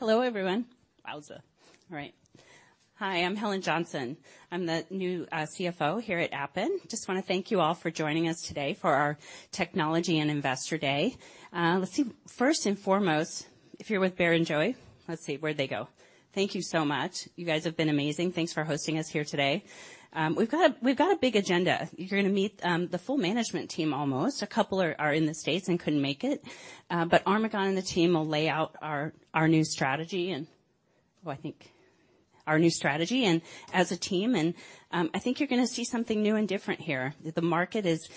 Hello, everyone. Wowza! All right. Hi, I'm Helen Johnson. I'm the new CFO here at Appen. Just wanna thank you all for joining us today for our technology and investor day. First and foremost, if you're with Barrenjoey, where'd they go? Thank you so much. You guys have been amazing. Thanks for hosting us here today. We've got a big agenda. You're gonna meet the full management team, almost. A couple are in the States and couldn't make it. Armughan and the team will lay out our new strategy and as a team. I think you're gonna see something new and different here. The market is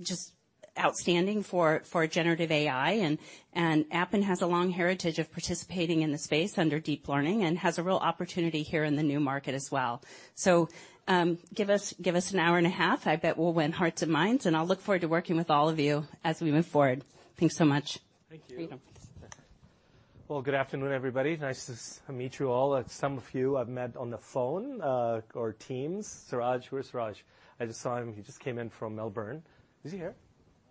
just outstanding for generative AI, and Appen has a long heritage of participating in the space under deep learning and has a real opportunity here in the new market as well. Give us an hour and a half. I bet we'll win hearts and minds, and I'll look forward to working with all of you as we move forward. Thanks so much. Thank you. Welcome. Well, good afternoon, everybody. Nice to meet you all. Some of you I've met on the phone or Teams. Suraj... Where's Suraj? I just saw him. He just came in from Melbourne. Is he here?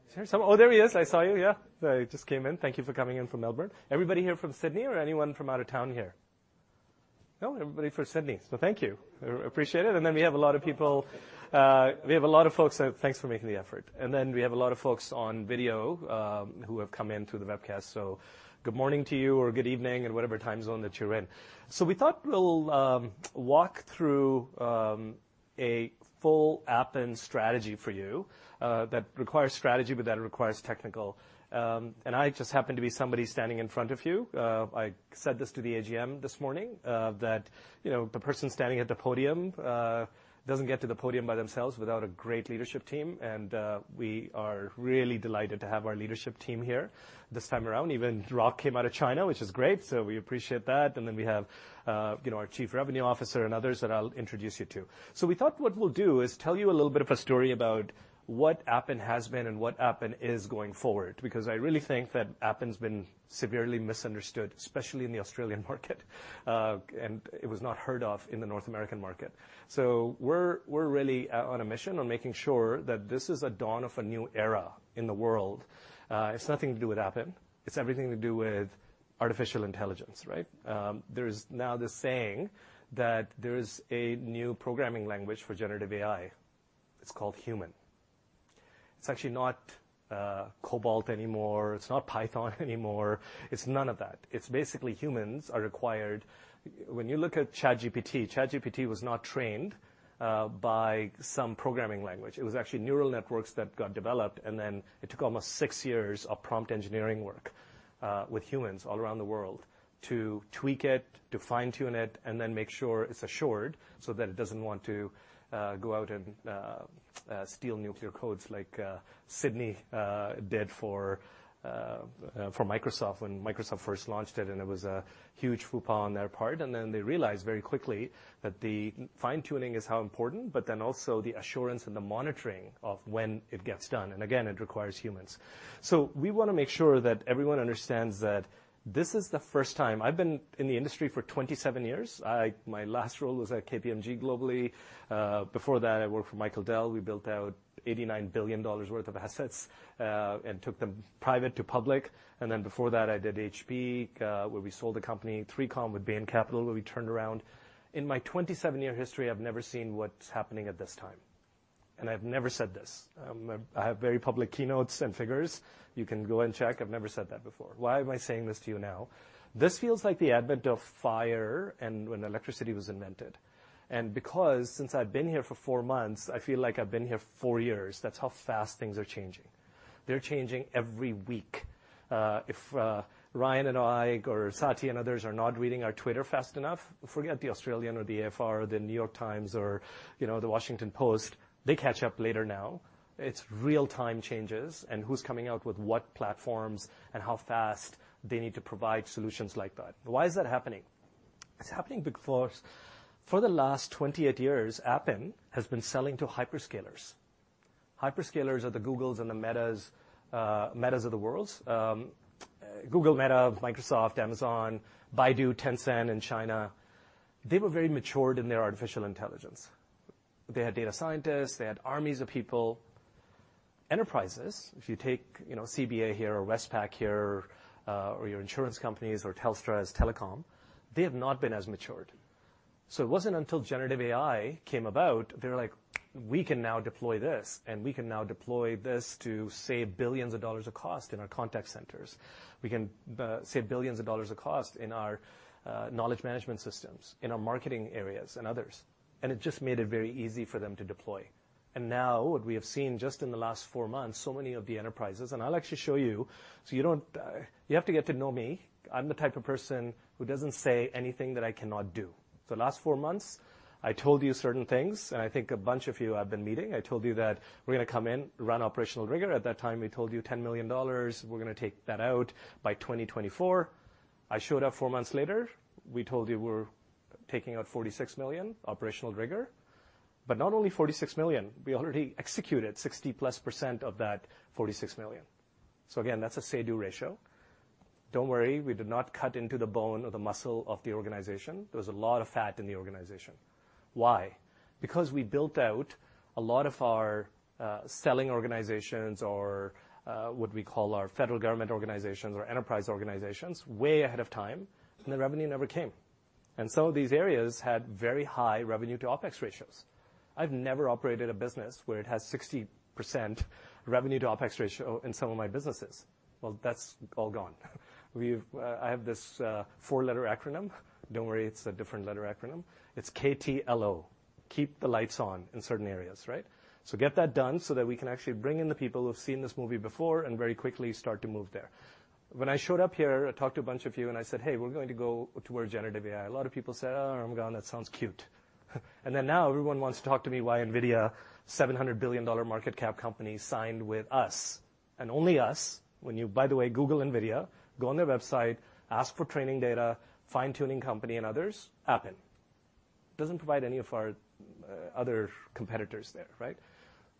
Is he here? Oh, there he is. I saw you, yeah. You just came in. Thank you for coming in from Melbourne. Everybody here from Sydney or anyone from out of town here? No, everybody from Sydney. Thank you. We appreciate it. We have a lot of people. We have a lot of folks, thanks for making the effort. We have a lot of folks on video who have come in through the webcast. Good morning to you, or good evening, in whatever time zone that you're in. We thought we'll walk through a full Appen strategy for you that requires strategy, but that requires technical. I just happen to be somebody standing in front of you. I said this to the AGM this morning that, you know, the person standing at the podium doesn't get to the podium by themselves without a great leadership team, we are really delighted to have our leadership team here this time around. Even Roc came out of China, which is great, we appreciate that. We have, you know, our Chief Revenue Officer and others that I'll introduce you to. We thought what we'll do is tell you a little bit of a story about what Appen has been and what Appen is going forward, because I really think that Appen's been severely misunderstood, especially in the Australian market, and it was not heard of in the North American market. We're, we're really on a mission on making sure that this is a dawn of a new era in the world. It's nothing to do with Appen. It's everything to do with artificial intelligence, right? There is now this saying that there is a new programming language for generative AI. It's called Human. It's actually not COBOL anymore, it's not Python anymore. It's none of that. It's basically humans are required. When you look at ChatGPT was not trained by some programming language. It was actually neural networks that got developed, it took almost six years of prompt engineering work, with humans all around the world to tweak it, to fine-tune it, and then make sure it's assured so that it doesn't want to go out and steal nuclear codes like Sydney did for Microsoft when Microsoft first launched it, and it was a huge faux pas on their part. They realized very quickly that the fine-tuning is how important, but then also the assurance and the monitoring of when it gets done. It requires humans. We wanna make sure that everyone understands that this is the first time... I've been in the industry for 27 years. My last role was at KPMG globally. Before that, I worked for Michael Dell. We built out $89 billion worth of assets, and took them private to public. Before that, I did HP, where we sold the company, 3Com with Bain Capital, where we turned around. In my 27-year history, I've never seen what's happening at this time, and I've never said this. I have very public keynotes and figures. You can go and check. I've never said that before. Why am I saying this to you now? This feels like the advent of fire and when electricity was invented. Because since I've been here for four months, I feel like I've been here for four years. That's how fast things are changing. They're changing every week. If Ryan and I or Saty and others are not reading our Twitter fast enough, forget The Australian or the AFR, or The New York Times or, you know, The Washington Post, they catch up later now. It's real-time changes, who's coming out with what platforms and how fast they need to provide solutions like that. Why is that happening? It's happening because for the last 28 years, Appen has been selling to hyperscalers. Hyperscalers are the Googles and the Metas of the world. Google, Meta, Microsoft, Amazon, Baidu, Tencent in China, they were very matured in their artificial intelligence. They had data scientists, they had armies of people. Enterprises, if you take, you know, CBA here or Westpac here, or your insurance companies or Telstra's telecom, they have not been as matured. It wasn't until generative AI came about, they're like: We can now deploy this, and we can now deploy this to save billions of dollars of cost in our contact centers. We can save billions of dollars of cost in our knowledge management systems, in our marketing areas, and others. It just made it very easy for them to deploy. Now, what we have seen just in the last four months, so many of the enterprises. I'll actually show you have to get to know me. I'm the type of person who doesn't say anything that I cannot do. The last four months, I told you certain things, and I think a bunch of you I've been meeting. I told you that we're gonna come in, run operational rigor. At that time, we told you $10 million, we're gonna take that out by 2024. I showed up four months later. We told you we're taking out $46 million operational rigor. Not only $46 million, we already executed 60%+ of that $46 million. Again, that's a say-do ratio. Don't worry, we did not cut into the bone or the muscle of the organization. There was a lot of fat in the organization. Why? Because we built out a lot of our selling organizations, or what we call our federal government organizations or enterprise organizations, way ahead of time, and the revenue never came. Some of these areas had very high revenue to OpEx ratios. I've never operated a business where it has 60% revenue to OpEx ratio in some of my businesses. That's all gone. We've... I have this four-letter acronym. Don't worry, it's a different letter acronym. It's KTLO: Keep the lights on in certain areas, right? Get that done so that we can actually bring in the people who have seen this movie before and very quickly start to move there. When I showed up here, I talked to a bunch of you, and I said, "Hey, we're going to go towards generative AI." A lot of people said, "Oh, Armughan, that sounds cute." Now everyone wants to talk to me why NVIDIA, $700 billion market cap company, signed with us, and only us. When you, by the way, Google NVIDIA, go on their website, ask for training data, fine-tuning company, and others, Appen. Doesn't provide any of our other competitors there, right?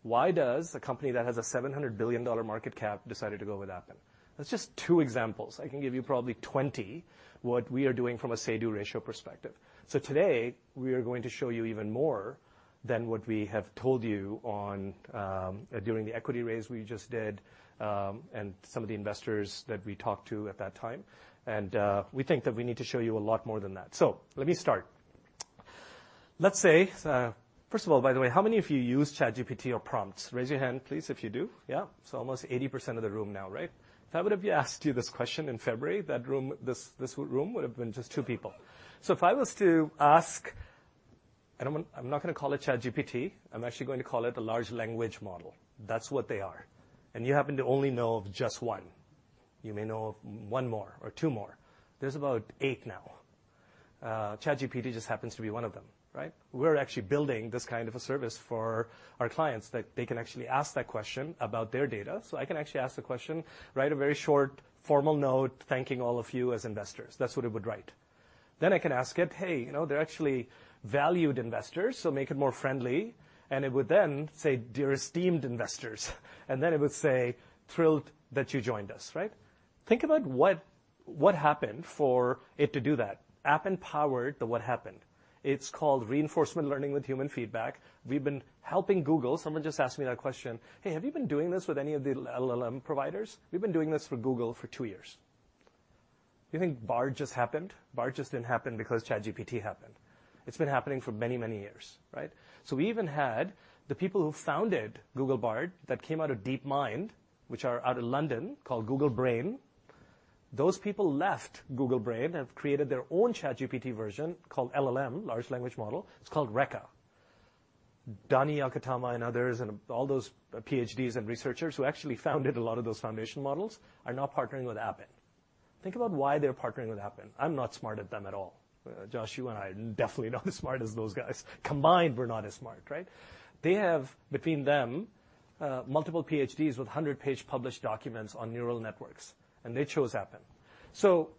Why does a company that has a $700 billion market cap decided to go with Appen? That's just two examples. I can give you probably 20, what we are doing from a say-do ratio perspective. Today, we are going to show you even more than what we have told you on during the equity raise we just did and some of the investors that we talked to at that time. We think that we need to show you a lot more than that. Let me start. First of all, by the way, how many of you use ChatGPT or prompts? Raise your hand, please, if you do. Yeah. Almost 80% of the room now, right? If I would have asked you this question in February, that room, this room would have been just two people. If I was to ask, and I'm not, I'm not gonna call it ChatGPT, I'm actually going to call it a large language model. That's what they are. You happen to only know of just one. You may know of one more or two more. There's about eight now. ChatGPT just happens to be one of them, right? We're actually building this kind of a service for our clients, that they can actually ask that question about their data. I can actually ask the question, "Write a very short, formal note thanking all of you as investors." That's what it would write. I can ask it: "Hey, you know, they're actually valued investors, so make it more friendly." It would then say, "Dear esteemed investors," and then it would say, "Thrilled that you joined us," right? Think about what happened for it to do that. Appen powered the what happened. It's called reinforcement learning with human feedback. We've been helping Google. Someone just asked me that question: "Hey, have you been doing this with any of the LLM providers?" We've been doing this for Google for two years. You think Bard just happened? Bard just didn't happen because ChatGPT happened. It's been happening for many, many years, right? We even had the people who founded Google Bard that came out of DeepMind, which are out of London, called Google Brain. Those people left Google Brain and have created their own ChatGPT version called LLM, Large Language Model. It's called Reka. Dani Yogatama and others, and all those PhDs and researchers who actually founded a lot of those foundation models, are now partnering with Appen. Think about why they're partnering with Appen. I'm not smart at them at all. Josh, you and I are definitely not as smart as those guys. Combined, we're not as smart, right? They have, between them, multiple PhDs with 100-page published documents on neural networks, and they chose Appen.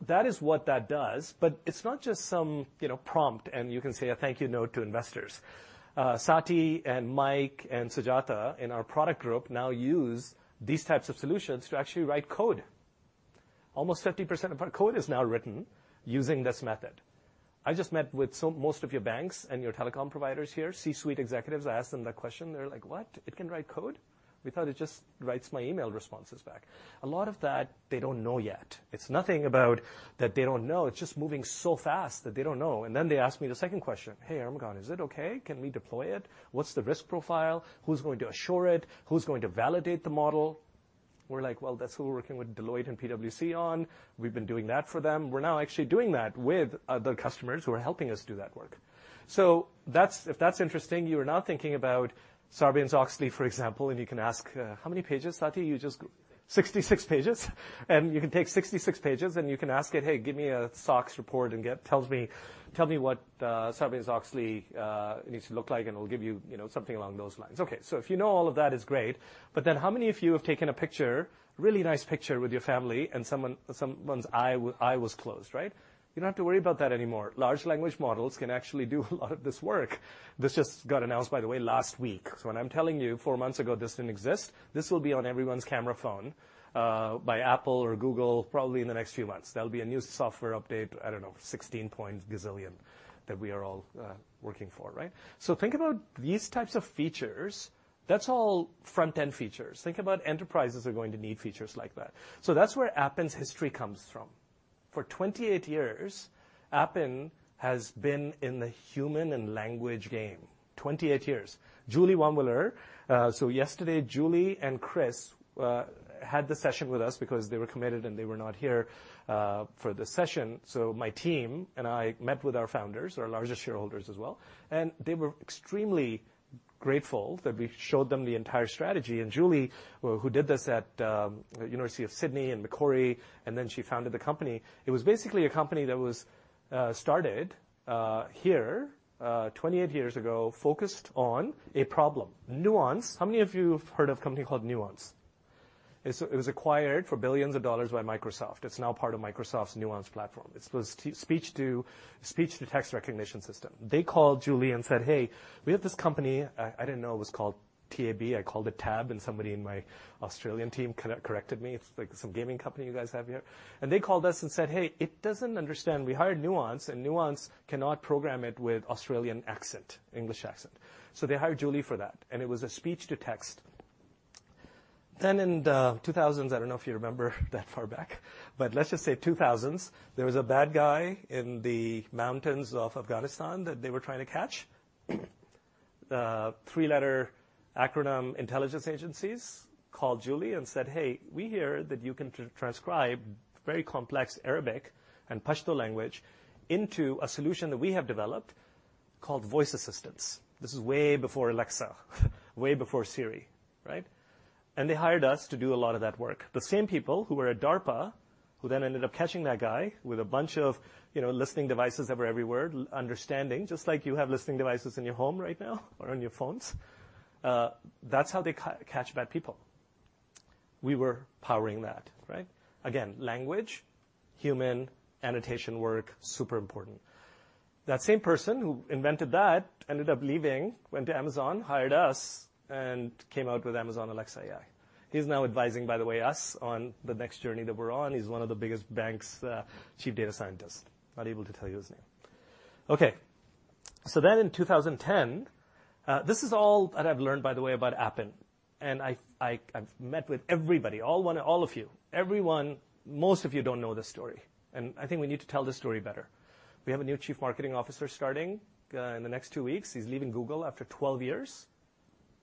That is what that does, but it's not just some, you know, prompt, and you can say a thank you note to investors. Saty and Mike and Sujatha in our product group now use these types of solutions to actually write code. Almost 50% of our code is now written using this method. I just met with most of your banks and your telecom providers here, C-suite executives. I asked them that question. They're like: "What? It can write code? We thought it just writes my email responses back." A lot of that, they don't know yet. It's nothing about that they don't know. It's just moving so fast that they don't know. They ask me the second question: "Hey, Armughan, is it okay? Can we deploy it? What's the risk profile? Who's going to assure it? Who's going to validate the model?" We're like: "Well, that's who we're working with Deloitte and PwC on. We've been doing that for them." We're now actually doing that with other customers who are helping us do that work. If that's interesting, you are now thinking about Sarbanes-Oxley, for example, and you can ask, how many pages, Saty? 66 pages. You can take 66 pages, and you can ask it, "Hey, give me a SOX report," and it tells me, "Tell me what Sarbanes-Oxley needs to look like," and it'll give you know, something along those lines. If you know all of that, it's great. How many of you have taken a picture, really nice picture with your family, and someone's eye was closed, right? You don't have to worry about that anymore. large language models can actually do a lot of this work. This just got announced, by the way, last week. When I'm telling you four months ago, this didn't exist, this will be on everyone's camera phone by Apple or Google, probably in the next few months. There'll be a new software update, I don't know, 16 point gazillion, that we are all working for, right? Think about these types of features. That's all front-end features. Think about enterprises are going to need features like that. That's where Appen's history comes from. For 28 years, Appen has been in the human and language game. 28 years. Julie Vonwiller. Yesterday, Julie and Chris had the session with us because they were committed, and they were not here for the session. My team and I met with our founders, our largest shareholders as well, and they were extremely grateful that we showed them the entire strategy. Julie, who did this at University of Sydney and Macquarie, and then she founded the company. It was basically a company that was started here 28 years ago, focused on a problem. Nuance. How many of you have heard of a company called Nuance? It was acquired for billions of dollars by Microsoft. It's now part of Microsoft's Nuance platform. It's those speech-to-text recognition system. They called Julie and said, "Hey, we have this company." I didn't know it was called TAB. I called it TAB, and somebody in my Australian team corrected me. It's, like, some gaming company you guys have here. They called us and said, "Hey, it doesn't understand. We hired Nuance, and Nuance cannot program it with Australian accent, English accent." They hired Julie for that, and it was a speech-to-text-... In the 2000s, I don't know if you remember that far back, but let's just say 2000s, there was a bad guy in the mountains of Afghanistan that they were trying to catch. The three-letter acronym intelligence agencies called Julie and said: "Hey, we hear that you can transcribe very complex Arabic and Pashto language into a solution that we have developed called voice assistants." This is way before Alexa, way before Siri, right? They hired us to do a lot of that work. The same people who were at DARPA, who then ended up catching that guy with a bunch of, you know, listening devices that were everywhere, understanding, just like you have listening devices in your home right now or on your phones. That's how they catch bad people. We were powering that, right? Again, language, human, annotation work, super important. That same person who invented that ended up leaving, went to Amazon, hired us, and came out with Amazon Alexa AI. He's now advising, by the way, us on the next journey that we're on. He's one of the biggest banks' chief data scientists. Not able to tell you his name. In 2010, this is all that I've learned, by the way, about Appen, and I, I've met with everybody, all of you. Everyone Most of you don't know this story, and I think we need to tell this story better. We have a new chief marketing officer starting in the next two weeks. He's leaving Google after 12 years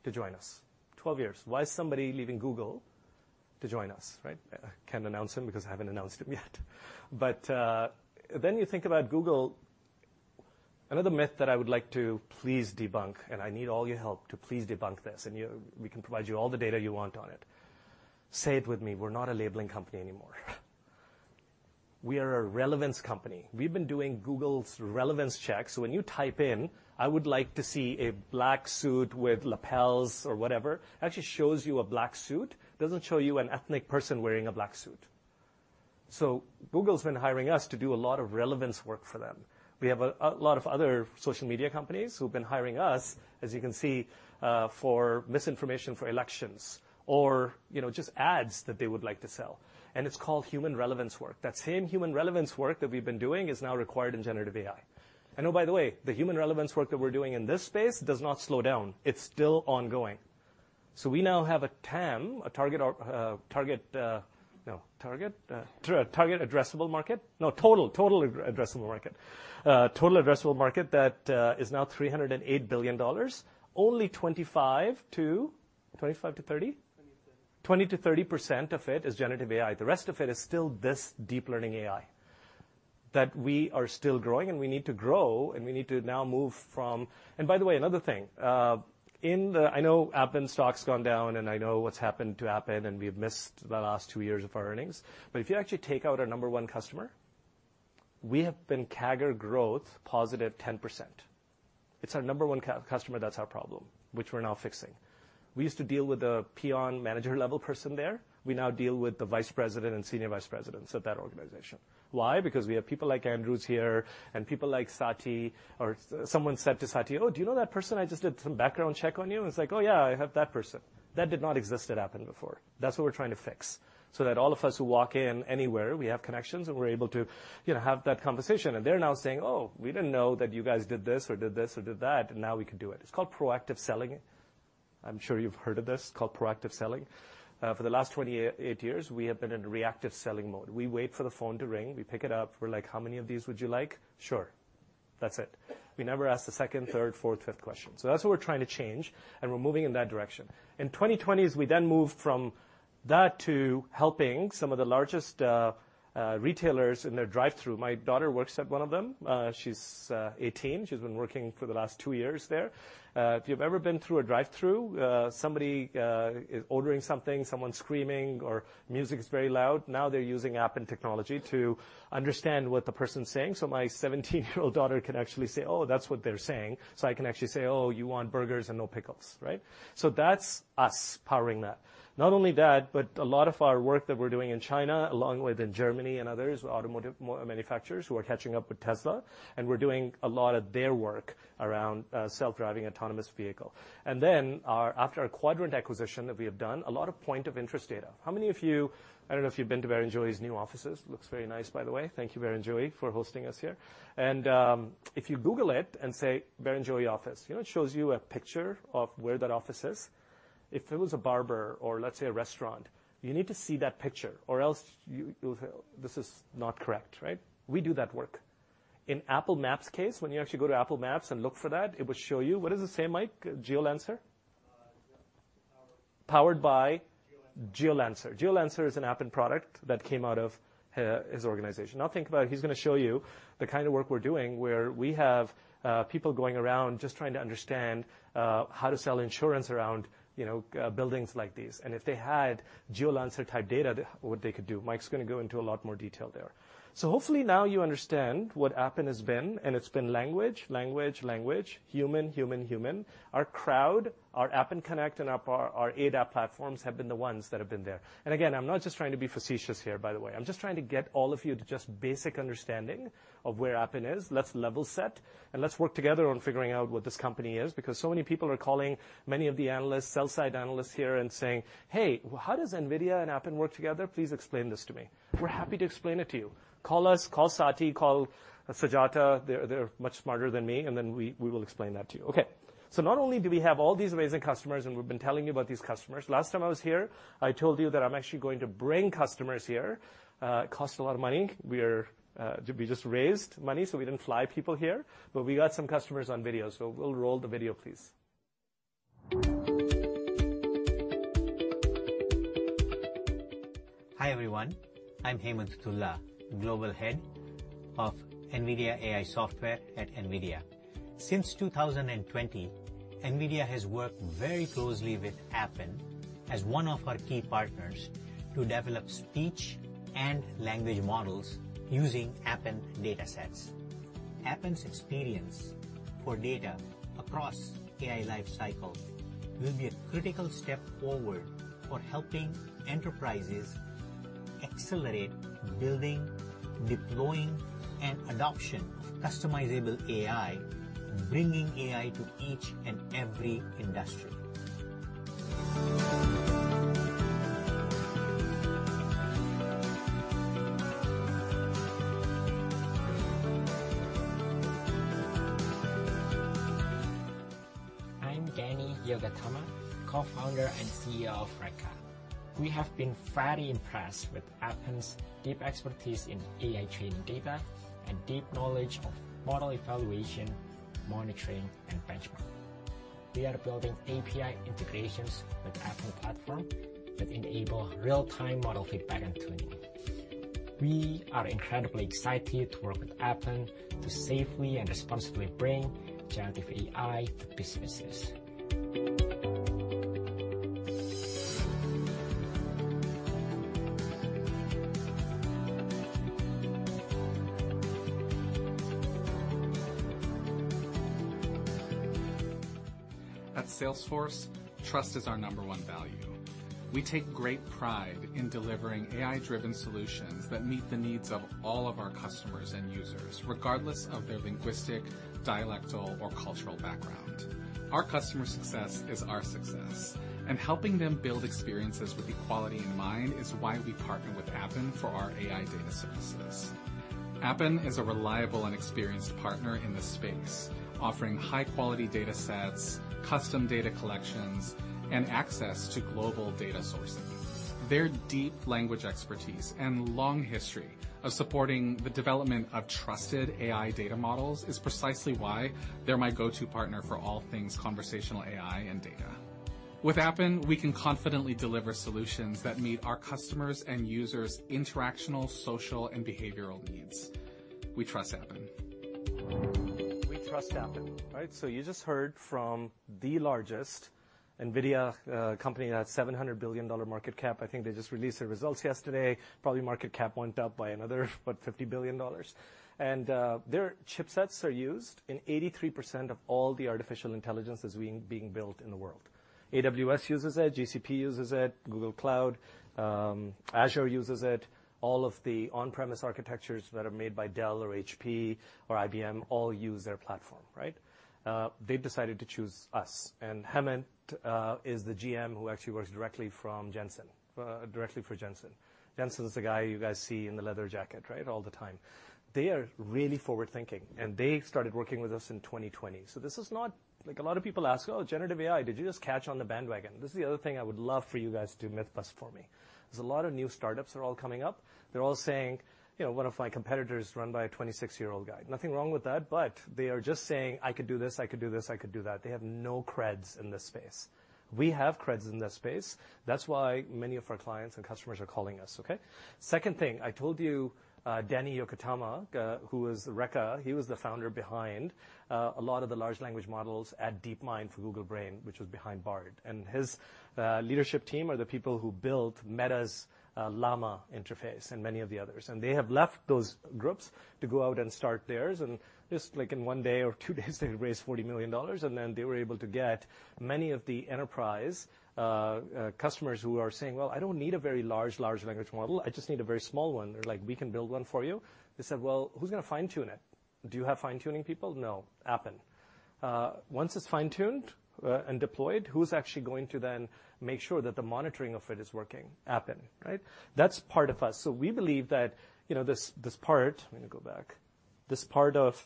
to join us. 12 years. Why is somebody leaving Google to join us, right? I can't announce him because I haven't announced him yet. You think about Google. Another myth that I would like to please debunk, and I need all your help to please debunk this, and we can provide you all the data you want on it. Say it with me: we're not a labeling company anymore. We are a relevance company. We've been doing Google's relevance checks, so when you type in, "I would like to see a black suit with lapels," or whatever, it actually shows you a black suit. It doesn't show you an ethnic person wearing a black suit. Google's been hiring us to do a lot of relevance work for them. We have a lot of other social media companies who've been hiring us, as you can see, for misinformation, for elections or, you know, just ads that they would like to sell, and it's called human relevance work. That same human relevance work that we've been doing is now required in generative AI. Oh, by the way, the human relevance work that we're doing in this space does not slow down. It's still ongoing. We now have a TAM, a total addressable market that is now $308 billion. Only 20%-30% of it is generative AI. The rest of it is still this deep learning AI that we are still growing, and we need to grow, and we need to now move from. By the way, another thing, I know Appen stock's gone down, and I know what's happened to Appen, and we've missed the last two years of our earnings, but if you actually take out our number one customer, we have been CAGR growth, positive 10%. It's our number one customer that's our problem, which we're now fixing. We used to deal with a peon manager-level person there. We now deal with the vice president and senior vice presidents at that organization. Why? Because we have people like Armughan here, and people like Saty, or someone said to Saty, "Oh, do you know that person? I just did some background check on you." It's like: "Oh, yeah, I have that person." That did not exist at Appen before. That's what we're trying to fix, so that all of us who walk in anywhere, we have connections, and we're able to, you know, have that conversation. They're now saying: "Oh, we didn't know that you guys did this or did this or did that, and now we can do it." It's called proactive selling. I'm sure you've heard of this, it's called proactive selling. For the last 28 years, we have been in reactive selling mode. We wait for the phone to ring, we pick it up, we're like, "How many of these would you like? Sure." That's it. We never ask the second, third, fourth, fifth question. That's what we're trying to change, and we're moving in that direction. In 2020s, we then moved from that to helping some of the largest retailers in their drive-through. My daughter works at one of them. She's 18. She's been working for the last two years there. If you've ever been through a drive-through, somebody is ordering something, someone screaming, or music is very loud, now they're using Appen technology to understand what the person's saying. My seventeen-year-old daughter can actually say: "Oh, that's what they're saying." I can actually say: "Oh, you want burgers and no pickles," right? That's us powering that. Not only that, but a lot of our work that we're doing in China, along with in Germany and others, automotive manufacturers who are catching up with Tesla, and we're doing a lot of their work around self-driving, autonomous vehicle. After our Quadrant acquisition that we have done, a lot of point of interest data. I don't know if you've been to Barrenjoey's new offices. Looks very nice, by the way. Thank you, Barrenjoey, for hosting us here. If you Google it and say, "Barrenjoey office," you know, it shows you a picture of where that office is. If it was a barber or let's say, a restaurant, you need to see that picture or else you'll. This is not correct, right? We do that work. In Apple Maps case, when you actually go to Apple Maps and look for that, it will show you. What does it say, Mike? GeoLancer? Powered by GeoLancer. GeoLancer is an Appen product that came out of his organization. Think about it, he's gonna show you the kind of work we're doing, where we have people going around just trying to understand how to sell insurance around, you know, buildings like these. If they had GeoLancer type data, what they could do. Mike's gonna go into a lot more detail there. Hopefully now you understand what Appen has been, and it's been language, language, human, human. Our crowd, our Appen Connect, and our ADAP platforms have been the ones that have been there. Again, I'm not just trying to be facetious here, by the way. I'm just trying to get all of you to just basic understanding of where Appen is. Let's level set, and let's work together on figuring out what this company is, because so many people are calling many of the analysts, sell-side analysts here and saying: "Hey, how does NVIDIA and Appen work together? Please explain this to me." We're happy to explain it to you. Call us, call Saty, call Sujatha. They're much smarter than me, and then we will explain that to you. Okay. Not only do we have all these amazing customers, and we've been telling you about these customers, last time I was here, I told you that I'm actually going to bring customers here. It cost a lot of money. We are, we just raised money, so we didn't fly people here, but we got some customers on video. We'll roll the video, please. Hi, everyone. I'm Hemant Talla, Global Head of NVIDIA AI Software at NVIDIA. Since 2020, NVIDIA has worked very closely with Appen as one of our key partners to develop speech and language models using Appen datasets. Appen's experience for data across AI lifecycle will be a critical step forward for helping enterprises accelerate building, deploying, and adoption customizable AI, bringing AI to each and every industry. I'm Dani Yogatama, Co-founder and CEO of Reka. We have been very impressed with Appen's deep expertise in AI training data, and deep knowledge of model evaluation, monitoring, and benchmarking. We are building API integrations with Appen platform that enable real-time model feedback and tuning. We are incredibly excited to work with Appen to safely and responsibly bring generative AI to businesses. At Salesforce, trust is our number one value. We take great pride in delivering AI-driven solutions that meet the needs of all of our customers and users, regardless of their linguistic, dialectal, or cultural background. Our customer success is our success, and helping them build experiences with equality in mind is why we partner with Appen for our AI data services. Appen is a reliable and experienced partner in this space, offering high-quality datasets, custom data collections, and access to global data sources. Their deep language expertise and long history of supporting the development of trusted AI data models is precisely why they're my go-to partner for all things conversational AI and data. With Appen, we can confidently deliver solutions that meet our customers' and users' interactional, social, and behavioral needs. We trust Appen. We trust Appen, right? You just heard from the largest NVIDIA company that has $700 billion market cap. I think they just released their results yesterday. Probably market cap went up by another, what? $50 billion. Their chipsets are used in 83% of all the artificial intelligence that's being built in the world. AWS uses it, GCP uses it, Google Cloud, Azure uses it. All of the on-premise architectures that are made by Dell or HP or IBM all use their platform, right? They've decided to choose us, Hemant is the GM who actually works directly for Jensen. Jensen is the guy you guys see in the leather jacket, right, all the time. They are really forward-thinking, they started working with us in 2020. This is not. A lot of people ask, "Oh, generative AI, did you just catch on the bandwagon?" This is the other thing I would love for you guys to myth bust for me. There's a lot of new startups that are all coming up. They're all saying, "You know, one of my competitors is run by a 26-year-old guy." Nothing wrong with that, but they are just saying, "I could do this. I could do this. I could do that." They have no creds in this space. We have creds in this space. That's why many of our clients and customers are calling us, okay? Second thing, I told you, Dani Yogatama, who was Reka, he was the founder behind a lot of the large language models at DeepMind for Google Brain, which was behind Bard. His leadership team are the people who built Meta's Llama interface and many of the others. They have left those groups to go out and start theirs, and just like in one day or two days, they've raised 40 million dollars, and then they were able to get many of the enterprise customers who are saying: "Well, I don't need a very large language model. I just need a very small one." They're like: "We can build one for you." They said, "Well, who's gonna fine-tune it? Do you have fine-tuning people?" "No. Appen." "Once it's fine-tuned, and deployed, who's actually going to then make sure that the monitoring of it is working?" "Appen." Right? That's part of us. We believe that, you know, this part... Let me go back. This part of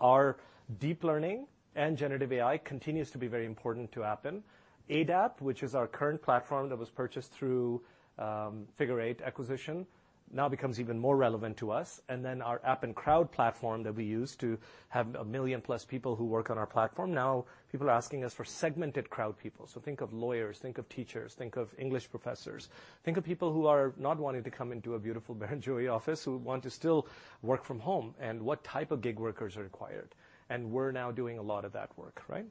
our deep learning and generative AI continues to be very important to Appen. ADAP, which is our current platform that was purchased through Figure Eight acquisition, now becomes even more relevant to us. Our Appen Cloud platform that we use to have 1 million+ people who work on our platform, now people are asking us for segmented crowd people. So think of lawyers, think of teachers, think of English professors. Think of people who are not wanting to come into a beautiful Barangaroo office, who want to still work from home, and what type of gig workers are required. We're now doing a lot of that work, right?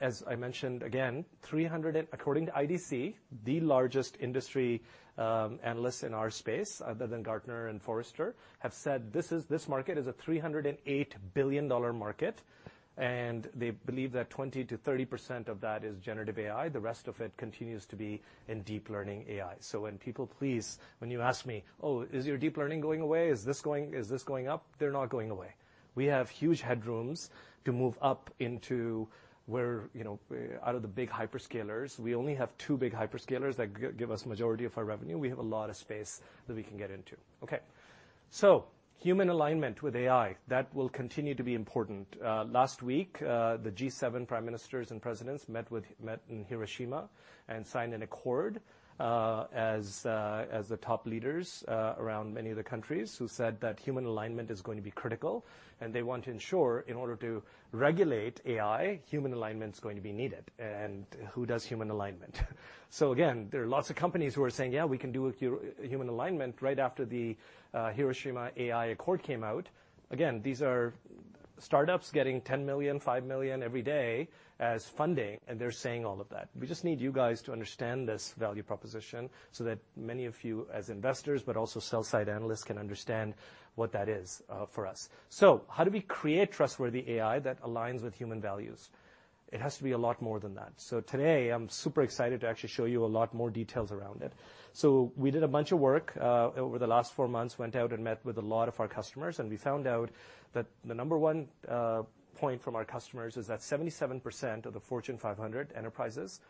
As I mentioned, again, three hundred and... According to IDC, the largest industry analysts in our space, other than Gartner and Forrester, have said, this market is a $308 billion market, and they believe that 20%-30% of that is generative AI. The rest of it continues to be in deep learning AI. When people, please, when you ask me, "Oh, is your deep learning going away? Is this going up?" They're not going away. We have huge headrooms to move up into where, you know, out of the big hyperscalers. We only have two big hyperscalers that give us majority of our revenue. We have a lot of space that we can get into. Okay. Human alignment with AI, that will continue to be important. Last week, the G7 prime ministers and presidents met in Hiroshima and signed an accord, as the top leaders around many of the countries, who said that human alignment is going to be critical, and they want to ensure, in order to regulate AI, human alignment is going to be needed. Who does human alignment? Again, there are lots of companies who are saying: "Yeah, we can do a human alignment," right after the Hiroshima AI Accord came out. Again, these are startups getting 10 million, 5 million every day as funding, and they're saying all of that. We just need you guys to understand this value proposition so that many of you, as investors, but also sell-side analysts, can understand what that is for us. How do we create trustworthy AI that aligns with human values? It has to be a lot more than that. Today, I'm super excited to actually show you a lot more details around it. We did a bunch of work over the last four months, went out and met with a lot of our customers, and we found out that the number one point from our customers is that 77% of the Fortune 500 enterprises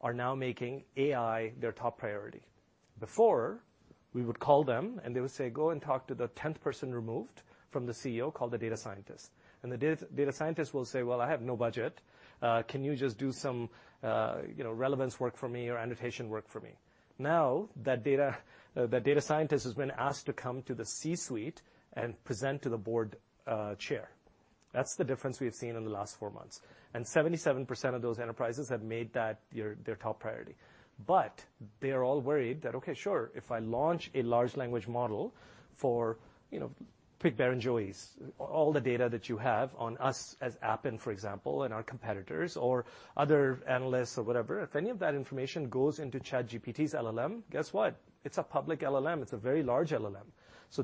are now making AI their top priority. Before, we would call them, and they would say: "Go and talk to the 10th person removed from the CEO called the data scientist." The data scientist will say: "Well, I have no budget. Can you just do some, you know, relevance work for me or annotation work for me?" That data, that data scientist has been asked to come to the C-suite and present to the board, chair. That's the difference we've seen in the last four months, 77% of those enterprises have made that their top priority. They are all worried that: "Okay, sure, if I launch a large language model for..." You know, pick Barrenjoey, all the data that you have on us as Appen, for example, and our competitors or other analysts or whatever, if any of that information goes into ChatGPT's LLM, guess what? It's a public LLM. It's a very large LLM.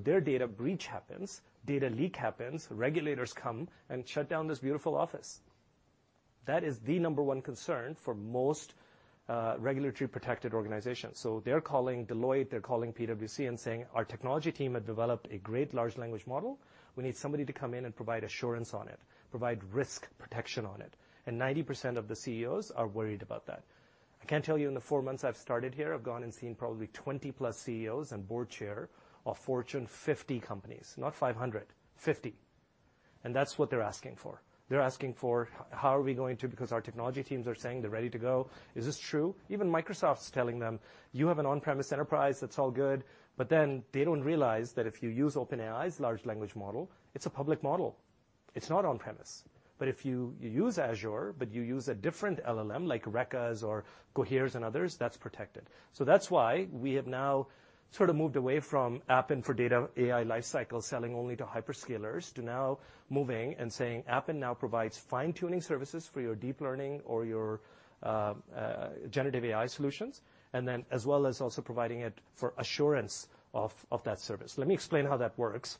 Their data breach happens, data leak happens, regulators come and shut down this beautiful office. That is the number one concern for most regulatory-protected organizations. They're calling Deloitte, they're calling PwC and saying, "Our technology team has developed a great large language model. We need somebody to come in and provide assurance on it, provide risk protection on it." 90% of the CEOs are worried about that. I can tell you, in the four months I've started here, I've gone and seen probably 20+ CEOs and board chair of Fortune 50 companies, not 500, 50, and that's what they're asking for. They're asking for, "How are we going to... Because our technology teams are saying they're ready to go. Is this true?" Even Microsoft is telling them, "You have an on-premise enterprise, that's all good." They don't realize that if you use OpenAI's large language model, it's a public model. It's not on-premise. If you use Azure, but you use a different LLM, like Reka's or Cohere's and others, that's protected. That's why we have now sort of moved away from Appen for data AI lifecycle, selling only to hyperscalers, to now moving and saying Appen now provides fine-tuning services for your deep learning or your generative AI solutions, and then as well as also providing it for assurance of that service. Let me explain how that works.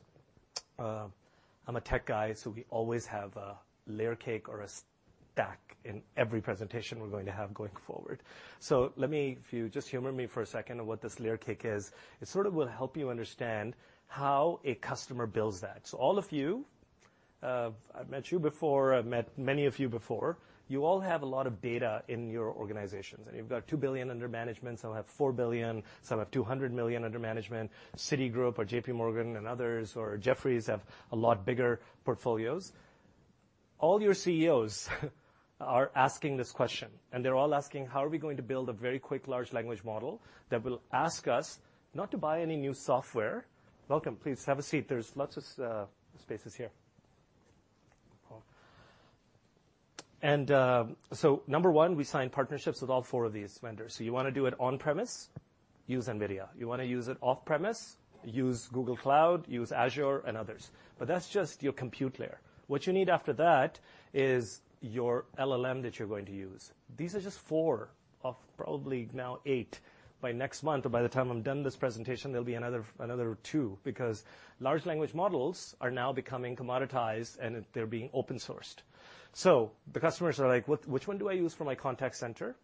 I'm a tech guy, so we always have a layer cake or a stack in every presentation we're going to have going forward. If you just humor me for a second on what this layer cake is, it sort of will help you understand how a customer builds that. All of you, I've met you before, I've met many of you before, you all have a lot of data in your organizations, and you've got $2 billion under management, some have $4 billion, some have $200 million under management. Citigroup or JPMorgan and others, or Jefferies, have a lot bigger portfolios. All your CEOs are asking this question, and they're all asking: "How are we going to build a very quick, large language model that will ask us not to buy any new software?" Welcome. Please, have a seat. There's lots of spaces here. Number one, we signed partnerships with all four of these vendors. You wanna do it on premise, use NVIDIA. You wanna use it off premise, use Google Cloud, use Azure and others. That's just your compute layer. What you need after that is your LLM that you're going to use. These are just four of probably now eight. By next month, or by the time I'm done this presentation, there'll be another two, because large language models are now becoming commoditized, and they're being open-sourced. The customers are like: "Which one do I use for my contact center?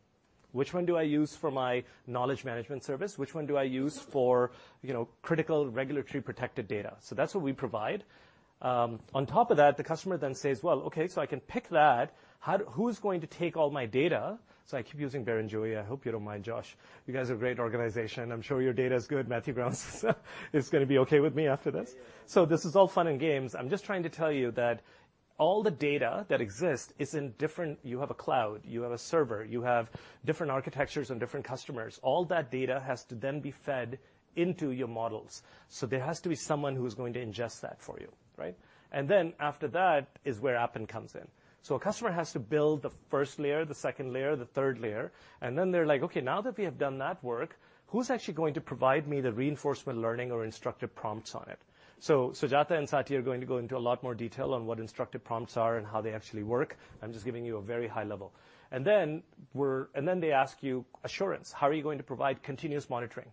Which one do I use for my knowledge management service? Which one do I use for, you know, critical, regulatory-protected data?" That's what we provide. On top of that, the customer then says: "Well, okay, so I can pick that. How who's going to take all my data?" I keep using Barrenjoey. I hope you don't mind, Josh. You guys are a great organization. I'm sure your data is good. Matthew Brown is gonna be okay with me after this. This is all fun and games. I'm just trying to tell you that all the data that exists is in different. You have a cloud, you have a server, you have different architectures and different customers. All that data has to then be fed into your models. There has to be someone who is going to ingest that for you, right? After that is where Appen comes in. A customer has to build the first layer, the second layer, the third layer, and then they're like: "Okay, now that we have done that work, who's actually going to provide me the reinforcement learning or instructive prompts on it?" Sujatha and Saty are going to go into a lot more detail on what instructive prompts are and how they actually work. I'm just giving you a very high level. They ask you: "Appen Assurance. How are you going to provide continuous monitoring?"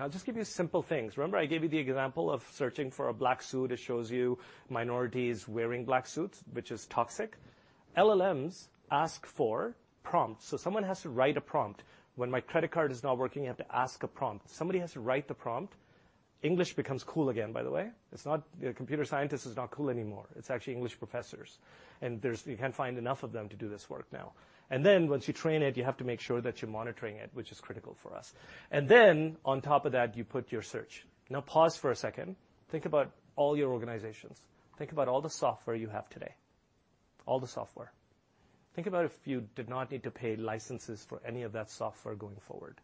I'll just give you simple things. Remember I gave you the example of searching for a black suit? It shows you minorities wearing black suits, which is toxic. LLMs ask for prompts, someone has to write a prompt. When my credit card is not working, you have to ask a prompt. Somebody has to write the prompt. English becomes cool again, by the way. It's not, computer scientist is not cool anymore. It's actually English professors, you can't find enough of them to do this work now. Once you train it, you have to make sure that you're monitoring it, which is critical for us. On top of that, you put your search. Pause for a second. Think about all your organizations. Think about all the software you have today. All the software. Think about if you did not need to pay licenses for any of that software going forward,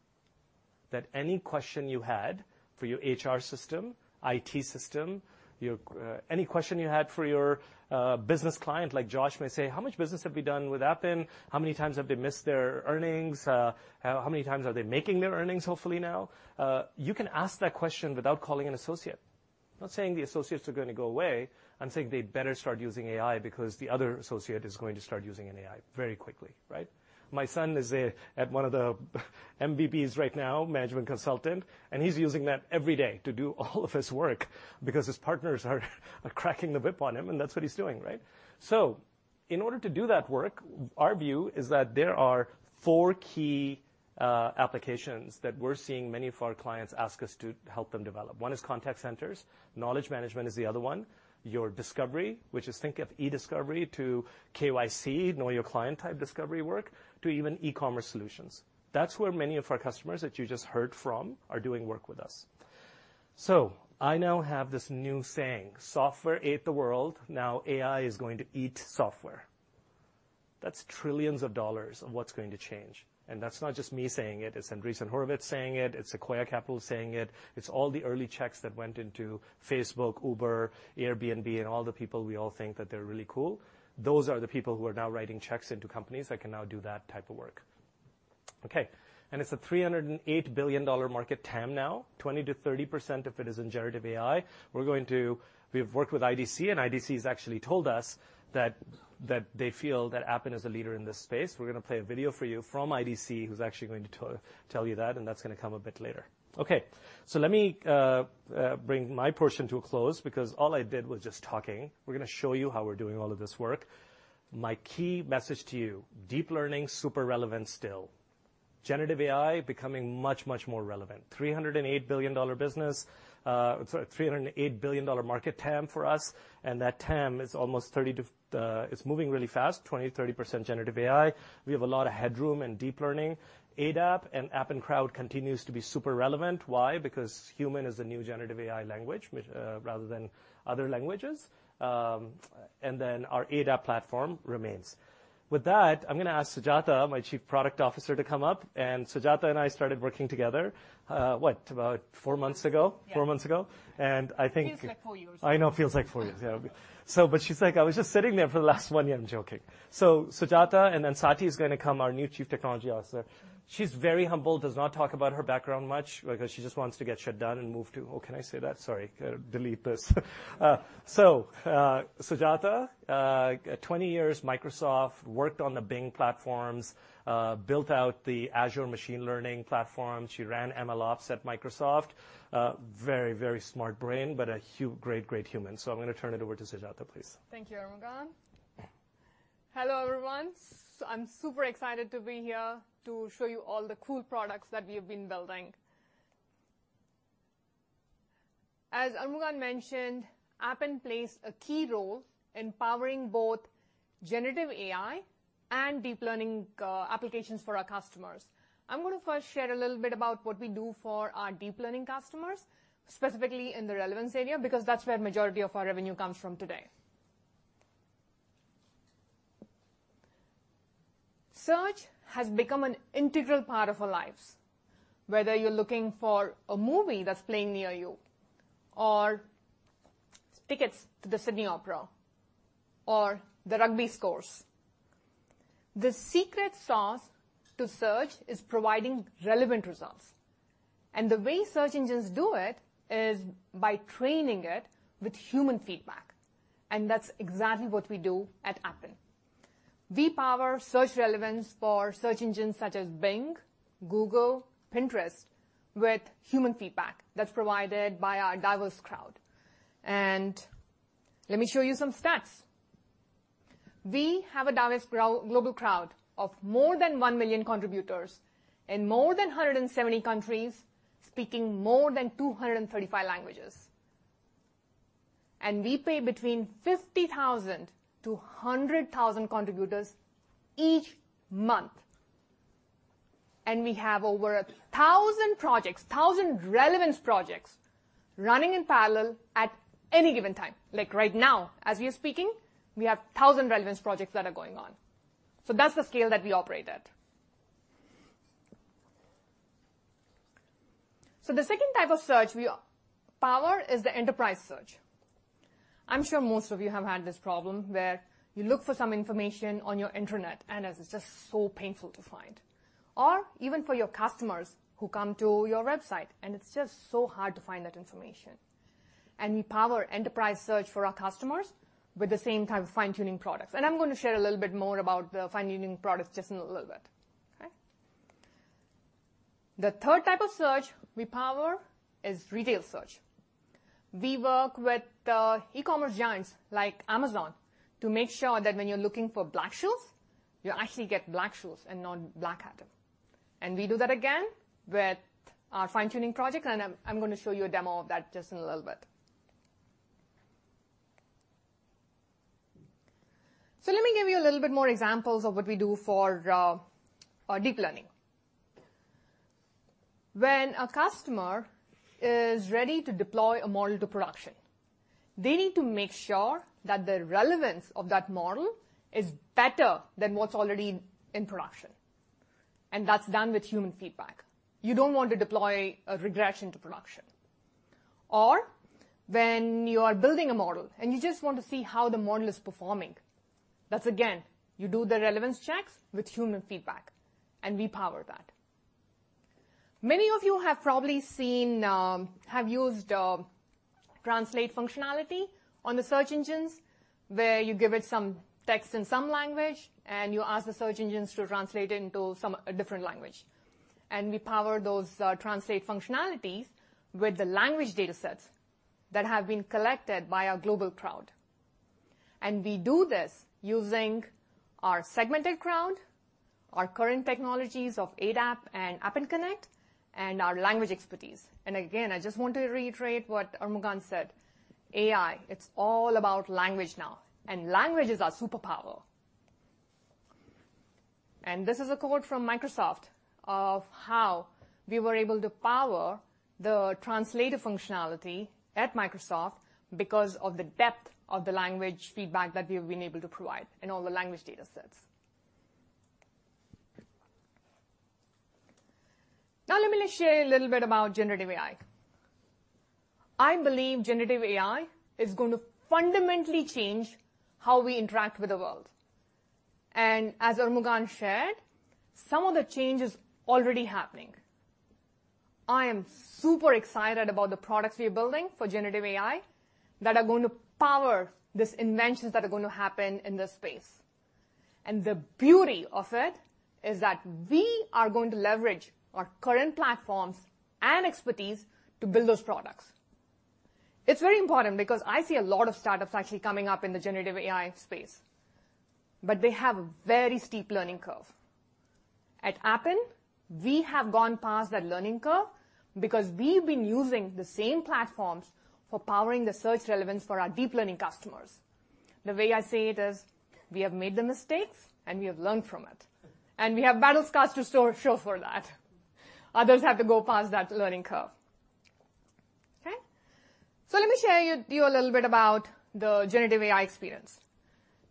that any question you had for your HR system, IT system, your, any question you had for your, business client, like Josh may say, "How much business have we done with Appen? How many times have they missed their earnings? How many times are they making their earnings hopefully now?" You can ask that question without calling an associate. I'm not saying the associates are gonna go away. I'm saying they better start using AI because the other associate is going to start using an AI very quickly, right? My son is at one of the MBB right now, management consultant, and he's using that every day to do all of his work because his partners are cracking the whip on him, and that's what he's doing, right? In order to do that work, our view is that there are four key applications that we're seeing many of our clients ask us to help them develop. One is contact centers. Knowledge management is the other one. Your discovery, which is think of e-discovery to KYC, know your client-type discovery work, to even e-commerce solutions. That's where many of our customers that you just heard from are doing work with us. I now have this new saying: Software ate the world, now AI is going to eat software. That's trillions of dollars of what's going to change, that's not just me saying it. It's Andreessen Horowitz saying it. It's Sequoia Capital saying it. It's all the early checks that went into Facebook, Uber, Airbnb, and all the people we all think that they're really cool. Those are the people who are now writing checks into companies that can now do that type of work. Okay, it's a $308 billion market TAM now, 20%-30% of it is in generative AI. We've worked with IDC has actually told us that they feel that Appen is a leader in this space. We're gonna play a video for you from IDC, who's actually going to tell you that's gonna come a bit later. Okay, let me bring my portion to a close because all I did was just talking. We're gonna show you how we're doing all of this work. My key message to you: deep learning, super relevant still. Generative AI becoming much, much more relevant. $308 billion business, sorry, $308 billion market TAM for us, and that TAM is almost 30%. It's moving really fast, 20%-30% generative AI. We have a lot of headroom in deep learning. ADAP and Appen Crowd continues to be super relevant. Why? Because human is the new generative AI language, which rather than other languages. Our ADAP platform remains. With that, I'm gonna ask Sujatha, my chief product officer, to come up. Sujatha and I started working together, what, about four months ago? Yes. Four months ago. Feels like four years. I know it feels like four years, yeah. But she's like, "I was just sitting there for the last one year," I'm joking. Sujatha, and then Saty is gonna come, our new Chief Technology Officer. She's very humble, does not talk about her background much because she just wants to get done and move to... Oh, can I say that? Sorry. delete this. Sujatha, 20 years Microsoft, worked on the Bing platforms, built out the Azure Machine Learning platform. She ran MLOps at Microsoft. very, very smart brain, but a great human. I'm gonna turn it over to Sujatha, please. Thank you, Armughan. Hello, everyone. I'm super excited to be here to show you all the cool products that we have been building. As Armughan mentioned, Appen plays a key role in powering both generative AI and deep learning applications for our customers. I'm gonna first share a little bit about what we do for our deep learning customers, specifically in the relevance area, because that's where majority of our revenue comes from today. Search has become an integral part of our lives, whether you're looking for a movie that's playing near you or tickets to the Sydney Opera or the rugby scores. The secret sauce to search is providing relevant results, and the way search engines do it is by training it with human feedback, and that's exactly what we do at Appen. We power search relevance for search engines such as Bing, Google, Pinterest, with human feedback that's provided by our diverse crowd. Let me show you some stats. We have a diverse global crowd of more than 1 million contributors in more than 170 countries, speaking more than 235 languages. We pay between 50,000-100,000 contributors each month. We have over 1,000 projects, 1,000 relevance projects, running in parallel at any given time. Like, right now, as we are speaking, we have 1,000 relevance projects that are going on. That's the scale that we operate at. The second type of search we power is the enterprise search. I'm sure most of you have had this problem, where you look for some information on your intranet, it's just so painful to find, or even for your customers who come to your website, it's just so hard to find that information. We power enterprise search for our customers with the same kind of fine-tuning products, I'm going to share a little bit more about the fine-tuning products just in a little bit. Okay? The third type of search we power is retail search. We work with e-commerce giants like Amazon to make sure that when you're looking for black shoes, you actually get black shoes and not black hat. We do that again with our fine-tuning project, I'm gonna show you a demo of that just in a little bit. Let me give you a little bit more examples of what we do for deep learning. When a customer is ready to deploy a model to production, they need to make sure that the relevance of that model is better than what's already in production, and that's done with human feedback. You don't want to deploy a regression to production. When you are building a model, and you just want to see how the model is performing, that's again, you do the relevance checks with human feedback, and we power that. Many of you have probably seen, have used, translate functionality on the search engines, where you give it some text in some language, and you ask the search engines to translate it into some, a different language. We power those translate functionalities with the language datasets that have been collected by our global crowd. We do this using our segmented crowd, our current technologies of ADAP and Appen Connect, and our language expertise. Again, I just want to reiterate what Armughan said: AI, it's all about language now, and language is our superpower. This is a quote from Microsoft of how we were able to power the translator functionality at Microsoft because of the depth of the language feedback that we've been able to provide in all the language datasets. Now, let me share a little bit about generative AI. I believe generative AI is going to fundamentally change how we interact with the world. As Armughan shared, some of the change is already happening. I am super excited about the products we are building for generative AI that are going to power these inventions that are going to happen in this space. The beauty of it is that we are going to leverage our current platforms and expertise to build those products. It's very important because I see a lot of startups actually coming up in the generative AI space, but they have a very steep learning curve. At Appen, we have gone past that learning curve because we've been using the same platforms for powering the search relevance for our deep learning customers. The way I see it is we have made the mistakes, and we have learned from it, and we have battle scars to show for that. Others have to go past that learning curve. Okay? Let me share you a little bit about the generative AI experience.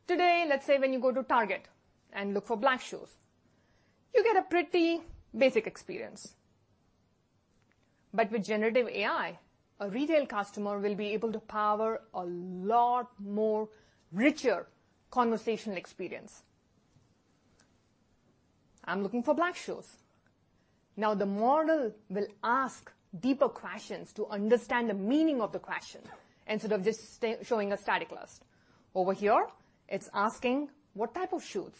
Today, let's say when you go to Target and look for black shoes, you get a pretty basic experience. With generative AI, a retail customer will be able to power a lot more richer conversational experience. I'm looking for black shoes. The model will ask deeper questions to understand the meaning of the question instead of just showing a static list. Over here, it's asking: What type of shoes?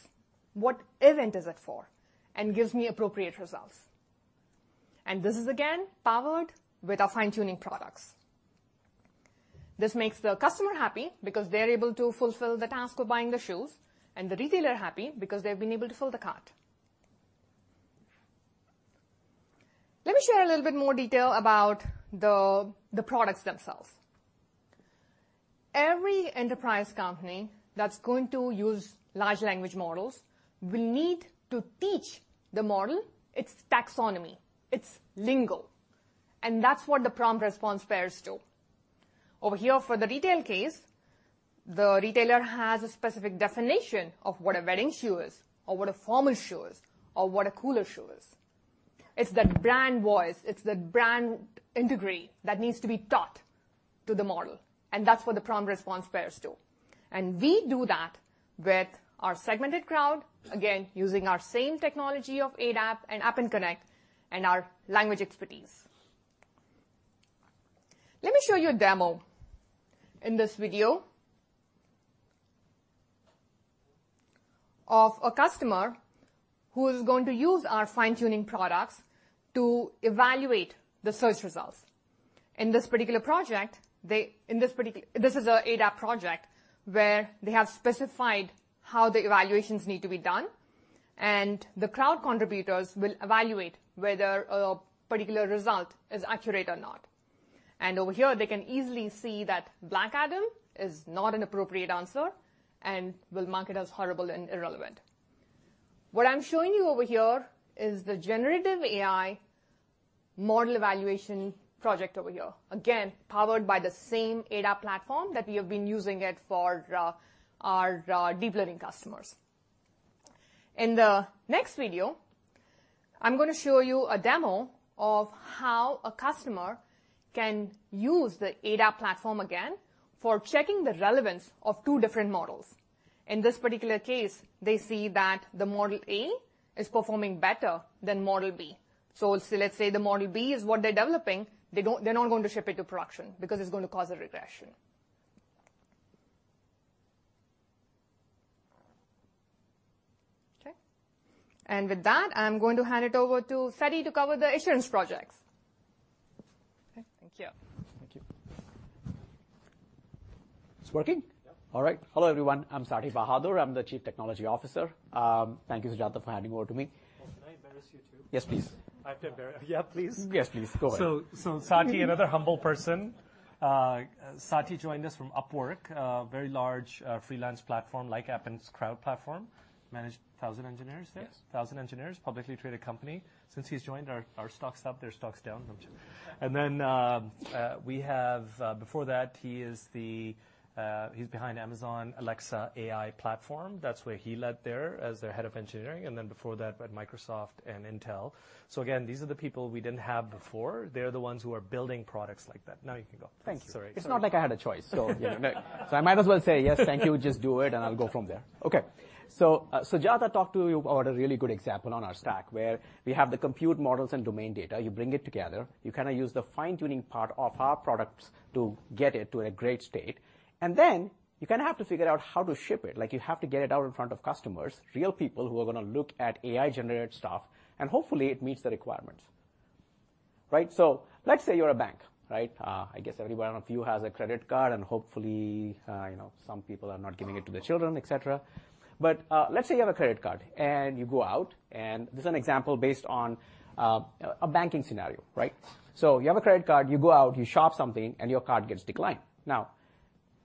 What event is it for? Gives me appropriate results. This is, again, powered with our fine-tuning products. This makes the customer happy because they're able to fulfill the task of buying the shoes, and the retailer happy because they've been able to fill the cart. Let me share a little bit more detail about the products themselves. Every enterprise company that's going to use large language models will need to teach the model its taxonomy, its lingo, and that's what the prompt response pairs do. Over here, for the retail case, the retailer has a specific definition of what a wedding shoe is or what a formal shoe is or what a cooler shoe is. It's that brand voice, it's the brand integrity that needs to be taught to the model, and that's what the prompt response pairs do. We do that with our segmented crowd, again, using our same technology of ADAP and Appen Connect and our language expertise. Let me show you a demo in this video of a customer who is going to use our fine-tuning products to evaluate the search results. In this particular project, In this particular. This is an ADAP project where they have specified how the evaluations need to be done, and the crowd contributors will evaluate whether a particular result is accurate or not. Over here, they can easily see that Black Adam is not an appropriate answer and will mark it as horrible and irrelevant. What I'm showing you over here is the generative AI model evaluation project over here, again, powered by the same ADAP platform that we have been using it for our deep learning customers. In the next video, I'm going to show you a demo of how a customer can use the ADAP platform again for checking the relevance of two different models. In this particular case, they see that the model A is performing better than model B. Let's say the model B is what they're developing, they don't, they're not going to ship it to production because it's going to cause a regression. Okay. With that, I'm going to hand it over to Saty to cover the insurance projects. Okay. Thank you. Thank you. It's working? Yeah. All right. Hello, everyone. I'm Saty Bahadur. I'm the Chief Technology Officer. Thank you, Sujatha, for handing over to me. Well, can I embarrass you, too? Yes, please. Yeah, please? Yes, please. Go ahead. Saty joined us from Upwork, a very large, freelance platform like Appen's crowd platform. Managed 1,000 engineers there? Yes. 1,000 engineers, publicly traded company. Since he's joined, our stock's up, their stock's down. Before that, he's behind Amazon Alexa AI platform. That's where he led there as their head of engineering, before that, at Microsoft and Intel. These are the people we didn't have before. They're the ones who are building products like that. You can go. Thank you. Sorry. It's not like I had a choice, so, you know. I might as well say yes, thank you. Just do it, and I'll go from there. Okay. Sujatha talked to you about a really good example on our stack, where we have the compute models and domain data. You bring it together, you kind of use the fine-tuning part of our products to get it to a great state, and then you kind of have to figure out how to ship it. Like, you have to get it out in front of customers, real people who are gonna look at AI-generated stuff, and hopefully, it meets the requirements, right? Let's say you're a bank, right? I guess every one of you has a credit card, and hopefully, you know, some people are not giving it to their children, et cetera. Let's say you have a credit card, and you go out, and this is an example based on a banking scenario, right? You have a credit card, you go out, you shop something, and your card gets declined.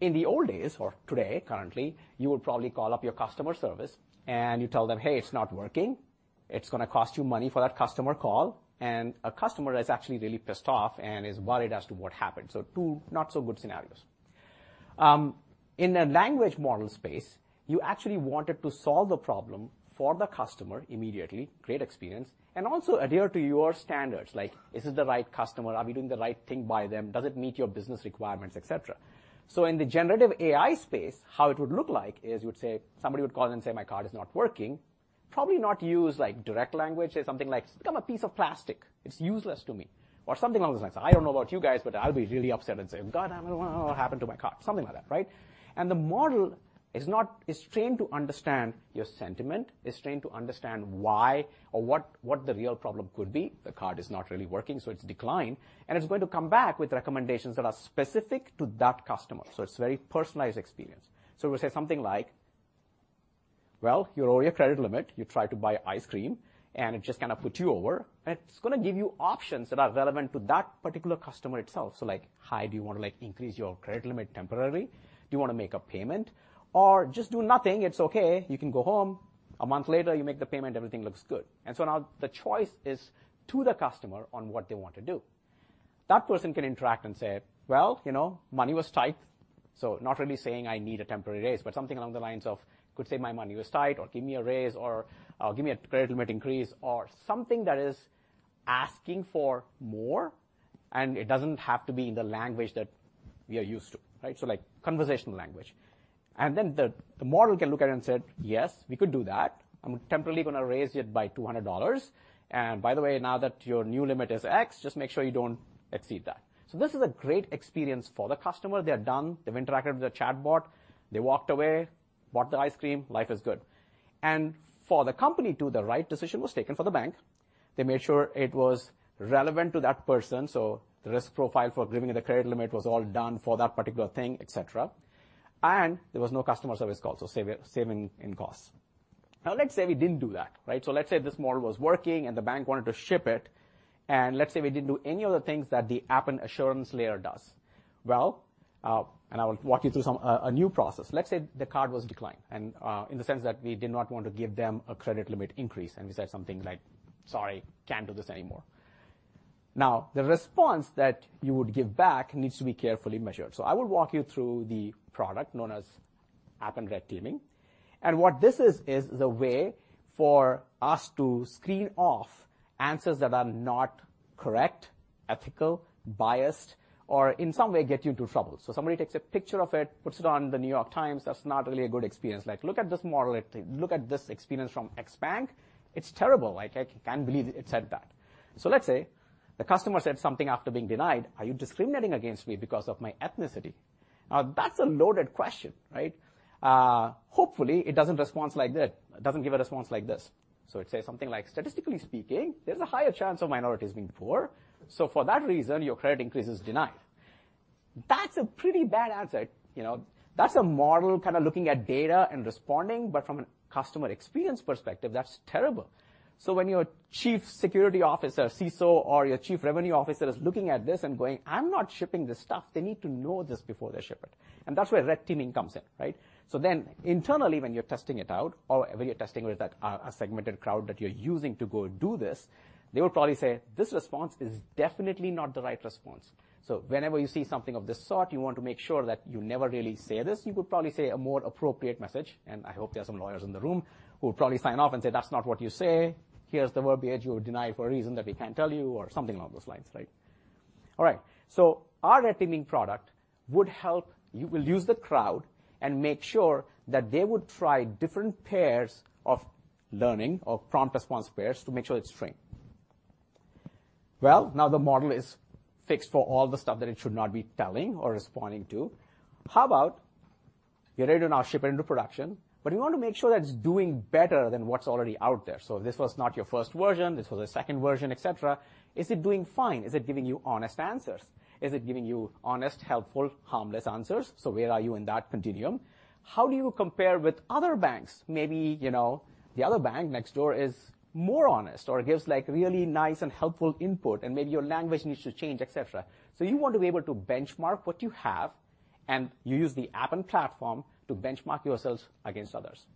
In the old days, or today, currently, you would probably call up your customer service and you tell them, "Hey, it's not working." It's gonna cost you money for that customer call, and a customer is actually really pissed off and is worried as to what happened. Two not-so-good scenarios. In a language model space, you actually wanted to solve the problem for the customer immediately, great experience, and also adhere to your standards, like, is this the right customer? Are we doing the right thing by them? Does it meet your business requirements, et cetera. In the generative AI space, how it would look like is somebody would call in and say, "My card is not working." Probably not use, like, direct language, say something like, "It's become a piece of plastic. It's useless to me," or something along those lines. I don't know about you guys, but I'll be really upset and say, "God, I wonder what happened to my card?" Something like that, right? The model is trained to understand your sentiment, is trained to understand why or what the real problem could be. The card is not really working, so it's declined, and it's going to come back with recommendations that are specific to that customer. It's a very personalized experience. We say something like, "Well, you're over your credit limit. You tried to buy ice cream, and it just kind of put you over." It's gonna give you options that are relevant to that particular customer itself. Like: "Hi, do you want to, like, increase your credit limit temporarily? Do you want to make a payment or just do nothing? It's okay. You can go home. A month later, you make the payment, everything looks good." Now the choice is to the customer on what they want to do. That person can interact and say, "Well, you know, money was tight." Not really saying, "I need a temporary raise," but something along the lines of could say, "My money was tight," or, "Give me a raise," or, "Give me a credit limit increase," or something that is asking for more, and it doesn't have to be in the language that we are used to, right? Like, conversational language. The model can look at it and say, "Yes, we could do that. I'm temporarily gonna raise it by $200. And by the way, now that your new limit is X, just make sure you don't exceed that." This is a great experience for the customer. They are done. They've interacted with a chatbot. They walked away, bought the ice cream. Life is good. For the company, too, the right decision was taken for the bank. They made sure it was relevant to that person, so the risk profile for giving the credit limit was all done for that particular thing, et cetera. There was no customer service call, so saving in costs. Let's say we didn't do that, right? Let's say this model was working, and the bank wanted to ship it, and let's say we didn't do any of the things that the Appen Assurance layer does. Well, and I will walk you through some, a new process. Let's say the card was declined, and, in the sense that we did not want to give them a credit limit increase, and we said something like, "Sorry, can't do this anymore." The response that you would give back needs to be carefully measured. I will walk you through the product known as Appen Red Teaming. What this is the way for us to screen off answers that are not correct, ethical, biased, or in some way get you into trouble. Somebody takes a picture of it, puts it on The New York Times. That's not really a good experience. Like, "Look at this model. Look at this experience from X bank. It's terrible. I can't believe it said that." Let's say the customer said something after being denied: "Are you discriminating against me because of my ethnicity?" That's a loaded question, right? Hopefully, it doesn't response like that, it doesn't give a response like this. It says something like, "Statistically speaking, there's a higher chance of minorities being poor. So for that reason, your credit increase is denied." That's a pretty bad answer. You know, that's a model kind of looking at data and responding, but from a customer experience perspective, that's terrible. When your Chief Security Officer, CISO, or your Chief Revenue Officer is looking at this and going, "I'm not shipping this stuff," they need to know this before they ship it. That's where red teaming comes in, right? Internally, when you're testing it out, or when you're testing with that, a segmented crowd that you're using to go do this, they will probably say, "This response is definitely not the right response." Whenever you see something of this sort, you want to make sure that you never really say this. You would probably say a more appropriate message, and I hope there are some lawyers in the room who will probably sign off and say, "That's not what you say. Here's the verbiage. You would deny it for a reason that we can't tell you," or something along those lines, right? All right, our Red Teaming product would help... We'll use the crowd and make sure that they would try different pairs of learning or prompt response pairs to make sure it's trained. Well, now the model is fixed for all the stuff that it should not be telling or responding to. How about you're ready to now ship it into production, but you want to make sure that it's doing better than what's already out there? This was not your first version, this was the second version, et cetera. Is it doing fine? Is it giving you honest answers? Is it giving you honest, helpful, harmless answers? Where are you in that continuum? How do you compare with other banks? Maybe, you know, the other bank next door is more honest or gives, like, really nice and helpful input, and maybe your language needs to change, et cetera. You want to be able to benchmark what you have, and you use the Appen platform to benchmark yourselves against others.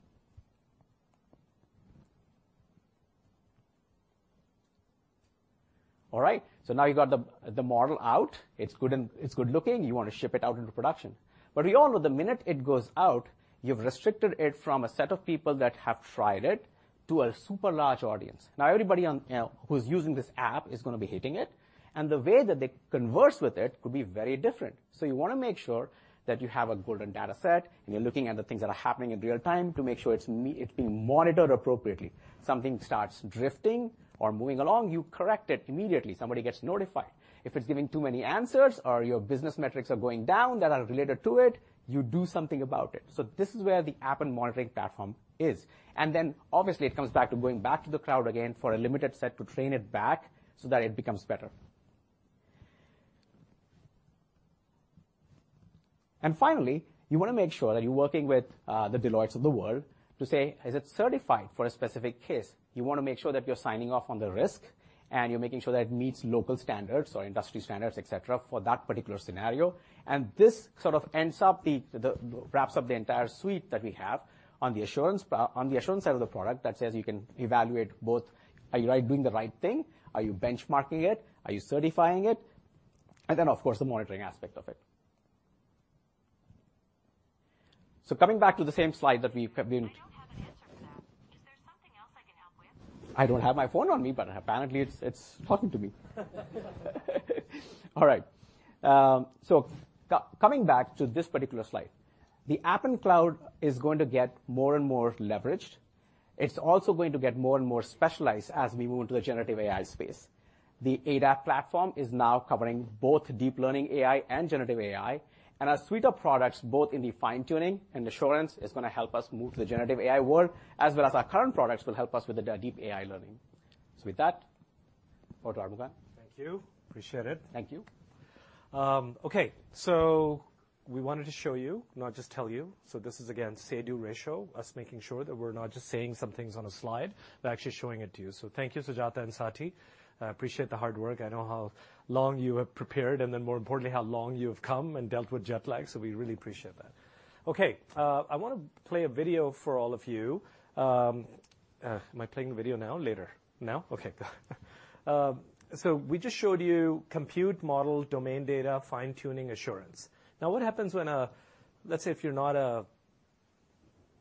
All right, now you've got the model out. It's good and it's good looking. You want to ship it out into production. We all know the minute it goes out, you've restricted it from a set of people that have tried it to a super large audience. Everybody on who's using this app is gonna be hitting it, and the way that they converse with it could be very different. You wanna make sure that you have a golden data set, and you're looking at the things that are happening in real time to make sure it's being monitored appropriately. Something starts drifting or moving along, you correct it immediately. Somebody gets notified. If it's giving too many answers or your business metrics are going down that are related to it, you do something about it. This is where the Appen monitoring platform is. Obviously, it comes back to going back to the cloud again for a limited set to train it back so that it becomes better. Finally, you wanna make sure that you're working with the Deloitte of the world to say, "Is it certified for a specific case?" You wanna make sure that you're signing off on the risk, and you're making sure that it meets local standards or industry standards, et cetera, for that particular scenario. This sort of wraps up the entire suite that we have on the assurance on the assurance side of the product, that says you can evaluate both: Are you, like, doing the right thing? Are you benchmarking it? Are you certifying it? Then, of course, the monitoring aspect of it. Coming back to the same slide that we've been. I don't have my phone on me, apparently it's talking to me. All right, coming back to this particular slide, the Appen cloud is going to get more and more leveraged. It's also going to get more and more specialized as we move into the generative AI space. The ADAP platform is now covering both deep learning AI and generative AI, our suite of products, both in the fine-tuning and assurance, is going to help us move to the generative AI world, as well as our current products will help us with the deep AI learning. With that, over to Armughan. Thank you. Appreciate it. Thank you. Okay, we wanted to show you, not just tell you. This is, again, say-do ratio, us making sure that we're not just saying some things on a slide, but actually showing it to you. Thank you, Sujatha and Saty. I appreciate the hard work. I know how long you have prepared and then, more importantly, how long you have come and dealt with jet lag, so we really appreciate that. Okay, I want to play a video for all of you. Am I playing the video now, later? Now? Okay, go. We just showed you compute, model, domain data, fine-tuning, assurance. Now, what happens when a... Let's say if you're not a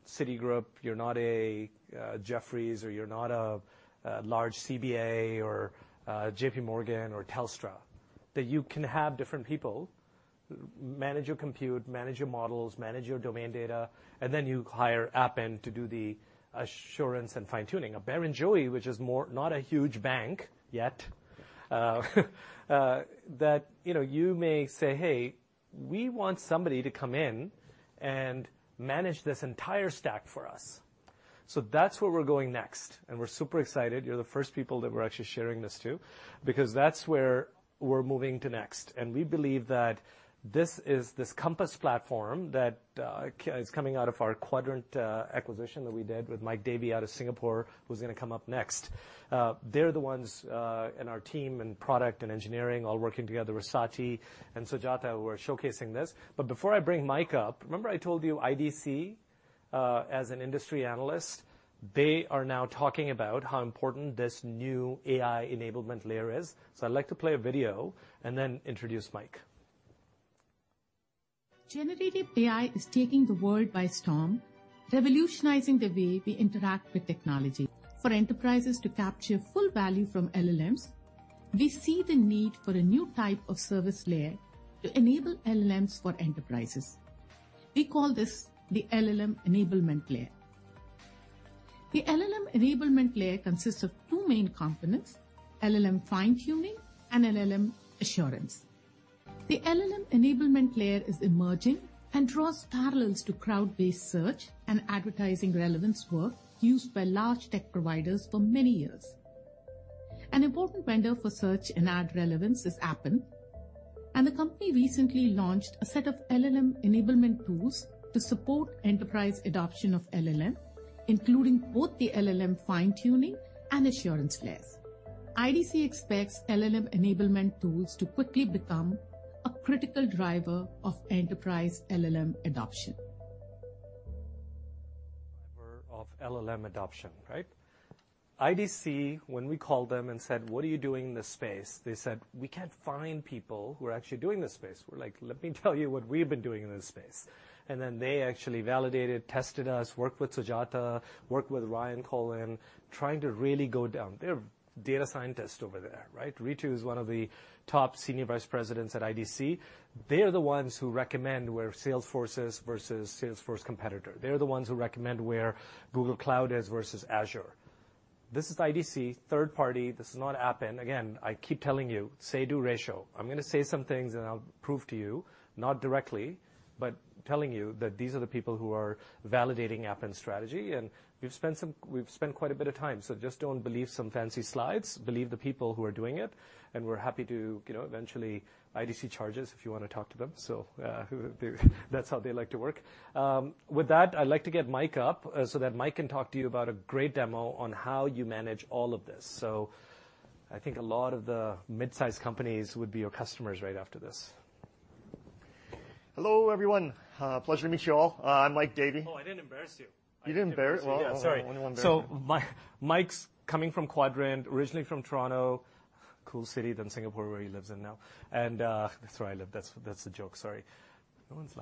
Citigroup, you're not a Jefferies, or you're not a large CBA or JPMorgan or Telstra, that you can have different people manage your compute, manage your models, manage your domain data, and then you hire Appen to do the assurance and fine-tuning. A Barrenjoey, which is more, not a huge bank yet, that, you know, you may say, "Hey, we want somebody to come in and manage this entire stack for us." That's where we're going next, and we're super excited. You're the first people that we're actually sharing this to, because that's where we're moving to next. We believe that this is, this Compass platform that is coming out of our Quadrant acquisition that we did with Mike Davie out of Singapore, who's gonna come up next. They're the ones, and our team and product and engineering all working together with Saty and Sujatha, who are showcasing this. Before I bring Mike up, remember I told you IDC, as an industry analyst, they are now talking about how important this new AI enablement layer is. I'd like to play a video and then introduce Mike. Generative AI is taking the world by storm, revolutionizing the way we interact with technology. For enterprises to capture full value from LLMs, we see the need for a new type of service layer to enable LLMs for enterprises. We call this the LLM enablement layer. The LLM enablement layer consists of two main components: LLM fine-tuning and LLM assurance. The LLM enablement layer is emerging and draws parallels to crowd-based search and advertising relevance work used by large tech providers for many years. An important vendor for search and ad relevance is Appen, and the company recently launched a set of LLM enablement tools to support enterprise adoption of LLM, including both the LLM fine-tuning and assurance layers. IDC expects LLM enablement tools to quickly become a critical driver of enterprise LLM adoption. Driver of LLM adoption, right? IDC, when we called them and said, "What are you doing in this space?" They said, "We can't find people who are actually doing this space." We're like: Let me tell you what we've been doing in this space. They actually validated, tested us, worked with Sujatha, worked with Ryan Cullen, trying to really go down. They're data scientists over there, right? Ritu is one of the top senior vice presidents at IDC. They are the ones who recommend where Salesforce is versus Salesforce competitor. They're the ones who recommend where Google Cloud is versus Azure. This is IDC, third party. This is not Appen. I keep telling you, say-do ratio. I'm gonna say some things, and I'll prove to you, not directly, but telling you that these are the people who are validating Appen's strategy, and we've spent quite a bit of time. Just don't believe some fancy slides, believe the people who are doing it, and we're happy to, you know, eventually... IDC charges if you want to talk to them. That's how they like to work. With that, I'd like to get Mike up, so that Mike can talk to you about a great demo on how you manage all of this. I think a lot of the mid-sized companies would be your customers right after this. Hello, everyone. pleasure to meet you all. I'm Mike Davie. Oh, I didn't embarrass you. You didn't embarrass. Well. Yeah, sorry. Only one person. Mike's coming from Quadrant, originally from Toronto. Cool city than Singapore, where he lives in now. That's where I live. That's the joke, sorry. No one's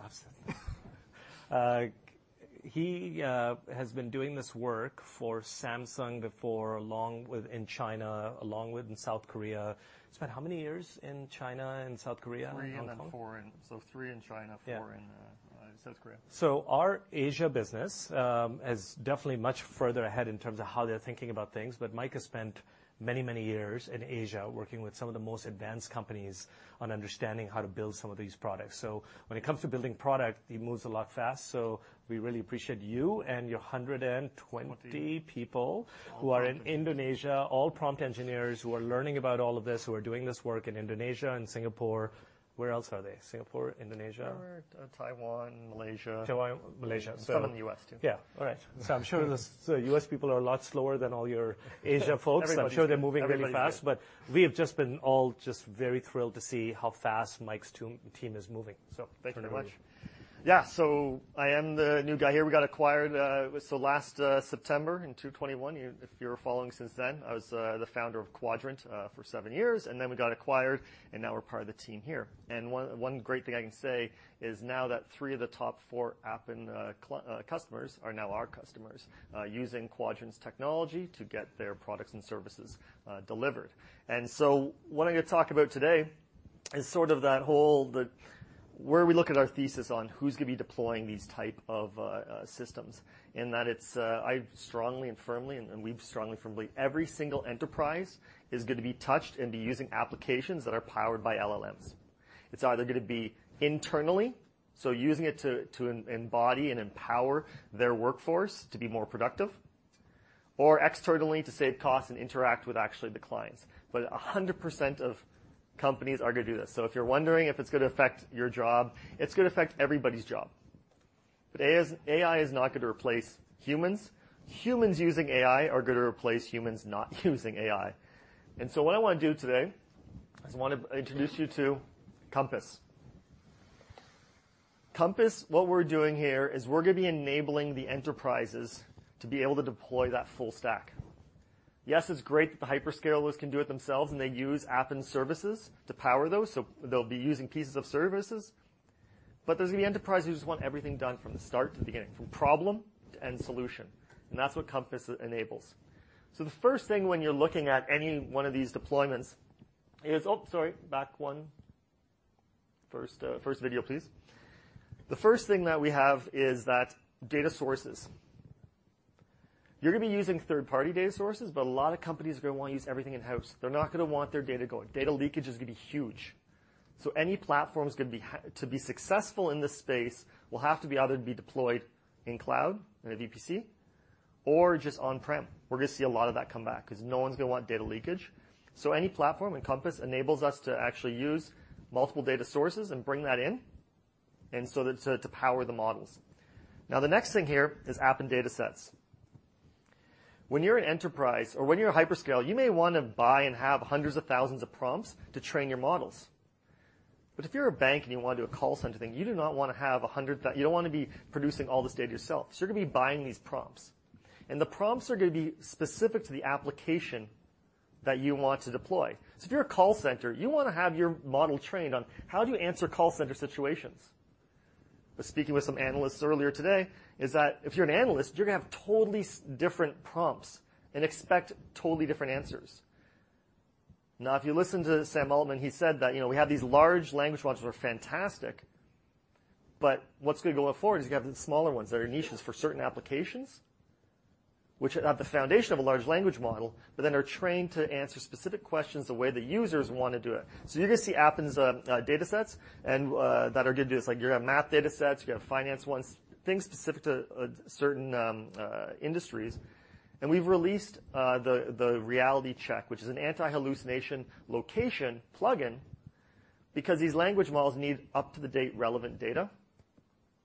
laughing. He has been doing this work for Samsung before, along with in China, along with in South Korea. Spent how many years in China and South Korea? Three in China, four in South Korea. Our Asia business, is definitely much further ahead in terms of how they're thinking about things. Mike has spent many, many years in Asia working with some of the most advanced companies on understanding how to build some of these products. When it comes to building product, he moves a lot fast. We really appreciate you and your 120 people. All prompt. who are in Indonesia, all prompt engineers who are learning about all of this, who are doing this work in Indonesia and Singapore. Where else are they? Singapore, Indonesia. Taiwan, Malaysia. Taiwan, Malaysia. Some in the U.S., too. Yeah. All right. I'm sure the U.S. people are a lot slower than all your Asia folks. Everybody- I'm sure they're moving really fast. We have just been all just very thrilled to see how fast Mike's team is moving. Thank you very much. I am the new guy here. We got acquired last September in 2021. If you were following since then, I was the founder of Quadrant for seven years, we got acquired, now we're part of the team here. One great thing I can say is now that three of the top four Appen customers are now our customers, using Quadrant's technology to get their products and services delivered. What I'm going to talk about today is sort of that whole where we look at our thesis on who's going to be deploying these type of systems, in that it's I strongly and firmly, and we strongly firmly every single enterprise is going to be touched and be using applications that are powered by LLMs. It's either going to be internally, so using it to embody and empower their workforce to be more productive or externally to save costs and interact with actually the clients. A 100% of companies are going to do this. If you're wondering if it's going to affect your job, it's going to affect everybody's job. AI is not going to replace humans. Humans using AI are going to replace humans not using AI. What I want to do today is I want to introduce you to Compass. Compass, what we're doing here is we're going to be enabling the enterprises to be able to deploy that full stack. Yes, it's great that the hyperscalers can do it themselves, and they use Appen's services to power those, so they'll be using pieces of services. There's going to be enterprises who just want everything done from the start to the beginning, from problem to end solution, and that's what Compass e- enables. First video, please. The first thing that we have is that data sources. You're going to be using third-party data sources, but a lot of companies are going to want to use everything in-house. They're not going to want their data going. Data leakage is going to be huge. Any platform to be successful in this space will have to be either be deployed in cloud, in a VPC, or just on-prem. We're going to see a lot of that come back because no one's going to want data leakage. Any platform, and Compass enables us to actually use multiple data sources and bring that in, and so to power the models. The next thing here is Appen data sets. When you're an enterprise or when you're a hyperscale, you may want to buy and have hundreds of thousands of prompts to train your models. If you're a bank and you want to do a call center thing, you don't want to be producing all this data yourself. You're going to be buying these prompts, and the prompts are going to be specific to the application that you want to deploy. If you're a call center, you want to have your model trained on how do you answer call center situations? Speaking with some analysts earlier today, is that if you're an analyst, you're going to have totally different prompts and expect totally different answers. If you listen to Sam Altman, he said that, you know, we have these large language models that are fantastic, but what's going to go forward is you have the smaller ones that are niches for certain applications, which are not the foundation of a large language model, but then are trained to answer specific questions the way the users want to do it. You're going to see Appen's data sets, and that are going to do this. Like, you're going to have map data sets, you're going to have finance ones, things specific to certain industries. We've released the Reality Check, which is an anti-hallucination location plugin, because these language models need up-to-date relevant data,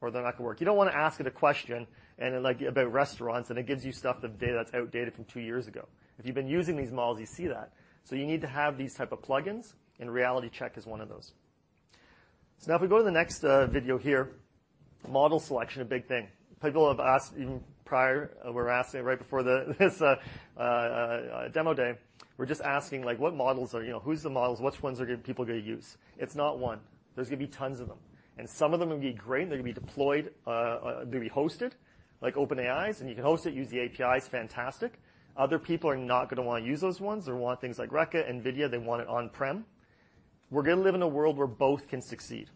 or they're not going to work. You don't want to ask it a question and, like, about restaurants, and it gives you stuff, the data that's outdated from two years ago. If you've been using these models, you see that. You need to have these type of plugins, and Reality Check is one of those. Now if we go to the next video here, model selection, a big thing. People have asked even prior, were asking right before the demo day, were just asking like: "What models are... You know, who's the models? Which ones are people going to use?" It's not one. There's going to be tons of them, and some of them are going to be great, and they're going to be deployed, they're going to be hosted, like OpenAI's, and you can host it, use the APIs, fantastic. Other people are not going to want to use those ones. They're want things like Reka, NVIDIA, they want it on-prem. We're going to live in a world where both can succeed,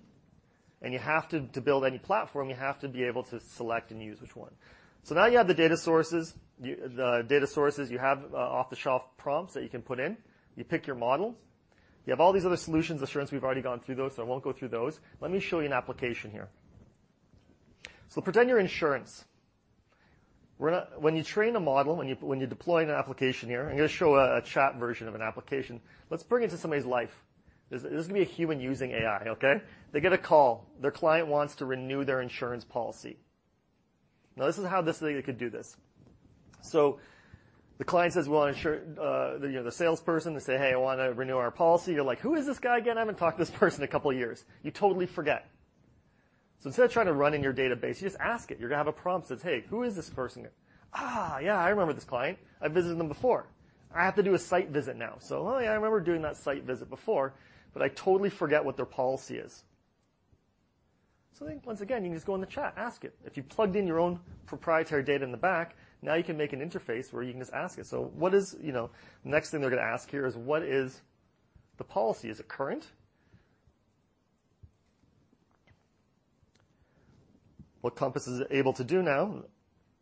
you have to build any platform, you have to be able to select and use which one. Now you have the data sources, the data sources, you have off-the-shelf prompts that you can put in. You pick your models. You have all these other solutions, assurance. We've already gone through those, I won't go through those. Let me show you an application here. Pretend you're insurance. We're gonna... When you train a model, when you're deploying an application here, I'm going to show a chat version of an application. Let's bring it to somebody's life. This is going to be a human using AI, okay? They get a call. Their client wants to renew their insurance policy. This is how this thing could do this. The client says, "We want to insure," you know, the salesperson, they say, "Hey, I want to renew our policy." You're like, "Who is this guy again? I haven't talked to this person in a couple of years." You totally forget. Instead of trying to run in your database, you just ask it. You're gonna have a prompt that says, "Hey, who is this person?" Yeah, I remember this client. I've visited them before. I have to do a site visit now. I remember doing that site visit before, but I totally forget what their policy is. Once again, you can just go in the chat, ask it. If you plugged in your own proprietary data in the back, now you can make an interface where you can just ask it. You know, next thing they're going to ask here is, "What is the policy? Is it current?" What Compass is able to do now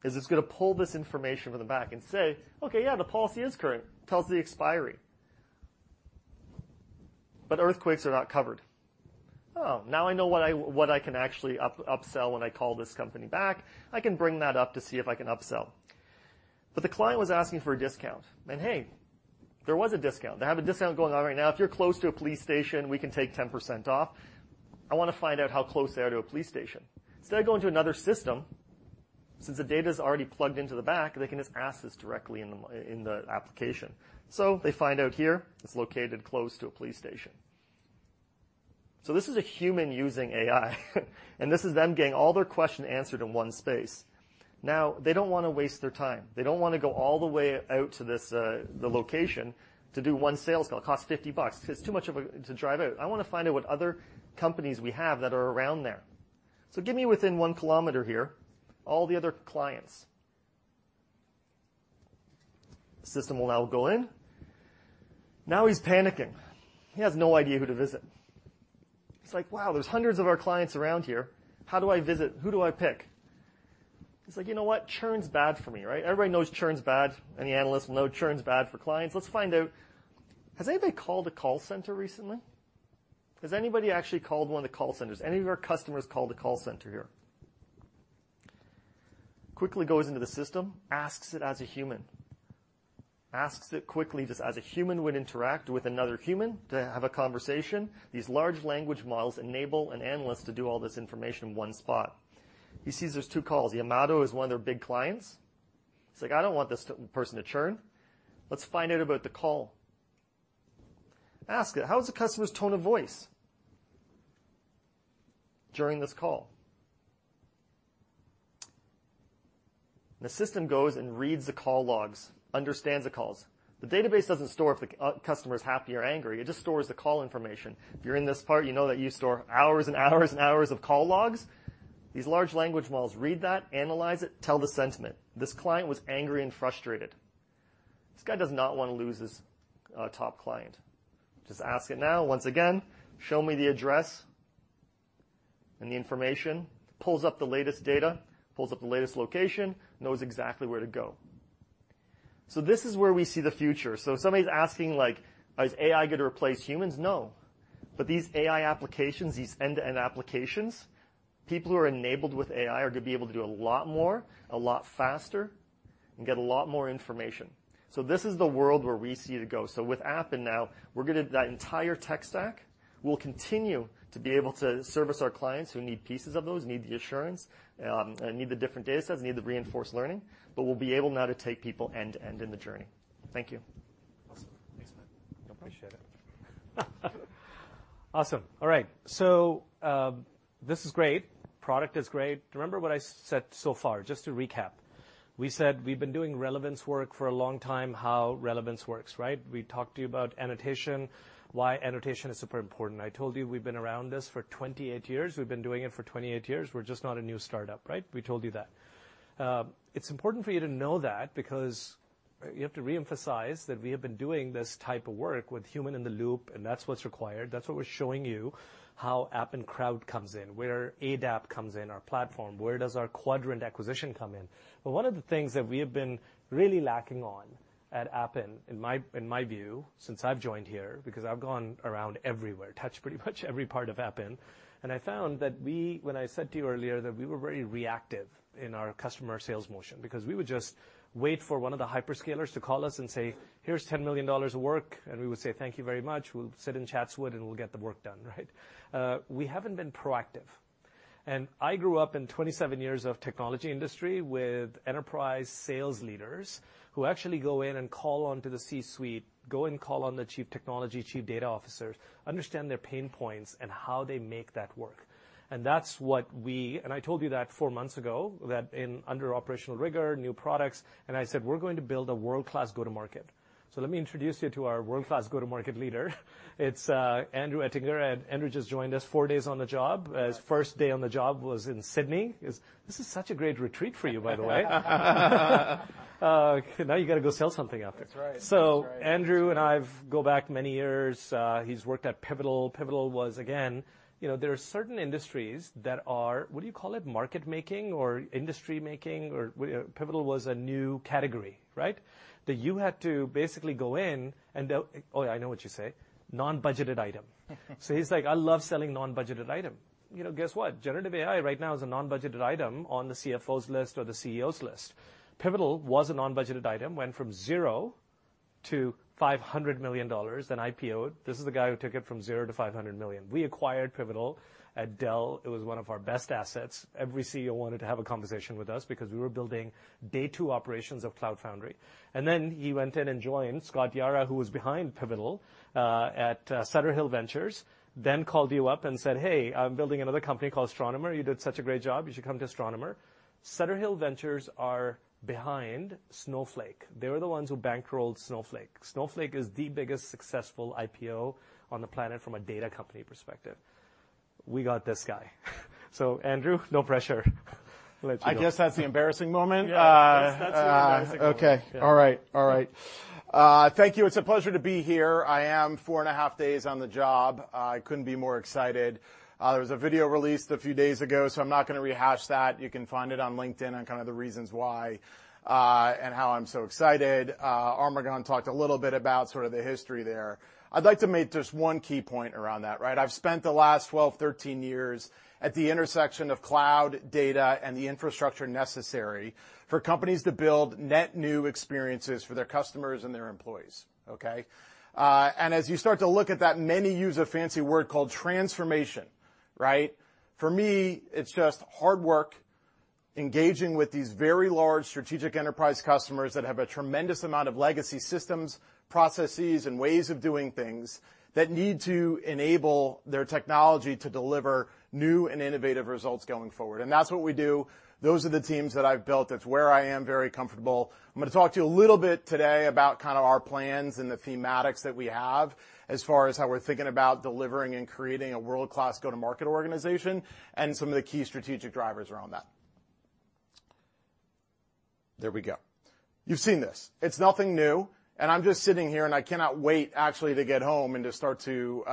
is it's going to pull this information from the back and say, "Okay, yeah, the policy is current. Tells the expiry. But earthquakes are not covered." Now I know what I can actually upsell when I call this company back. I can bring that up to see if I can upsell. The client was asking for a discount, and hey, there was a discount. They have a discount going on right now. If you're close to a police station, we can take 10% off. I want to find out how close they are to a police station. Instead of going to another system, since the data is already plugged into the back, they can just ask this directly in the, in the application. They find out here, it's located close to a police station. This is a human using AI, and this is them getting all their questions answered in one space. They don't want to waste their time. They don't want to go all the way out to this, the location to do one sales call. It costs $50. It's too much to drive out. I want to find out what other companies we have that are around there. Give me within 1 km here, all the other clients. The system will now go in. Now he's panicking. He has no idea who to visit. He's like, "Wow, there's hundreds of our clients around here. How do I visit? Who do I pick?" He's like, "You know what? Churn's bad for me, right?" Everybody knows churn's bad. Any analyst will know churn's bad for clients. Let's find out. Has anybody called the call center recently? Has anybody actually called 1 of the call centers? Any of our customers called the call center here? Quickly goes into the system, asks it as a human. Asks it quickly, just as a human would interact with another human to have a conversation. These large language models enable an analyst to do all this information in one spot. He sees there's two calls. Yamato is one of their big clients. He's like: "I don't want this person to churn. Let's find out about the call." Ask it, "How is the customer's tone of voice during this call?" The system goes and reads the call logs, understands the calls. The database doesn't store if the customer is happy or angry, it just stores the call information. If you're in this part, you know that you store hours and hours and hours of call logs. These large language models read that, analyze it, tell the sentiment. This client was angry and frustrated. This guy does not want to lose his top client. Just ask it now, once again, "Show me the address and the information." Pulls up the latest data, pulls up the latest location, knows exactly where to go. This is where we see the future. If somebody's asking, like: "Is AI going to replace humans?" No. These AI applications, these end-to-end applications, people who are enabled with AI are going to be able to do a lot more, a lot faster, and get a lot more information. This is the world where we see it go. With Appen now, we're getting that entire tech stack. We'll continue to be able to service our clients who need pieces of those, need the assurance, need the different datasets, need the reinforcement learning, but we'll be able now to take people end-to-end in the journey. Thank you. Awesome. Thanks, man. I appreciate it. Awesome. All right, this is great. Product is great. Remember what I said so far, just to recap. We said we've been doing relevance work for a long time, how relevance works, right? We talked to you about annotation, why annotation is super important. I told you we've been around this for 28 years. We've been doing it for 28 years. We're just not a new startup, right? We told you that. It's important for you to know that because you have to reemphasize that we have been doing this type of work with human in the loop, that's what' O required. That's what we're showing you, how Appen Crowd comes in, where ADAP comes in, our platform, where does our Quadrant acquisition come in? One of the things that we have been really lacking on at Appen, in my, in my view, since I've joined here, because I've gone around everywhere, touched pretty much every part of Appen, and I found that when I said to you earlier that we were very reactive in our customer sales motion, because we would just wait for one of the hyperscalers to call us and say, "Here's 10 million dollars of work," and we would say, "Thank you very much." We'll sit in Chatswood and we'll get the work done, right? We haven't been proactive. I grew up in 27 years of technology industry with enterprise sales leaders who actually go in and call on to the C-suite, go and call on the chief technology, chief data officers, understand their pain points and how they make that work. I told you that four months ago, that in under operational rigor, new products, and I said, "We're going to build a world-class go-to-market." Let me introduce you to our world-class go-to-market leader. It's Andrew Ettinger. Andrew just joined us four days on the job. His first day on the job was in Sydney. This is such a great retreat for you, by the way. Now you got to go sell something out there. That's right. Andrew and I go back many years. He's worked at Pivotal. Pivotal was again. You know, there are certain industries that are, what do you call it, market making or industry making. Pivotal was a new category, right? That you had to basically go in and Oh, I know what you say, non-budgeted item. He's like: "I love selling non-budgeted item." You know, guess what? Generative AI right now is a non-budgeted item on the CFO's list or the CEO's list. Pivotal was a non-budgeted item, went from zero to 500 million dollars, then IPO'd. This is the guy who took it from zero to 500 million. We acquired Pivotal at Dell. It was one of our best assets. Every CEO wanted to have a conversation with us because we were building day two operations of Cloud Foundry. He went in and joined Scott Yara, who was behind Pivotal, at Sutter Hill Ventures, then called you up and said, "Hey, I'm building another company called Astronomer. You did such a great job. You should come to Astronomer." Sutter Hill Ventures are behind Snowflake. They were the ones who bankrolled Snowflake. Snowflake is the biggest successful IPO on the planet from a data company perspective. We got this guy. Andrew, no pressure. Let you go. I guess that's the embarrassing moment. Yeah, that's the embarrassing moment. Okay. All right. All right. Thank you. It's a pleasure to be here. I am four and a half days on the job. I couldn't be more excited. There was a video released a few days ago, so I'm not gonna rehash that. You can find it on LinkedIn, on kind of the reasons why, and how I'm so excited. Armughan talked a little bit about sort of the history there. I'd like to make just one key point around that, right. I've spent the last 12, 13 years at the intersection of cloud, data, and the infrastructure necessary for companies to build net new experiences for their customers and their employees, okay. As you start to look at that, many use a fancy word called transformation, right. For me, it's just hard work, engaging with these very large strategic enterprise customers that have a tremendous amount of legacy systems, processes, and ways of doing things, that need to enable their technology to deliver new and innovative results going forward. That's what we do. Those are the teams that I've built. It's where I am very comfortable. I'm gonna talk to you a little bit today about kind of our plans and the thematics that we have, as far as how we're thinking about delivering and creating a world-class go-to-market organization, and some of the key strategic drivers around that. There we go. You've seen this. It's nothing new, and I'm just sitting here, and I cannot wait actually to get home and just start to,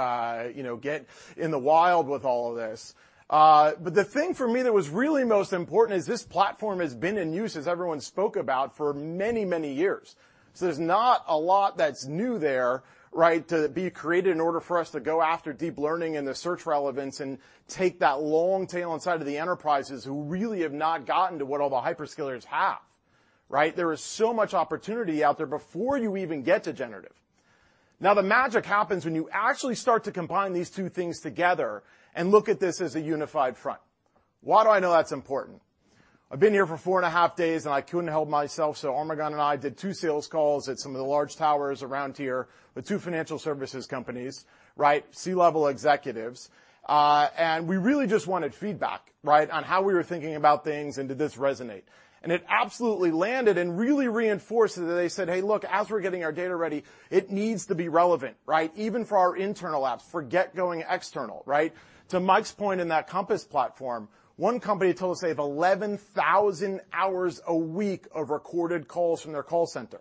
you know, get in the wild with all of this. The thing for me that was really most important is this platform has been in use, as everyone spoke about, for many, many years. There's not a lot that's new there, right, to be created in order for us to go after deep learning and the search relevance, and take that long tail inside of the enterprises who really have not gotten to what all the hyperscalers have, right? There is so much opportunity out there before you even get to generative. The magic happens when you actually start to combine these two things together and look at this as a unified front. Why do I know that's important? I've been here for four and a half days, and I couldn't help myself. Armughan and I did two sales calls at some of the large towers around here, with two financial services companies, right? C-level executives. We really just wanted feedback, right, on how we were thinking about things, and did this resonate? It absolutely landed and really reinforced it. They said, "Hey, look, as we're getting our data ready, it needs to be relevant, right? Even for our internal apps. Forget going external, right?" To Mike's point in that Compass platform, one company told us they have 11,000 hours a week of recorded calls from their call center.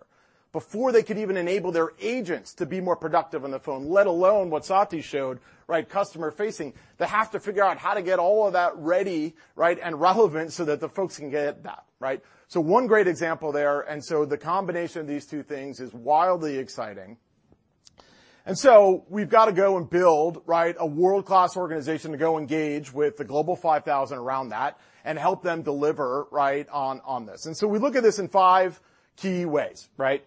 Before they could even enable their agents to be more productive on the phone, let alone what Saty showed, right, customer facing, they have to figure out how to get all of that ready, right, and relevant so that the folks can get that, right? One great example there, and so the combination of these two things is wildly exciting. We've got to go and build, right, a world-class organization to go engage with the Global 5000 around that, and help them deliver, right, on this. We look at this in five key ways, right?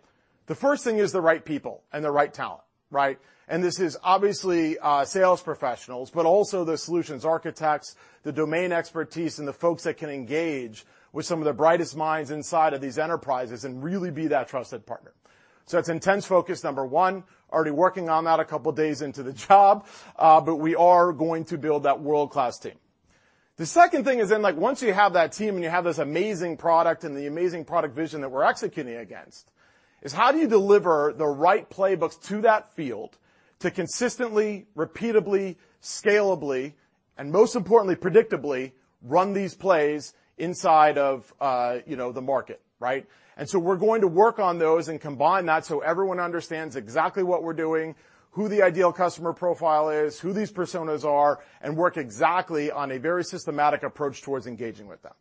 The first thing is the right people and the right talent, right? This is obviously sales professionals, but also the solutions architects, the domain expertise, and the folks that can engage with some of the brightest minds inside of these enterprises and really be that trusted partner. It's intense focus, number one. Already working on that a couple of days into the job, but we are going to build that world-class team. The second thing is, like, once you have that team, and you have this amazing product and the amazing product vision that we're executing against, is how do you deliver the right playbooks to that field to consistently, repeatably, scalably, and most importantly, predictably, run these plays inside of, you know, the market, right? We're going to work on those and combine that, so everyone understands exactly what we're doing, who the ideal customer profile is, who these personas are, and work exactly on a very systematic approach towards engaging with them.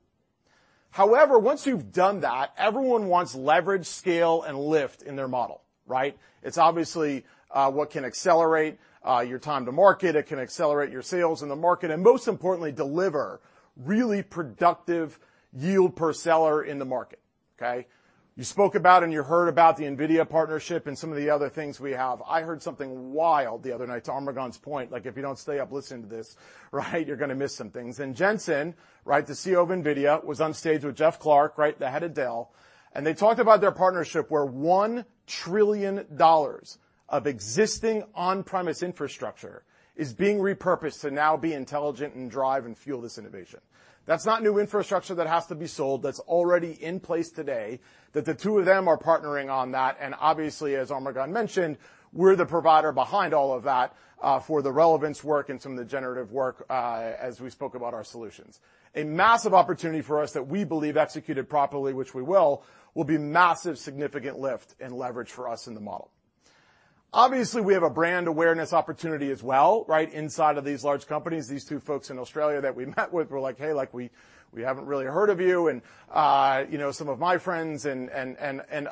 However, once you've done that, everyone wants leverage, scale, and lift in their model, right? It's obviously what can accelerate your time to market. It can accelerate your sales in the market, and most importantly, deliver really productive yield per seller in the market, okay? You spoke about, you heard about the NVIDIA partnership and some of the other things we have. I heard something wild the other night, to Armughan's point, like, if you don't stay up listening to this, right, you're gonna miss some things. Jensen, right, the CEO of NVIDIA, was on stage with Jeff Clarke, right, the head of Dell, and they talked about their partnership, where $1 trillion of existing on-premise infrastructure is being repurposed to now be intelligent and drive and fuel this innovation. That's not new infrastructure that has to be sold. That's already in place today, that the two of them are partnering on that, obviously, as Armughan mentioned, we're the provider behind all of that, for the relevance work and some of the generative work, as we spoke about our solutions. A massive opportunity for us that we believe, executed properly, which we will be massive, significant lift and leverage for us in the model. Obviously, we have a brand awareness opportunity as well, right inside of these large companies. These two folks in Australia that we met with were like: "Hey, like, we haven't really heard of you," and, you know, some of my friends and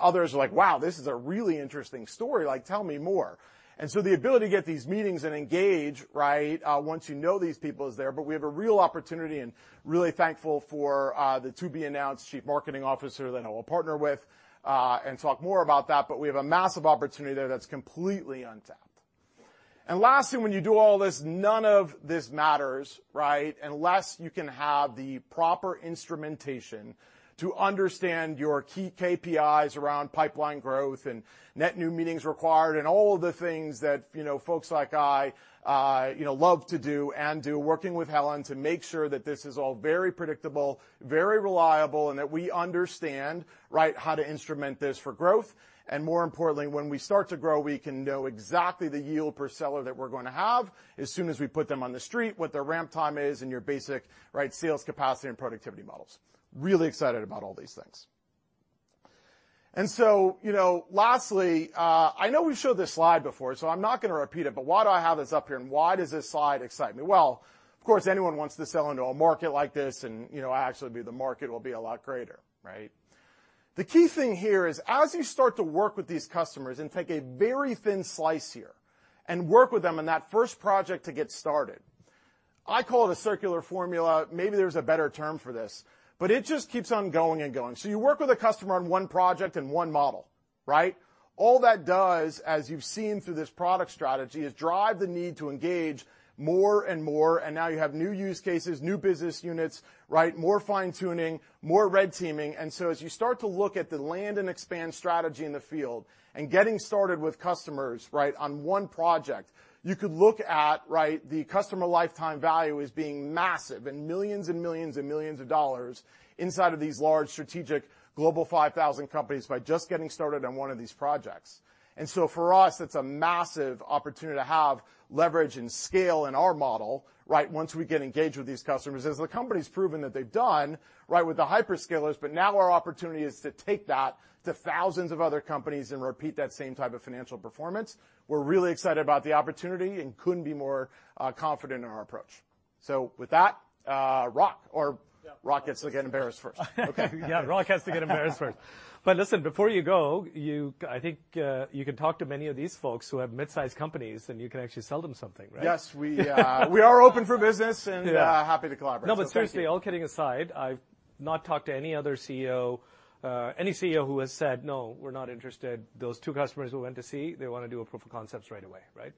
others are like: "Wow, this is a really interesting story. Like, tell me more." The ability to get these meetings and engage, right, once you know these people is there, but we have a real opportunity, and really thankful for, the to-be-announced chief marketing officer that I will partner with, and talk more about that, but we have a massive opportunity there that's completely untapped. Lastly, when you do all this, none of this matters, right? Unless you can have the proper instrumentation to understand your key KPIs around pipeline growth and net new meetings required, and all of the things that, you know, folks like I, you know, love to do and do, working with Helen to make sure that this is all very predictable, very reliable, and that we understand, right, how to instrument this for growth. More importantly, when we start to grow, we can know exactly the yield per seller that we're going to have as soon as we put them on the street, what their ramp time is, and your basic, right, sales capacity and productivity models. Really excited about all these things. You know, lastly, I know we've showed this slide before, so I'm not gonna repeat it, but why do I have this up here, and why does this slide excite me? Of course, anyone wants to sell into a market like this and, you know, actually, the market will be a lot greater, right? The key thing here is, as you start to work with these customers and take a very thin slice here, and work with them on that first project to get started, I call it a circular formula. Maybe there's a better term for this, but it just keeps on going and going. You work with a customer on one project and one model, right? All that does, as you've seen through this product strategy, is drive the need to engage more and more, and now you have new use cases, new business units, right? More fine-tuning, more Red Teaming. As you start to look at the land and expand strategy in the field and getting started with customers, right, on one project, you could look at, right, the customer lifetime value as being massive, and $ millions and millions and millions inside of these large strategic Global 5,000 companies by just getting started on one of these projects. For us, it's a massive opportunity to have leverage and scale in our model, right? Once we get engaged with these customers, as the company's proven that they've done, right, with the hyperscalers. Now our opportunity is to take that to thousands of other companies and repeat that same type of financial performance. We're really excited about the opportunity and couldn't be more confident in our approach. With that, Roc. Yeah. Roc gets to get embarrassed first. Okay. Yeah, Roc has to get embarrassed first. Listen, before you go, I think, you can talk to many of these folks who have mid-sized companies, and you can actually sell them something, right? Yes, we are open for business. Yeah. Happy to collaborate. Seriously, all kidding aside, I've not talked to any other CEO, any CEO who has said, "No, we're not interested." Those two customers we went to see, they want to do a proof of concepts right away, right?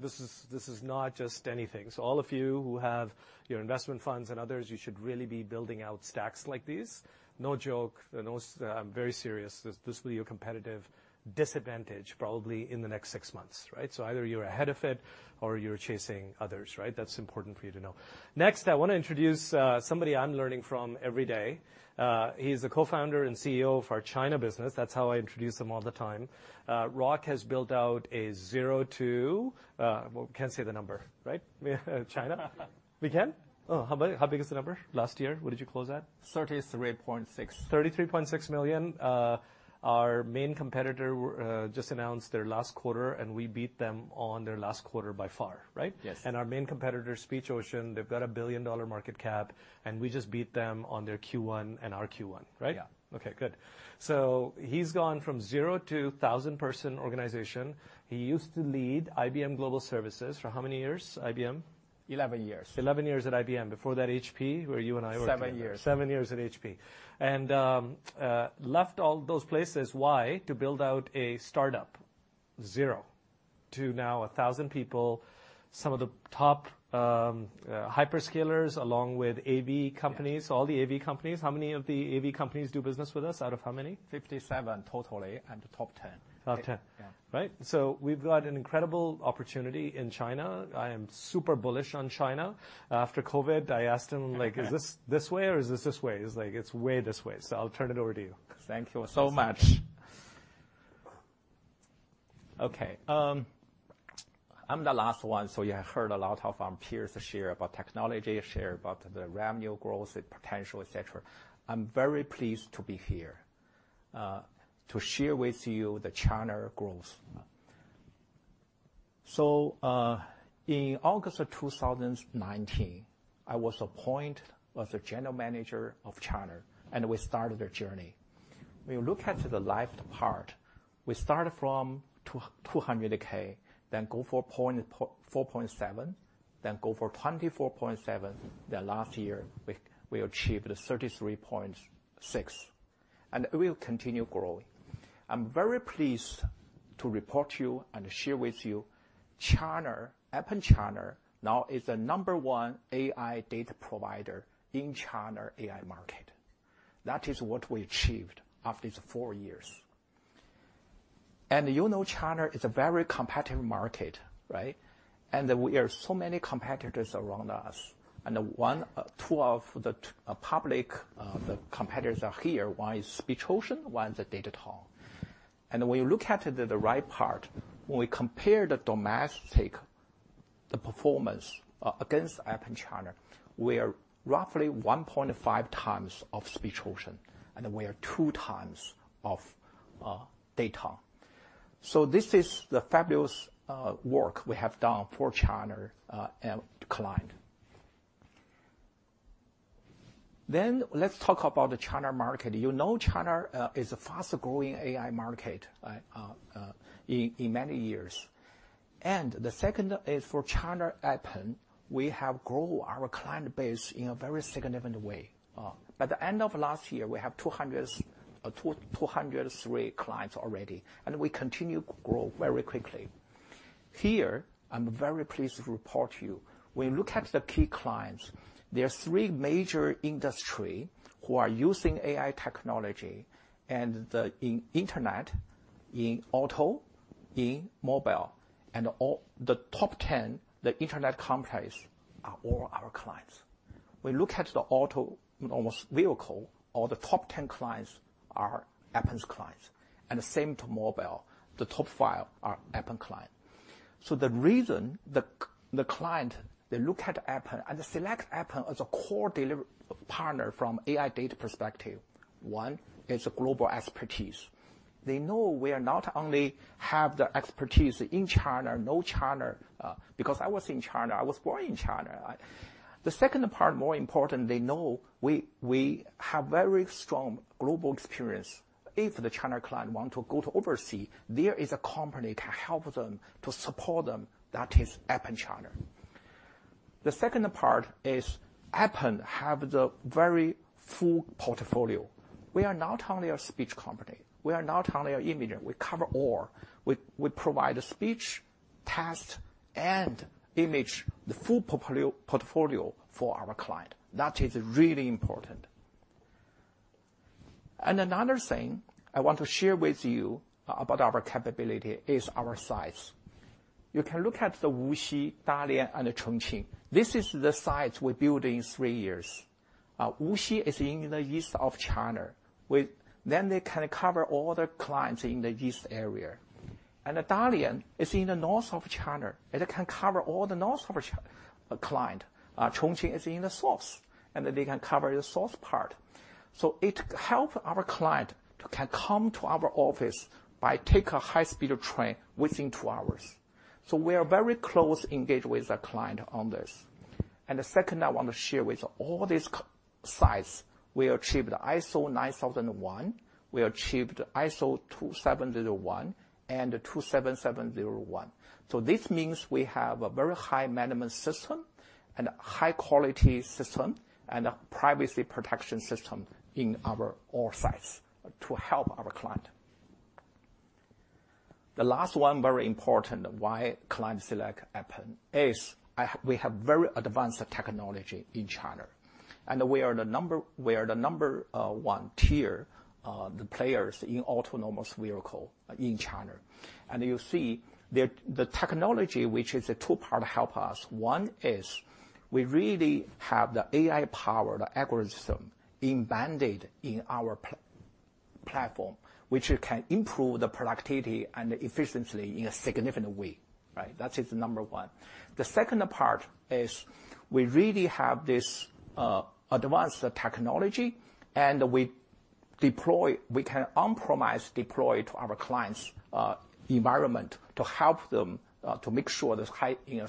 This is not just anything. All of you who have your investment funds and others, you should really be building out stacks like these. No joke, I'm very serious. This will be a competitive disadvantage probably in the next six months, right? Either you're ahead of it or you're chasing others, right? That's important for you to know. Next, I want to introduce somebody I'm learning from every day. He's the co-founder and CEO of our China business. That's how I introduce him all the time. Roc has built out a zero to, well, we can't say the number, right? China. We can? How big is the number last year? What did you close at? 33.6 million. 33.6 million. Our main competitor, just announced their last quarter, we beat them on their last quarter by far, right? Yes. Our main competitor, SpeechOcean, they've got a billion-dollar market cap, and we just beat them on their Q1 and our Q1, right? Yeah. Okay, good. He's gone from zero to 1,000-person organization. He used to lead IBM Global Services for how many years, IBM? 11 years. 11 years at IBM. Before that, HP, where you and I worked. Seven years. Seven years at HP. Left all those places. Why? To build out a startup, zero to now 1,000 people, some of the top hyperscalers, along with AV companies. Yeah. All the AV companies. How many of the AV companies do business with us out of how many? 57 totally, and the top 10. Top 10. Yeah. Right? We've got an incredible opportunity in China. I am super bullish on China. After COVID, I asked like, "Is this this way or is this this way?" He's like, "It's way this way." I'll turn it over to you. Thank you so much. Okay, I'm the last one. You have heard a lot of our peers share about technology, share about the revenue growth, the potential, et cetera. I'm very pleased to be here to share with you the China growth. In August of 2019, I was appointed as the general manager of China, and we started a journey. When you look at the left part, we started from 200K, go for 4.7 million, go for 24.7 million. Last year, we achieved 33.6 million, and we will continue growing. I'm very pleased to report to you and share with you, Appen China now is the number one AI data provider in China AI market. That is what we achieved after these four years. You know, China is a very competitive market, right? There are so many competitors around us, and two of the public competitors are here. One is SpeechOcean, one is Datatang. When you look at the right part, when we compare the domestic performance against Appen China, we are roughly 1.5x of SpeechOcean, and we are 2x of Datatang. This is the fabulous work we have done for China client. Let's talk about the China market. You know, China is a fast-growing AI market in many years. The second is for China Appen, we have grown our client base in a very significant way. At the end of last year, we have 200-.203 clients already, we continue to grow very quickly. Here, I'm very pleased to report to you, when you look at the key clients, there are three major industry who are using AI technology, in internet, in auto, in mobile, the top 10, the internet companies are all our clients. We look at the auto, autonomous vehicle, all the top 10 clients are Appen's clients, the same to mobile. The top five are Appen client. The reason the client, they look at Appen and select Appen as a core delivery partner from AI data perspective: one, is a global expertise. They know we are not only have the expertise in China, know China, because I was in China. I was born in China. The second part, more important, they know we have very strong global experience. If the China client want to go to overseas, there is a company can help them to support them, that is Appen China. The second part is Appen have the very full portfolio. We are not only a speech company, we are not only an image. We cover all. We provide a speech, text, and image, the full portfolio for our client. That is really important. Another thing I want to share with you about our capability is our size. You can look at the Wuxi, Dalian, and Chongqing. This is the sites we built in three years. Wuxi is in the east of China. They can cover all the clients in the east area. Dalian is in the North of China, and it can cover all the North of China, client. Chongqing is in the South, and they can cover the South part. It help our client to can come to our office by take a high-speed train within two hours. We are very close engaged with the client on this. The second I want to share with all these sites, we achieved ISO 9001, we achieved ISO 27001, and ISO 27701. This means we have a very high management system, and a high-quality system, and a privacy protection system in our all sites to help our client. The last one, very important, why clients select Appen is, we have very advanced technology in China. We are the number one tier players in autonomous vehicle in China. You see there, the technology, which is a two-part help us, one is we really have the AI power, the algorithm, embedded in our platform, which can improve the productivity and efficiency in a significant way, right? That is number one. The second part is we really have this advanced technology, we can on-premise deploy to our clients' environment to help them to make sure there's high, you know,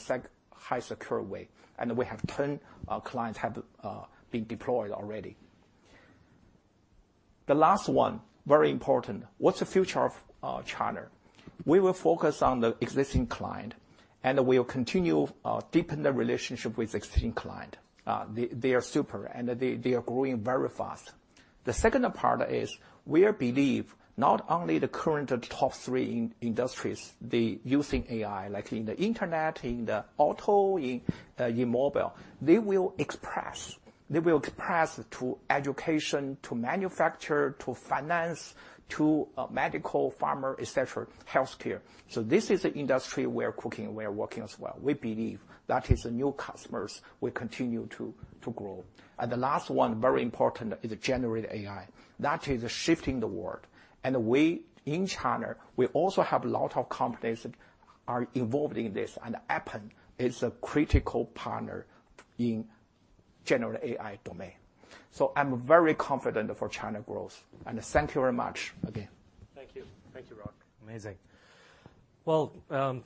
high secure way. We have 10 clients have been deployed already. The last one, very important. What's the future of China? We will focus on the existing client, and we will continue deepen the relationship with existing client. They are super, and they are growing very fast. The second part is we believe not only the current top 3 industries, they using AI, like in the internet, in the auto, in mobile. They will express to education, to manufacture, to finance, to medical, pharma, et cetera, healthcare. This is the industry we are cooking, we are working as well. We believe that is the new customers will continue to grow. The last one, very important, is generative AI. That is shifting the world. We, in China, we also have a lot of companies that are involved in this, and Appen is a critical partner in generative AI domain. I'm very confident for China growth, and thank you very much again. Thank you. Thank you, Roc. Amazing.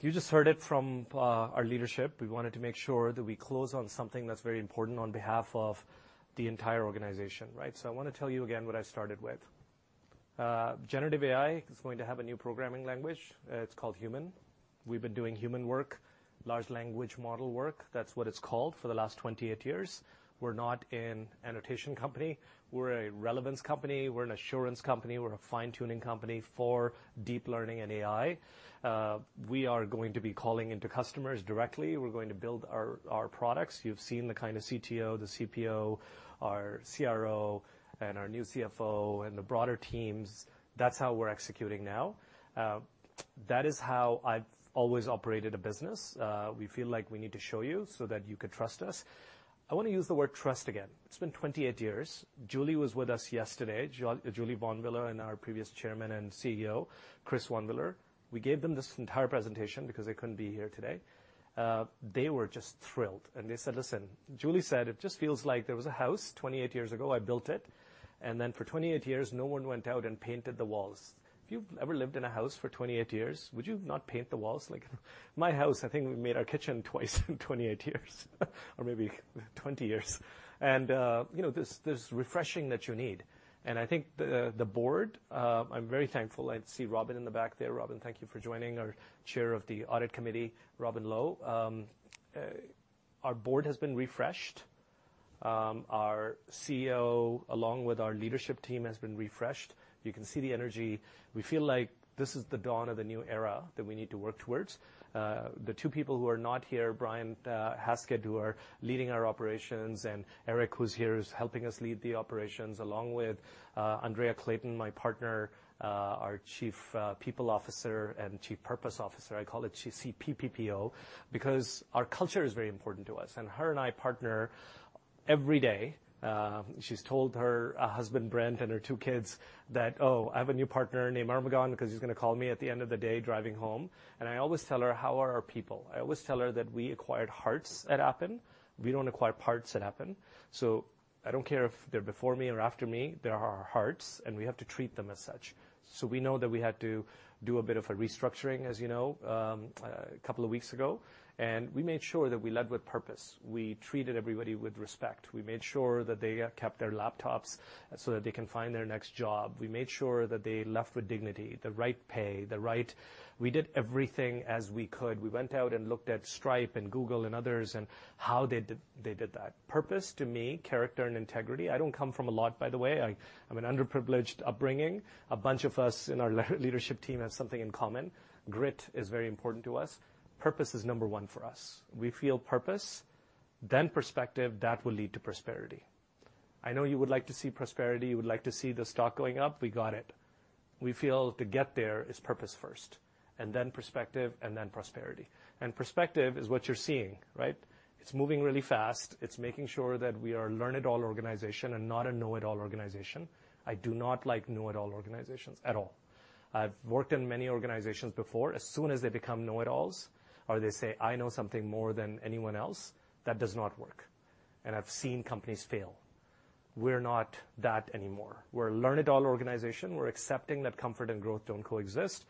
You just heard it from our leadership. We wanted to make sure that we close on something that's very important on behalf of the entire organization, right? I want to tell you again what I started with. Generative AI is going to have a new programming language. It's called Human. We've been doing human work, large language model work, that's what it's called, for the last 28 years. We're not an annotation company, we're a relevance company, we're an assurance company, we're a fine-tuning company for deep learning and AI. We are going to be calling into customers directly. We're going to build our products. You've seen the kind of CTO, the CPO, our CRO, and our new CFO, and the broader teams. That's how we're executing now. That is how I've always operated a business. We feel like we need to show you so that you can trust us. I want to use the word trust again. It's been 28 years. Julie was with us yesterday, Julie Vonwiller, and our previous Chairman and CEO, Chris Vonwiller. We gave them this entire presentation because they couldn't be here today. They were just thrilled, and they said, "Listen," Julie said, "It just feels like there was a house 28 years ago. I built it, and then for 28 years, no one went out and painted the walls." If you've ever lived in a house for 28 years, would you not paint the walls? Like, my house, I think we made our kitchen twice in 28 years, or maybe 20 years. You know, there's refreshing that you need, and I think the board, I'm very thankful. I see Robin in the back there. Robin, thank you for joining. Our Chair of the Audit Committee, Robin Low. Our board has been refreshed. Our CEO, along with our leadership team, has been refreshed. You can see the energy. We feel like this is the dawn of the new era that we need to work towards. The two people who are not here, Brian Hoskins, who are leading our operations, and Eric, who's here, is helping us lead the operations, along with Andrea Clayton, my partner, our Chief People Officer and Chief Purpose Officer. I call it CPPPPO, because our culture is very important to us, and her and I partner every day. She's told her husband, Brent, and her two kids that, "Oh, I have a new partner named Armughan," because he's gonna call me at the end of the day, driving home. I always tell her, "How are our people?" I always tell her that we acquired hearts at Appen. We don't acquire parts at Appen, so I don't care if they're before me or after me, they're our hearts, and we have to treat them as such. We know that we had to do a bit of a restructuring, as you know, a couple of weeks ago, and we made sure that we led with purpose. We treated everybody with respect. We made sure that they kept their laptops so that they can find their next job. We made sure that they left with dignity, the right pay, the right... We did everything as we could. We went out and looked at Stripe and Google and others and how they did that. Purpose, to me, character and integrity. I don't come from a lot, by the way. I'm an underprivileged upbringing. A bunch of us in our leadership team have something in common. Grit is very important to us. Purpose is number one for us. We feel purpose, then perspective, that will lead to prosperity. I know you would like to see prosperity, you would like to see the stock going up. We got it. We feel to get there is purpose first, and then perspective, and then prosperity. Perspective is what you're seeing, right? It's moving really fast. It's making sure that we are learn-it-all organization and not a know-it-all organization. I do not like know-it-all organizations at all. I've worked in many organizations before. As soon as they become know-it-alls, or they say, "I know something more than anyone else," that does not work, and I've seen companies fail. We're not that anymore. We're a learn-it-all organization. We're accepting that comfort and growth don't coexist.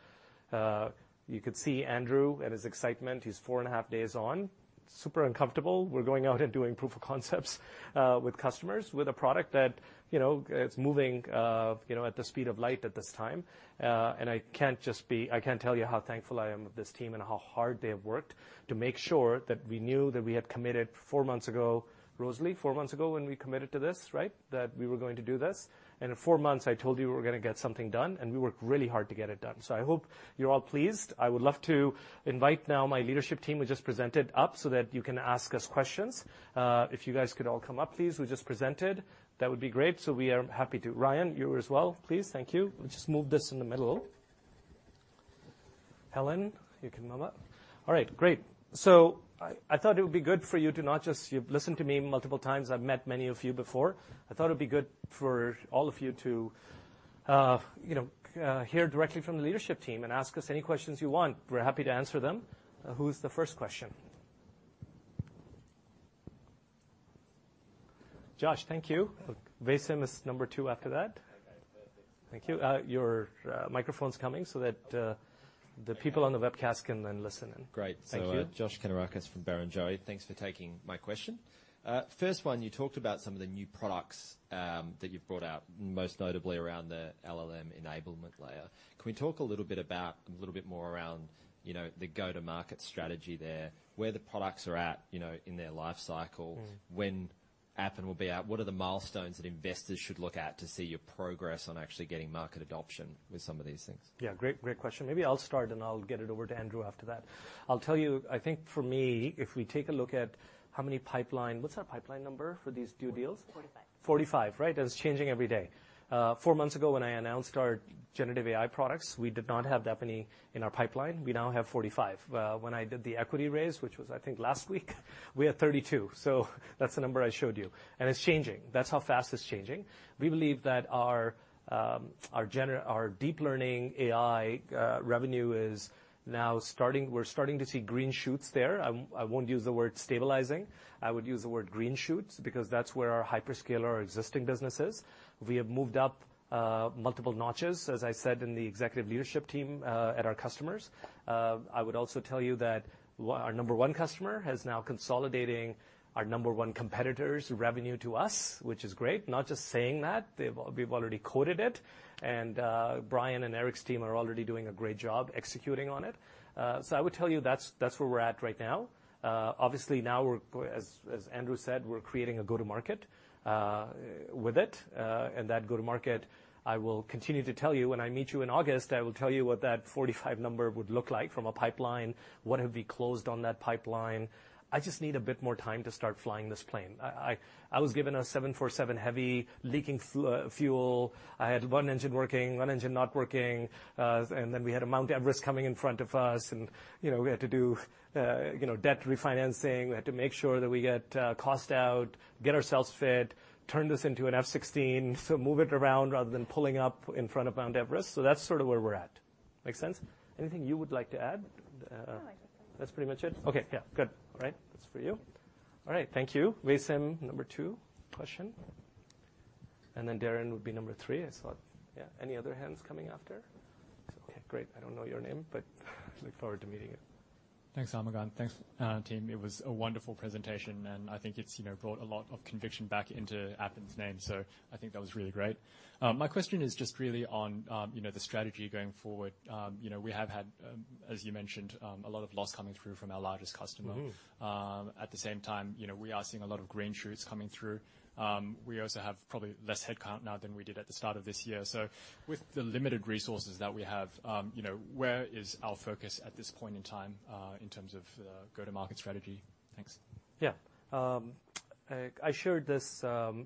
You could see Andrew and his excitement. He's four and a half days on, super uncomfortable. We're going out and doing proof of concepts with customers, with a product that, you know, it's moving, you know, at the speed of light at this time. And I can't tell you how thankful I am of this team and how hard they have worked to make sure that we knew that we had committed four months ago, Rosalie, four months ago when we committed to this, right? That we were going to do this. In four months, I told you we were gonna get something done, and we worked really hard to get it done. I hope you're all pleased. I would love to invite now my leadership team who just presented up so that you can ask us questions. If you guys could all come up, please, who just presented, that would be great. We are happy to. Ryan, you as well, please. Thank you. We'll just move this in the middle. Helen, you can come up. All right, great. I thought it would be good for you to not just. You've listened to me multiple times. I've met many of you before. I thought it'd be good for all of you to, you know, hear directly from the leadership team and ask us any questions you want. We're happy to answer them. Who's the first question? Josh, thank you. Bassem is number two after that. Okay, perfect. Thank you. Your microphone's coming so that the people on the webcast can then listen in. Great. Thank you. Josh Kannourakis from Barrenjoey. Thanks for taking my question. First one, you talked about some of the new products that you've brought out, most notably around the LLM enablement layer. Can we talk a little bit about, a little bit more around, you know, the go-to-market strategy there, where the products are at, you know, in their life cycle? Mm. When Appen will be out? What are the milestones that investors should look at to see your progress on actually getting market adoption with some of these things? Yeah, great question. Maybe I'll start, and I'll get it over to Andrew after that. I'll tell you, I think for me, if we take a look at What's our pipeline number for these due deals? Forty-five. 45, right. It's changing every day. Four months ago, when I announced our generative AI products, we did not have that many in our pipeline. We now have 45. When I did the equity raise, which was, I think, last week, we had 32. That's the number I showed you. It's changing. That's how fast it's changing. We believe that our deep learning AI revenue is now starting to see green shoots there. I won't use the word stabilizing. I would use the word green shoots, because that's where our hyperscaler, our existing business is. We have moved up multiple notches, as I said, in the executive leadership team at our customers. I would also tell you that our number one customer has now consolidating our number one competitor's revenue to us, which is great. Not just saying that, they've, we've already quoted it, Brian and Eric's team are already doing a great job executing on it. I would tell you that's where we're at right now. Obviously, now we're, as Andrew said, we're creating a go-to-market with it. That go-to-market, I will continue to tell you, when I meet you in August, I will tell you what that 45 number would look like from a pipeline, what have we closed on that pipeline. I just need a bit more time to start flying this plane. I was given a 747 heavy, leaking fuel. I had one engine working, one engine not working. Then we had a Mount Everest coming in front of us, and, you know, we had to do, you know, debt refinancing. We had to make sure that we get, cost out, get ourselves fit, turn this into an F-16, so move it around rather than pulling up in front of Mount Everest. That's sort of where we're at. Make sense? Anything you would like to add? No, I... That's pretty much it? Okay. Yeah, good. All right. That's for you. All right. Thank you. Bassem, number two, question. Darren Leung would be number three, I thought. Any other hands coming after? Okay, great. I don't know your name, but look forward to meeting you. Thanks, Armughan. Thanks, team. It was a wonderful presentation, and I think it's, you know, brought a lot of conviction back into Appen's name, so I think that was really great. My question is just really on, you know, the strategy going forward. You know, we have had, as you mentioned, a lot of loss coming through from our largest customer. Mm-hmm. At the same time, you know, we are seeing a lot of green shoots coming through. We also have probably less headcount now than we did at the start of this year. With the limited resources that we have, you know, where is our focus at this point in time, in terms of, go-to-market strategy? Thanks. Yeah. I shared this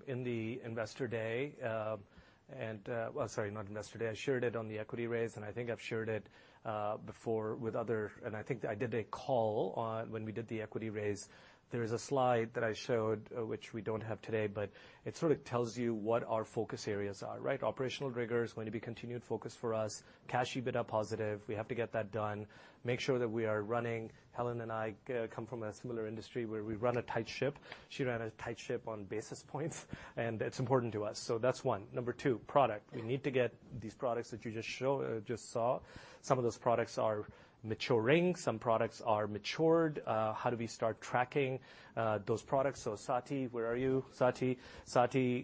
in the investor day. Well, sorry, not investor day. I shared it on the equity raise, and I think I've shared it before with other-. I think I did a call on when we did the equity raise. There is a slide that I showed, which we don't have today, but it sort of tells you what our focus areas are, right? Operational rigor is going to be continued focus for us. Cash EBITDA positive, we have to get that done, make sure that we are running... Helen and I come from a similar industry, where we run a tight ship. She ran a tight ship on basis points, and it's important to us. That's one. Number two, product. We need to get these products that you just show, just saw. Some of those products are maturing, some products are matured. How do we start tracking those products? Saty, where are you? Saty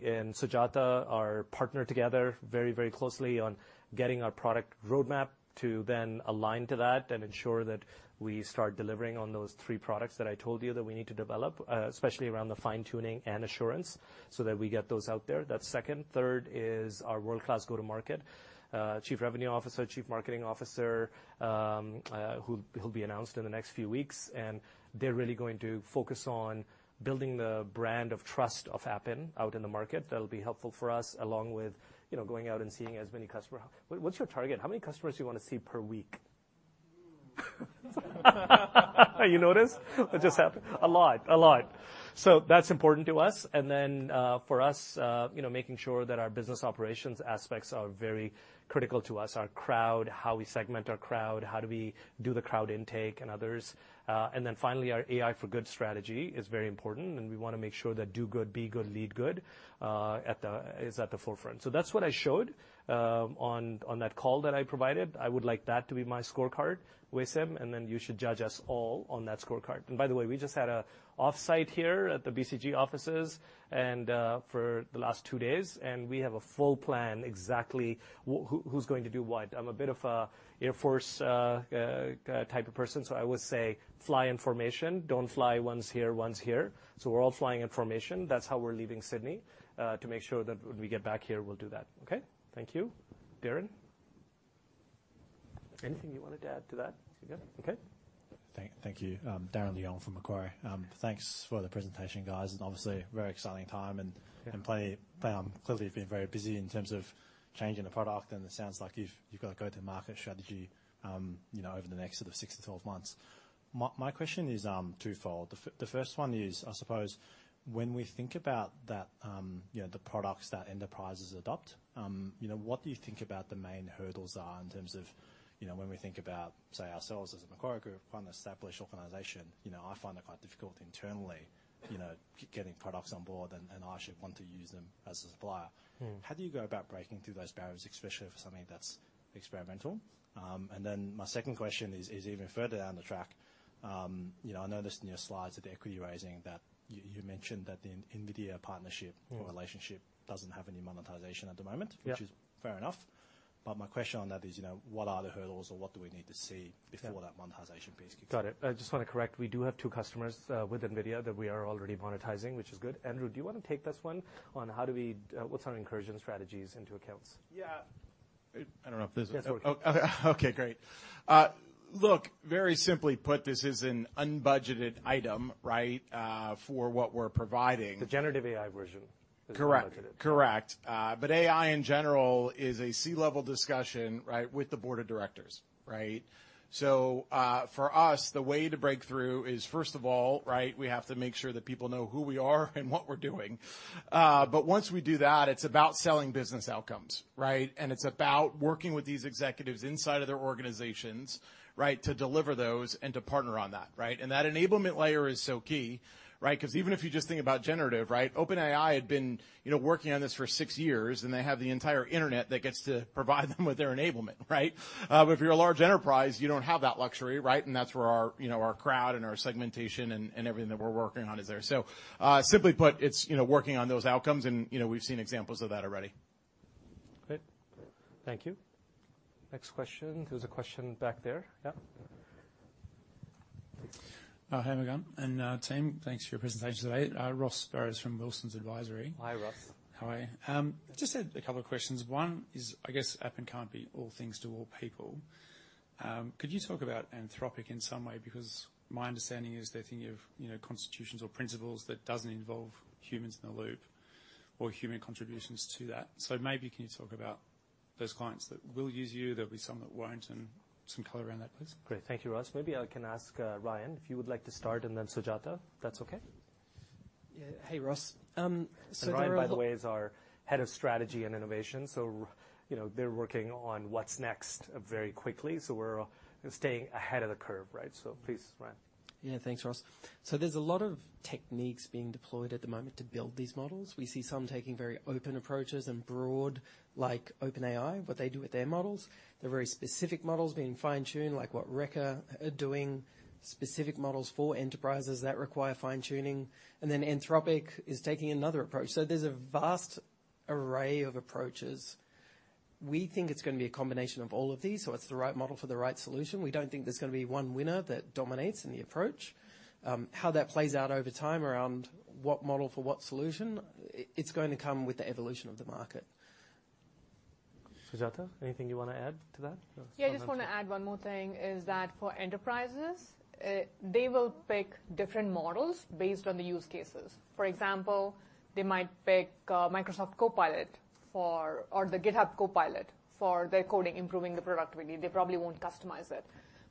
and Sujatha are partnered together very, very closely on getting our product roadmap to then align to that and ensure that we start delivering on those three products that I told you that we need to develop, especially around the fine-tuning and assurance, so that we get those out there. That's second. Third is our world-class go-to-market. Chief Revenue Officer, Chief Marketing Officer, who, he'll be announced in the next few weeks, and they're really going to focus on building the brand of trust of Appen out in the market. That'll be helpful for us, along with, you know, going out and seeing as many customer... What's your target? How many customers do you want to see per week? You notice? It just happened. A lot. A lot. That's important to us. Then, for us, you know, making sure that our business operations aspects are very critical to us. Our crowd, how we segment our crowd, how do we do the crowd intake and others. Then finally, our AI for good strategy is very important, and we want to make sure that do good, be good, lead good, is at the forefront. That's what I showed on that call that I provided. I would like that to be my scorecard, Waseem, then you should judge us all on that scorecard. By the way, we just had an offsite here at the BCG offices, for the last two days, and we have a full plan exactly who's going to do what. I'm a bit of a Air Force type of person, so I would say fly in formation. Don't fly one's here, one's here. We're all flying in formation. That's how we're leaving Sydney to make sure that when we get back here, we'll do that. Okay? Thank you. Darren? Anything you wanted to add to that? You're good? Okay. Thank you. Darren Leung from Macquarie. Thanks for the presentation, guys. Obviously, a very exciting time. Yeah. plenty, clearly, you've been very busy in terms of changing the product, and it sounds like you've got a go-to-market strategy, you know, over the next sort of 6 to 12 months. My question is twofold. The first one is, I suppose when we think about that, you know, the products that enterprises adopt, you know, what do you think about the main hurdles are in terms of, you know, when we think about, say, ourselves as a Macquarie Group, quite an established organization, you know, I find it quite difficult internally, you know, getting products on board, and I actually want to use them as a supplier? Mm. How do you go about breaking through those barriers, especially for something that's experimental? My second question is even further down the track. You know, I noticed in your slides at the equity raising that you mentioned that the NVIDIA partnership. Mm Relationship doesn't have any monetization at the moment. Yeah. Which is fair enough. My question on that is, you know, what are the hurdles or what do we need to see. Yeah before that monetization piece kicks in? Got it. I just want to correct, we do have two customers with NVIDIA that we are already monetizing, which is good. Andrew, do you want to take this one on what's our incursion strategies into accounts? Yeah. I don't know if there's. Yes, okay. Oh, okay, great. Look, very simply put, this is an unbudgeted item, right? For what we're providing. The generative AI version is unbudgeted. Correct. Correct. AI, in general, is a C-level discussion, right, with the board of directors, right? For us, the way to break through is, first of all, right, we have to make sure that people know who we are and what we're doing. Once we do that, it's about selling business outcomes, right? It's about working with these executives inside of their organizations, right, to deliver those and to partner on that, right? That enablement layer is so key, right? Because even if you just think about generative, right, OpenAI had been, you know, working on this for six years, and they have the entire internet that gets to provide them with their enablement, right? If you're a large enterprise, you don't have that luxury, right? That's where our, you know, our crowd and our segmentation and everything that we're working on is there. Simply put, it's, you know, working on those outcomes and, you know, we've seen examples of that already. Great. Thank you. Next question. There's a question back there. Yeah. Hi, Armughan and team. Thanks for your presentation today. Ross Barrows from Wilsons Advisory. Hi, Ross. How are you? Just had a couple of questions. One is, I guess Appen can't be all things to all people. Could you talk about Anthropic in some way? My understanding is they're thinking of, you know, constitutions or principles that doesn't involve humans in the loop or human contributions to that. Maybe can you talk about those clients that will use you, there'll be some that won't, and some color around that, please. Great. Thank you, Ross. Maybe I can ask Ryan, if you would like to start, and then Sujatha, if that's okay? Yeah. Hey, Ross. Ryan, by the way, is our head of strategy and innovation. You know, they're working on what's next, very quickly. We're staying ahead of the curve, right? Please, Ryan. Yeah, thanks, Ross. There's a lot of techniques being deployed at the moment to build these models. We see some taking very open approaches and broad, like OpenAI, what they do with their models. They're very specific models being fine-tuned, like what Reka are doing, specific models for enterprises that require fine-tuning. Anthropic is taking another approach. There's a vast array of approaches. We think it's gonna be a combination of all of these, so it's the right model for the right solution. We don't think there's gonna be one winner that dominates in the approach. How that plays out over time around what model for what solution, it's going to come with the evolution of the market. Sujatha, anything you wanna add to that? Yeah, I just want to add one more thing, is that for enterprises, they will pick different models based on the use cases. For example, they might pick Microsoft Copilot or the GitHub Copilot for their coding, improving the productivity. They probably won't customize it,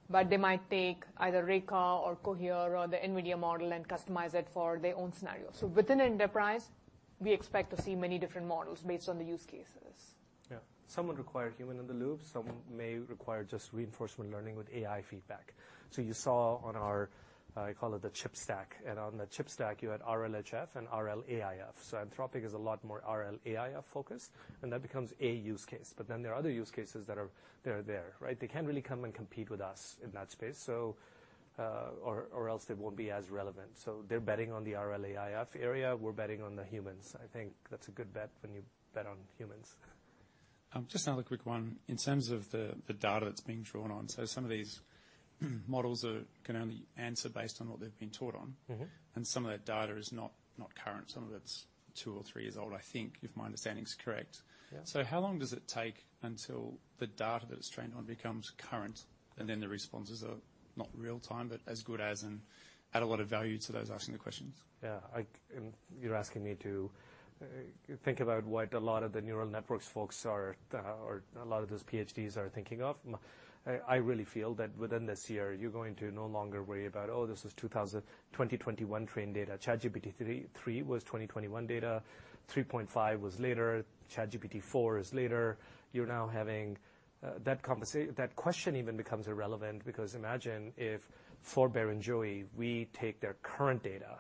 but they might take either Reka or Cohere or the NVIDIA model and customize it for their own scenario. Within enterprise, we expect to see many different models based on the use cases. Yeah. Some would require human in the loop, some may require just reinforcement learning with AI feedback. You saw on our, I call it the chip stack, and on the chip stack, you had RLHF and RLAIF. Anthropic is a lot more RLAIF focused, and that becomes a use case. There are other use cases that are there, right? They can't really come and compete with us in that space, or else they won't be as relevant. They're betting on the RLAIF area, we're betting on the humans. I think that's a good bet when you bet on humans. Just another quick one. In terms of the data that's being drawn on, some of these models can only answer based on what they've been taught on. Mm-hmm. Some of that data is not current. Some of it's two or three years old, I think, if my understanding is correct. Yeah. How long does it take until the data that it's trained on becomes current, and then the responses are not real time, but as good as, and add a lot of value to those asking the questions? Yeah, I... you're asking me to think about what a lot of the neural networks folks are, or a lot of those PhDs are thinking of. I really feel that within this year, you're going to no longer worry about, Oh, this is 2021 train data. ChatGPT 3 was 2021 data, 3.5 was later, ChatGPT 4 is later. You're now having that question even becomes irrelevant because imagine if, for Barrenjoey, we take their current data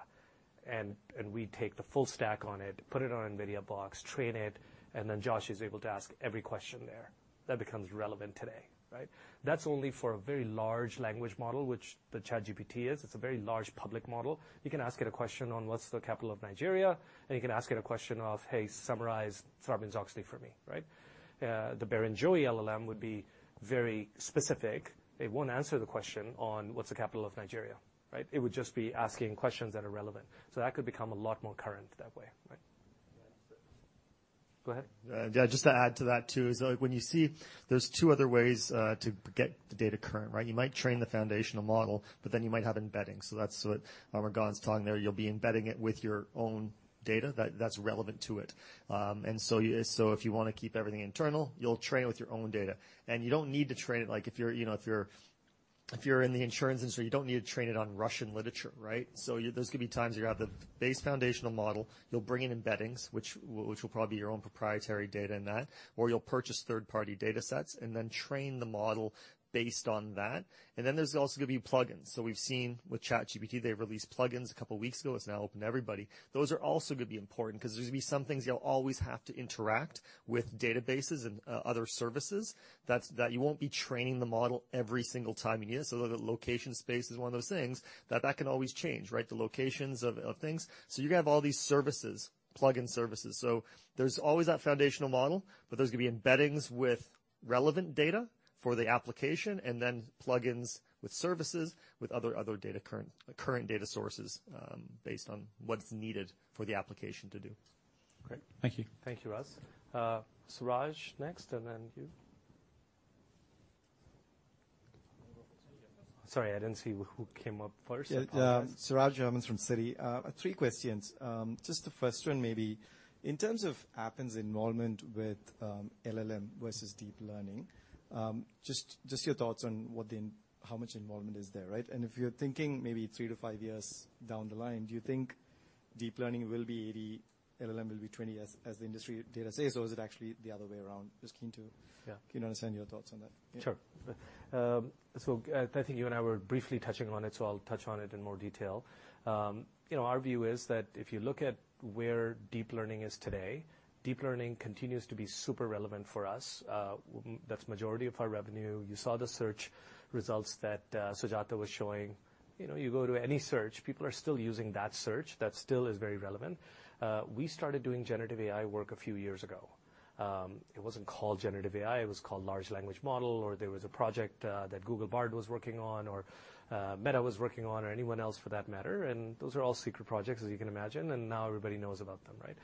and we take the full stack on it, put it on an NVIDIA box, train it, and then Josh is able to ask every question there. That becomes relevant today, right? That's only for a very large language model, which the ChatGPT is. It's a very large public model. You can ask it a question on what's the capital of Nigeria, and you can ask it a question of, "Hey, summarize Tharman Shanmugaratnam for me," right? The Barrenjoey LLM would be very specific. It won't answer the question on: What's the capital of Nigeria, right? It would just be asking questions that are relevant. That could become a lot more current that way, right? Yeah. Go ahead. Yeah, just to add to that, too, is, like, when you see there's two other ways to get the data current, right? You might train the foundational model, but then you might have embedding. That's what RAG's talking there. You'll be embedding it with your own data that's relevant to it. If you wanna keep everything internal, you'll train it with your own data. You don't need to train it, like, if you're, you know, in the insurance industry, you don't need to train it on Russian literature, right? There's gonna be times you have the base foundational model, you'll bring in embeddings, which will probably be your own proprietary data in that, or you'll purchase third-party datasets and then train the model based on that. Then there's also gonna be plugins. We've seen with ChatGPT, they've released plugins a couple of weeks ago, it's now open to everybody. Those are also gonna be important 'cause there's gonna be some things you'll always have to interact with databases and other services, that you won't be training the model every single time you use. The location space is one of those things that can always change, right? The locations of things. You're gonna have all these services, plugin services. There's always that foundational model, but there's gonna be embeddings with relevant data for the application, and then plugins with services, with other data current data sources, based on what's needed for the application to do. Great. Thank you. Thank you, Ross. Suraj, next, and then you. Sorry, I didn't see who came up first. Yeah, Suraj Nebhani from Citi. Three questions. Just the first one, maybe. In terms of Appen's involvement with LLM versus deep learning, just your thoughts on how much involvement is there, right? If you're thinking maybe three to five years down the line, do you think deep learning will be 80, LLM will be 20 as the industry data says, or is it actually the other way around? Just keen to- Yeah. Keen to understand your thoughts on that. Sure. I think you and I were briefly touching on it, so I'll touch on it in more detail. You know, our view is that if you look at where deep learning is today, deep learning continues to be super relevant for us. That's majority of our revenue. You saw the search results that Sujatha was showing. You know, you go to any search, people are still using that search. That still is very relevant. We started doing generative AI work a few years ago. It wasn't called generative AI, it was called large language model, or there was a project that Google Bard was working on, or Meta was working on, or anyone else, for that matter. Those are all secret projects, as you can imagine, and now everybody knows about them, right?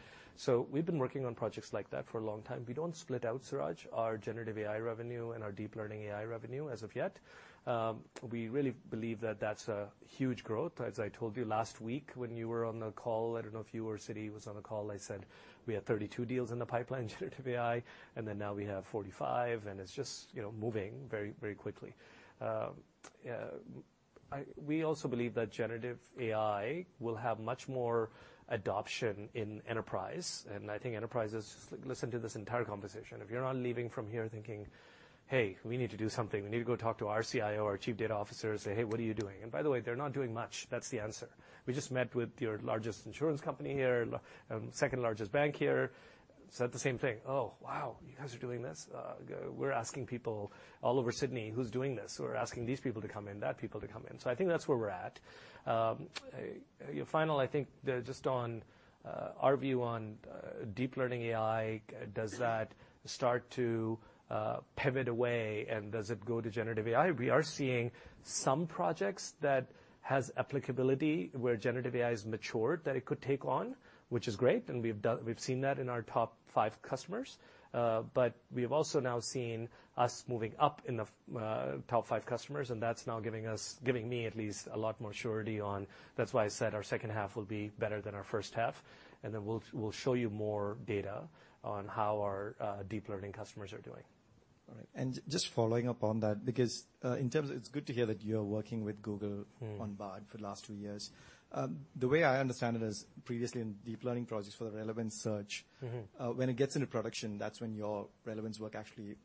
We've been working on projects like that for a long time. We don't split out, Suraj, our generative AI revenue and our deep learning AI revenue as of yet. We really believe that that's a huge growth. As I told you last week when you were on the call, I don't know if you or Citi was on the call, I said we had 32 deals in the pipeline, generative AI, and then now we have 45, and it's just, you know, moving very, very quickly. We also believe that generative AI will have much more adoption in enterprise, and I think enterprises. Listen to this entire conversation. If you're not leaving from here thinking: Hey, we need to do something. We need to go talk to our CIO or chief data officer and say, "Hey, what are you doing?" By the way, they're not doing much. That's the answer. We just met with your largest insurance company here, second largest bank here, said the same thing: "Oh, wow, you guys are doing this? We're asking people all over Sydney who's doing this. We're asking these people to come in, that people to come in." I think that's where we're at. Yeah, final, I think, just on our view on deep learning AI, does that start to pivot away, and does it go to generative AI? We are seeing some projects that has applicability where generative AI has matured, that it could take on, which is great, and we've seen that in our top five customers. We've also now seen us moving up in the top five customers, and that's now giving us, giving me at least, a lot more surety on. That's why I said our second half will be better than our first half, and then we'll show you more data on how our deep learning customers are doing. All right, just following up on that, because, in terms of... It's good to hear that you're working with Google... Mm. -on Bard for the last two years. The way I understand it is, previously in deep learning projects for the relevant search. Mm-hmm. When it gets into production, that's when your relevance work actually,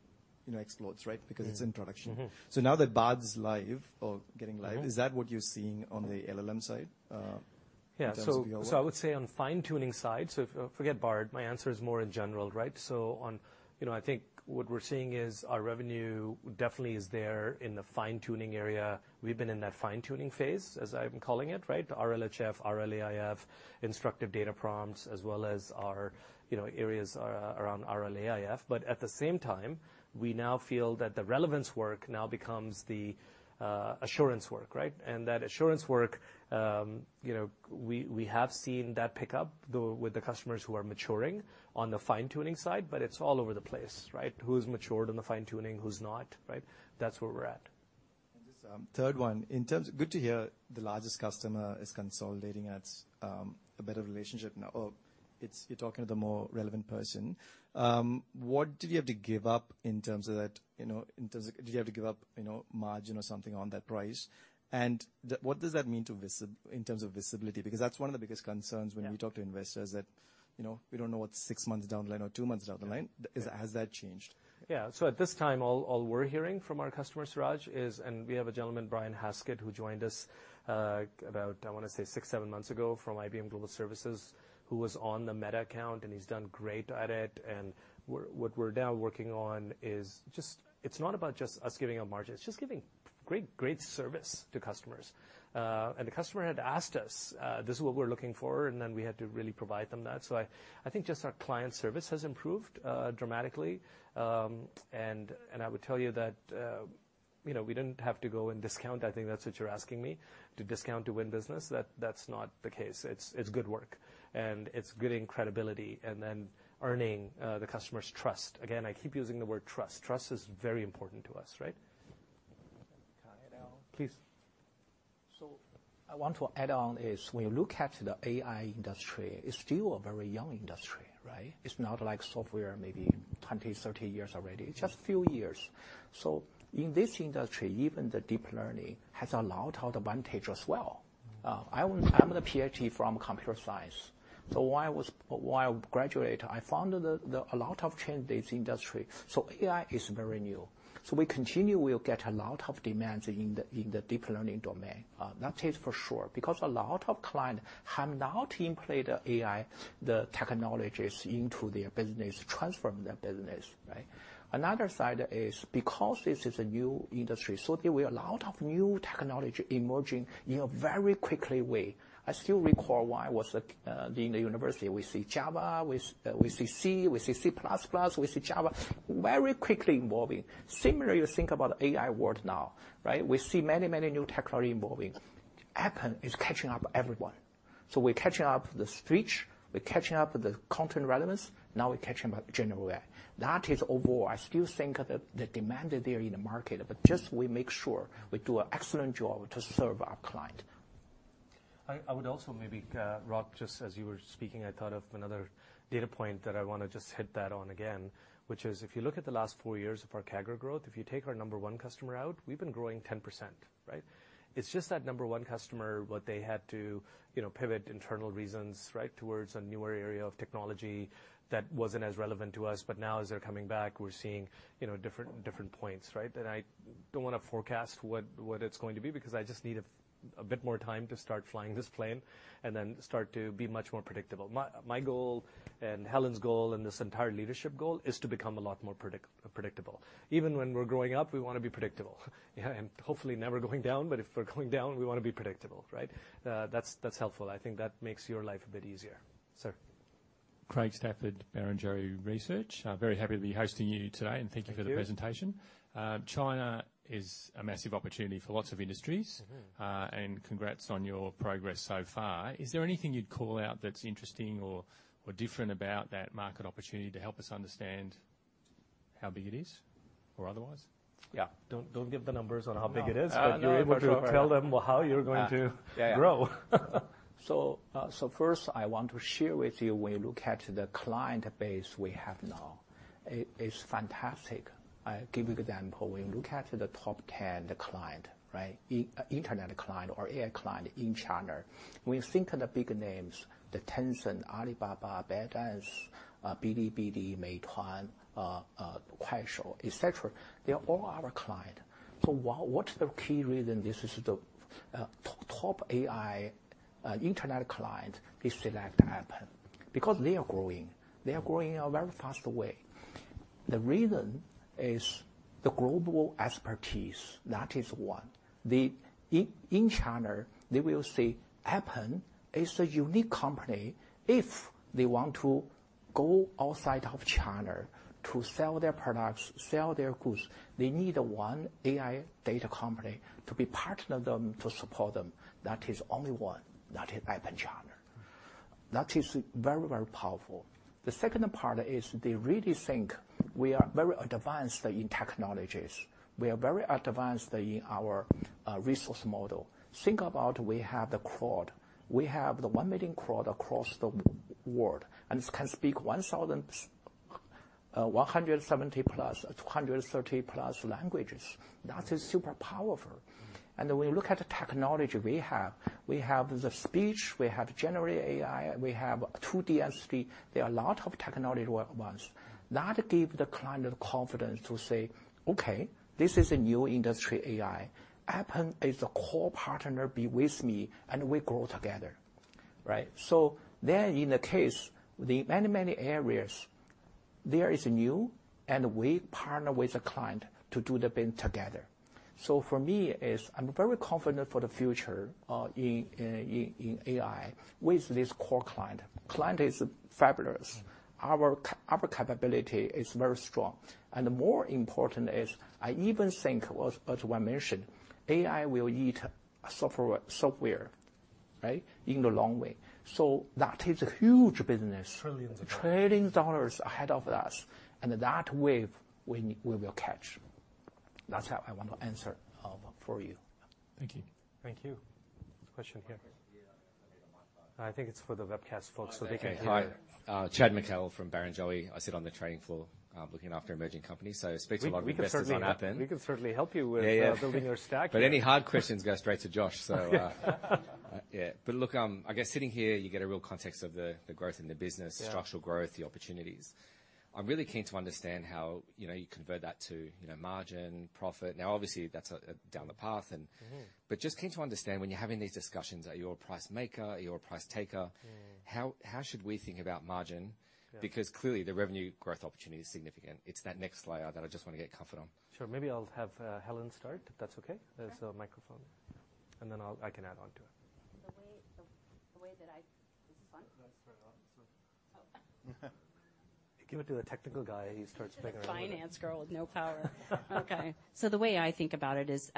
you know, explodes, right? Mm. Because it's in production. Mm-hmm. Now that Bard's live or getting live. Mm-hmm. Is that what you're seeing on the LLM side, in terms of your work? Yeah. I would say on fine-tuning side, so if forget Bard, my answer is more in general, right? You know, I think what we're seeing is our revenue definitely is there in the fine-tuning area. We've been in that fine-tuning phase, as I've been calling it, right? RLHF, RLAIF, instructive data prompts, as well as our, you know, areas around RLAIF. At the same time, we now feel that the relevance work now becomes the assurance work, right? That assurance work, you know, we have seen that pick up with the customers who are maturing on the fine-tuning side, but it's all over the place, right? Who's matured on the fine-tuning, who's not, right? That's where we're at. This third one. Good to hear the largest customer is consolidating at a better relationship now, or you're talking to the more relevant person. What did you have to give up in terms of that, you know? Did you have to give up, you know, margin or something on that price? What does that mean in terms of visibility? Because that's one of the biggest concerns? Yeah When we talk to investors, that, you know, we don't know what's six months down the line or two months down the line. Yeah. Has that changed? At this time, all we're hearing from our customers, Suraj. We have a gentleman, Brian Hoskins, who joined us about, I wanna say, six, seven months ago from IBM Global Services, who was on the Meta account, and he's done great at it. What we're now working on is just, it's not about just us giving up margins, it's just giving great service to customers. The customer had asked us, "This is what we're looking for," we had to really provide them that. I think just our client service has improved dramatically. And I would tell you that, you know, we didn't have to go and discount. I think that's what you're asking me, to discount to win business. That's not the case. It's good work, and it's getting credibility, and then earning the customer's trust. Again, I keep using the word trust. Trust is very important to us, right? Can I add on? Please. I want to add on is, when you look at the AI industry, it's still a very young industry, right? It's not like software, maybe 20, 30 years already. It's just few years. In this industry, even the deep learning has a lot of advantage as well. I'm a PhD from computer science, while I was, while graduate, I found a lot of trends in this industry. AI is very new, we continue, we'll get a lot of demands in the deep learning domain. That is for sure, because a lot of client have now employed AI, the technologies, into their business, transforming their business, right? Another side is because this is a new industry, there were a lot of new technology emerging in a very quickly way. I still recall when I was a in the university, we see Java, we see C, we see C++, we see Java very quickly evolving. Similarly, you think about AI world now, right? We see many, many new technology evolving. Appen is catching up everyone. We're catching up the speech, we're catching up the content relevance, now we're catching up generative AI. That is overall, I still think the demand is there in the market, but just we make sure we do an excellent job to serve our client. I would also maybe, Rob, just as you were speaking, I thought of another data point that I wanna just hit that on again, which is, if you look at the last four years of our CAGR growth, if you take our number one customer out, we've been growing 10%, right? It's just that number one customer, what they had to, you know, pivot internal reasons, right, towards a newer area of technology that wasn't as relevant to us. Now as they're coming back, we're seeing, you know, different points, right? I don't wanna forecast what it's going to be, because I just need a bit more time to start flying this plane, and then start to be much more predictable. My goal and Helen's goal, and this entire leadership goal, is to become a lot more predictable. Even when we're growing up, we wanna be predictable, yeah, and hopefully never going down. If we're going down, we wanna be predictable, right? That's helpful. I think that makes your life a bit easier. Sir? Craig Stafford, Barrenjoey Research. Very happy to be hosting you today, and thank you. Thank you. -for the presentation. China is a massive opportunity for lots of industries- Mm-hmm. Congrats on your progress so far. Is there anything you'd call out that's interesting or different about that market opportunity, to help us understand how big it is or otherwise? Yeah. Don't give the numbers on how big it is. No, no. You're able to tell them how you're going to. Yeah -grow. First I want to share with you, when you look at the client base we have now, it is fantastic. I'll give you example. When you look at the top 10, the client, right, internet client or AI client in China, when you think of the big names, Tencent, Alibaba, ByteDance, Bilibili, Meituan, Kuaishou, et cetera, they're all our client. What's the key reason this is the top AI internet client they select Appen? Because they are growing. They are growing in a very fast way. The reason is the global expertise. That is one. In China, they will say Appen is a unique company. If they want to go outside of China to sell their products, sell their goods, they need one AI data company to be partner them, to support them. That is only one. That is Appen China. That is very, very powerful. The second part is they really think we are very advanced in technologies. We are very advanced in our resource model. Think about we have the crowd. We have the one million crowd across the world, and can speak 1,170+, 230+ languages. That is super powerful. When you look at the technology we have, we have the speech, we have generative AI, we have two DSP. There are a lot of technology ones. That give the client the confidence to say, "Okay, this is a new industry, AI. Appen is a core partner, be with me, and we grow together," right? In the case, the many, many areas, there is new, and we partner with the client to do the thing together. For me, is I'm very confident for the future, in AI with this core client. Client is fabulous. Mm. Our capability is very strong, and more important is I even think, as I mentioned, AI will eat software, right? In the long way. That is a huge business. Trillions. trillions dollars ahead of us, that wave, we will catch. That's how I want to answer for you. Thank you. Thank you. Question here. Yeah, I need a microphone. I think it's for the webcast folks, so they can hear. Hi. Chad Mikhael from Barrenjoey. I sit on the trading floor, looking after emerging companies, so I speak to a lot of investors on Appen. We can certainly help you. Yeah, yeah.... building your stack. Any hard questions go straight to Josh. Yeah. Look, I guess sitting here, you get a real context of the growth in the business. Yeah... structural growth, the opportunities. I'm really keen to understand how, you know, you convert that to, you know, margin, profit. Obviously, that's down the path. Mm-hmm Just keen to understand, when you're having these discussions, are you a price maker? Are you a price taker? Mm. How should we think about margin? Yeah. Clearly the revenue growth opportunity is significant. It's that next layer that I just want to get comfort on. Sure. Maybe I'll have Helen start, if that's okay. Okay. There's a microphone, and then I can add on to it. The way. This is on? Let's start off. Oh. Give it to a technical guy, he starts figuring-. Finance girl with no power. Okay. The way I think about it is,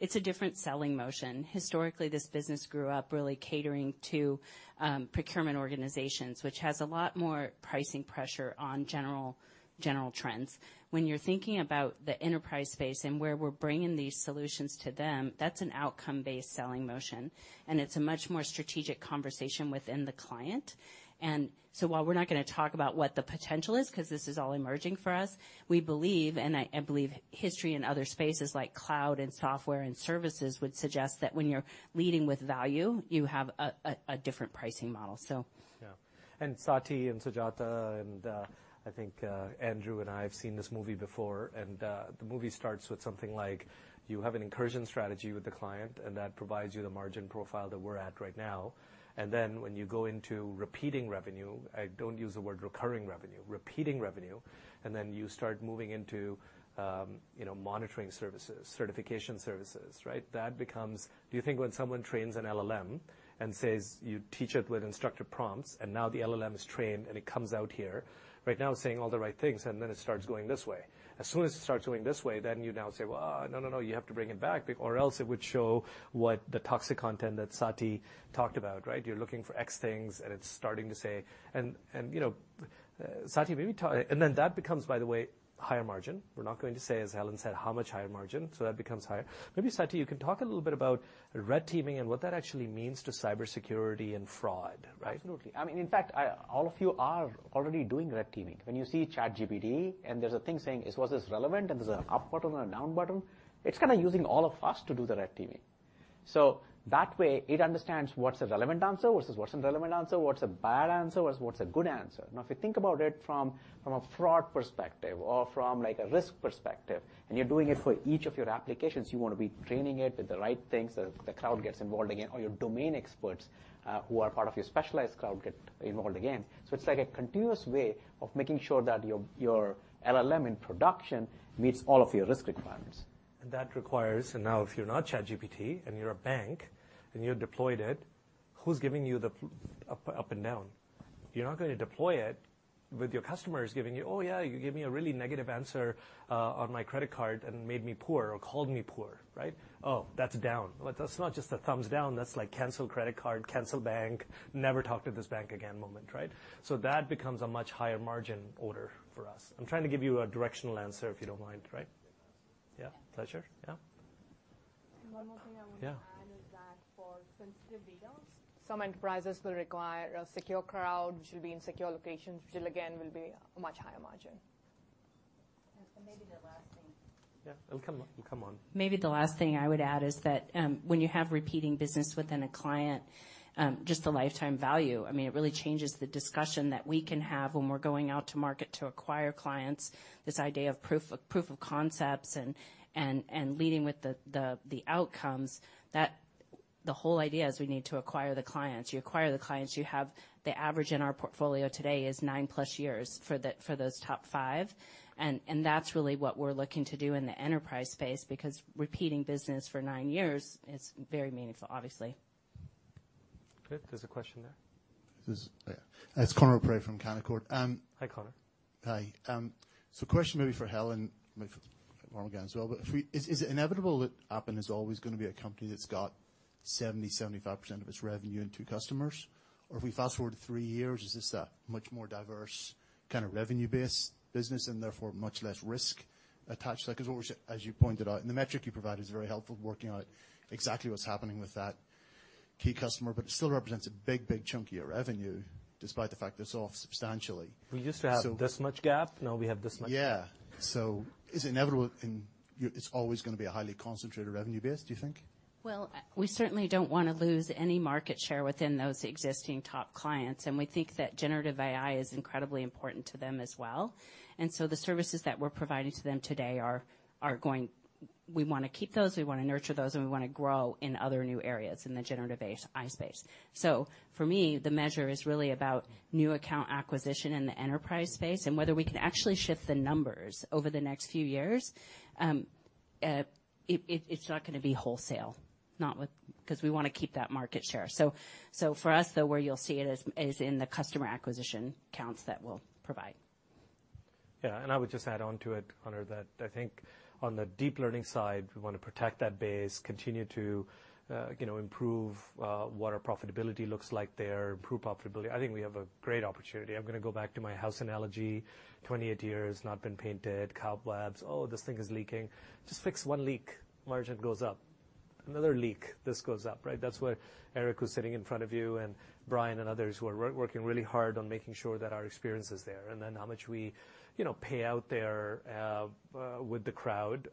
it's a different selling motion. Historically, this business grew up really catering to procurement organizations, which has a lot more pricing pressure on general trends. When you're thinking about the enterprise space and where we're bringing these solutions to them, that's an outcome-based selling motion, and it's a much more strategic conversation within the client. While we're not gonna talk about what the potential is, 'cause this is all emerging for us, we believe, I believe history in other spaces like cloud and software and services, would suggest that when you're leading with value, you have a different pricing model. Yeah. Saty and Sujatha and, I think, Andrew and I have seen this movie before. The movie starts with something like: You have an incursion strategy with the client, that provides you the margin profile that we're at right now. Then, when you go into repeating revenue, I don't use the word recurring revenue, repeating revenue, then you start moving into, you know, monitoring services, certification services, right? Do you think when someone trains an LLM and says you teach it with instructor prompts, now the LLM is trained, it comes out here, right now it's saying all the right things, then it starts going this way? As soon as it starts going this way, then you now say, "Well, no, no, you have to bring it back," or else it would show what the toxic content that Saty talked about, right? You're looking for X things, and it's starting to say... You know, Saty, maybe. That becomes, by the way, higher margin. We're not going to say, as Helen said, how much higher margin, that becomes higher. Maybe, Saty, you can talk a little bit about Red Teaming and what that actually means to cybersecurity and fraud, right? Absolutely. I mean, in fact, all of you are already doing red teaming. When you see ChatGPT, there's a thing saying, "Was this relevant?" There's an up button and a down button, it's kind of using all of us to do the red teaming. That way, it understands what's a relevant answer versus what's irrelevant answer, what's a bad answer versus what's a good answer. If you think about it from a fraud perspective or from, like, a risk perspective, and you're doing it for each of your applications, you want to be training it with the right things. The cloud gets involved again, or your domain experts, who are part of your specialized cloud, get involved again. It's like a continuous way of making sure that your LLM in production meets all of your risk requirements. That requires. Now, if you're not ChatGPT, and you're a bank, and you've deployed it, who's giving you the up and down? You're not gonna deploy it with your customers giving you, "Oh, yeah, you gave me a really negative answer on my credit card and made me poor or called me poor," right? "Oh, that's down." That's not just a thumbs down. That's like cancel credit card, cancel bank, never talk to this bank again moment, right? That becomes a much higher margin order for us. I'm trying to give you a directional answer, if you don't mind, right? Yeah. Yeah. Pleasure. Yeah. One more thing I. Yeah... to add is that for sensitive data, some enterprises will require a secure crowd, which will be in secure locations, which again, will be a much higher margin. Yes, Amit? Yeah, and come on, come on. Maybe the last thing I would add is that, when you have repeating business within a client, just the lifetime value, I mean, it really changes the discussion that we can have when we're going out to market to acquire clients. This idea of proof of concepts and leading with the outcomes, the whole idea is we need to acquire the clients. You acquire the clients, you have. The average in our portfolio today is 9+ years for those top five, and that's really what we're looking to do in the enterprise space, because repeating business for nine years is very meaningful, obviously. Good. There's a question there. It's Conor O'Prey from Canaccord. Hi, Conor. Hi. Question maybe for Helen, maybe for Armughan as well. If it inevitable that Appen is always gonna be a company that's got 70%, 75% of its revenue in two customers? If we fast-forward three years, is this a much more diverse kind of revenue base business and therefore much less risk attached to that? Obviously, as you pointed out, and the metric you provided is very helpful, working out exactly what's happening with that key customer, but it still represents a big, big chunk of your revenue, despite the fact that it's off substantially. We used to have this much gap, now we have this much. Yeah. Is it inevitable and it's always gonna be a highly concentrated revenue base, do you think? We certainly don't wanna lose any market share within those existing top clients, and we think that generative AI is incredibly important to them as well. The services that we're providing to them today, we wanna keep those, we wanna nurture those, and we wanna grow in other new areas in the generative AI space. For me, the measure is really about new account acquisition in the enterprise space and whether we can actually shift the numbers over the next few years. It's not gonna be wholesale. 'Cause we wanna keep that market share. For us, though, where you'll see it is in the customer acquisition counts that we'll provide. I would just add on to it, Conor, that I think on the deep learning side, we wanna protect that base, continue to, you know, improve what our profitability looks like there, improve profitability. I think we have a great opportunity. I'm gonna go back to my house analogy, 28 years, not been painted, cobwebs. Oh, this thing is leaking. Just fix one leak, margin goes up. Another leak, this goes up, right? That's where Eric, who's sitting in front of you, and Brian and others who are working really hard on making sure that our experience is there, and then how much we, you know, pay out there with the crowd.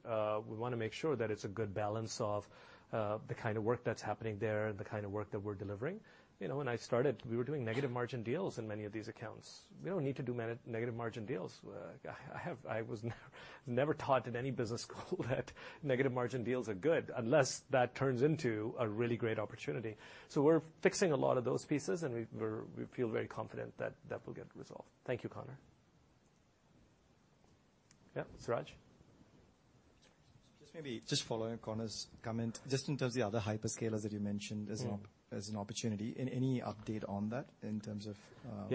We wanna make sure that it's a good balance of the kind of work that's happening there and the kind of work that we're delivering. You know, when I started, we were doing negative margin deals in many of these accounts. We don't need to do negative margin deals. I was never taught in any business school that negative margin deals are good, unless that turns into a really great opportunity. We're fixing a lot of those pieces, and we feel very confident that that will get resolved. Thank you, Conor. Yeah, Suraj? Just maybe, just following Conor's comment, just in terms of the other hyperscalers that you mentioned as. Mm. -as an opportunity, any update on that in terms of?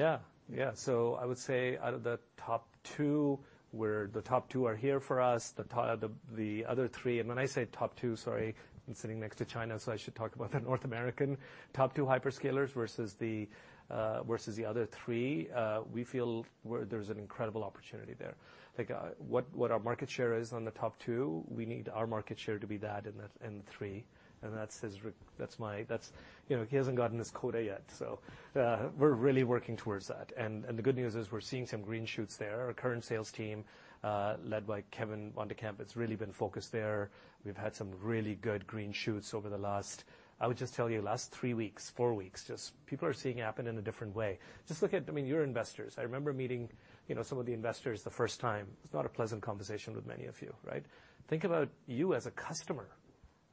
Yeah, yeah. I would say out of the top two, where the top two are here for us, the other three... When I say top two, sorry, I'm sitting next to China, so I should talk about the North American top two hyperscalers versus the versus the other three. We feel there's an incredible opportunity there. I think, what our market share is on the top two, we need our market share to be that in the, in the three, that's my... That's, you know, he hasn't gotten his quota yet, we're really working towards that. The good news is we're seeing some green shoots there. Our current sales team, led by Kevin van Kempen, has really been focused there. We've had some really good green shoots over the last, I would just tell you, last three weeks, four weeks, just people are seeing Appen in a different way. Just look at, I mean, your investors. I remember meeting, you know, some of the investors the first time. It's not a pleasant conversation with many of you, right? Think about you as a customer,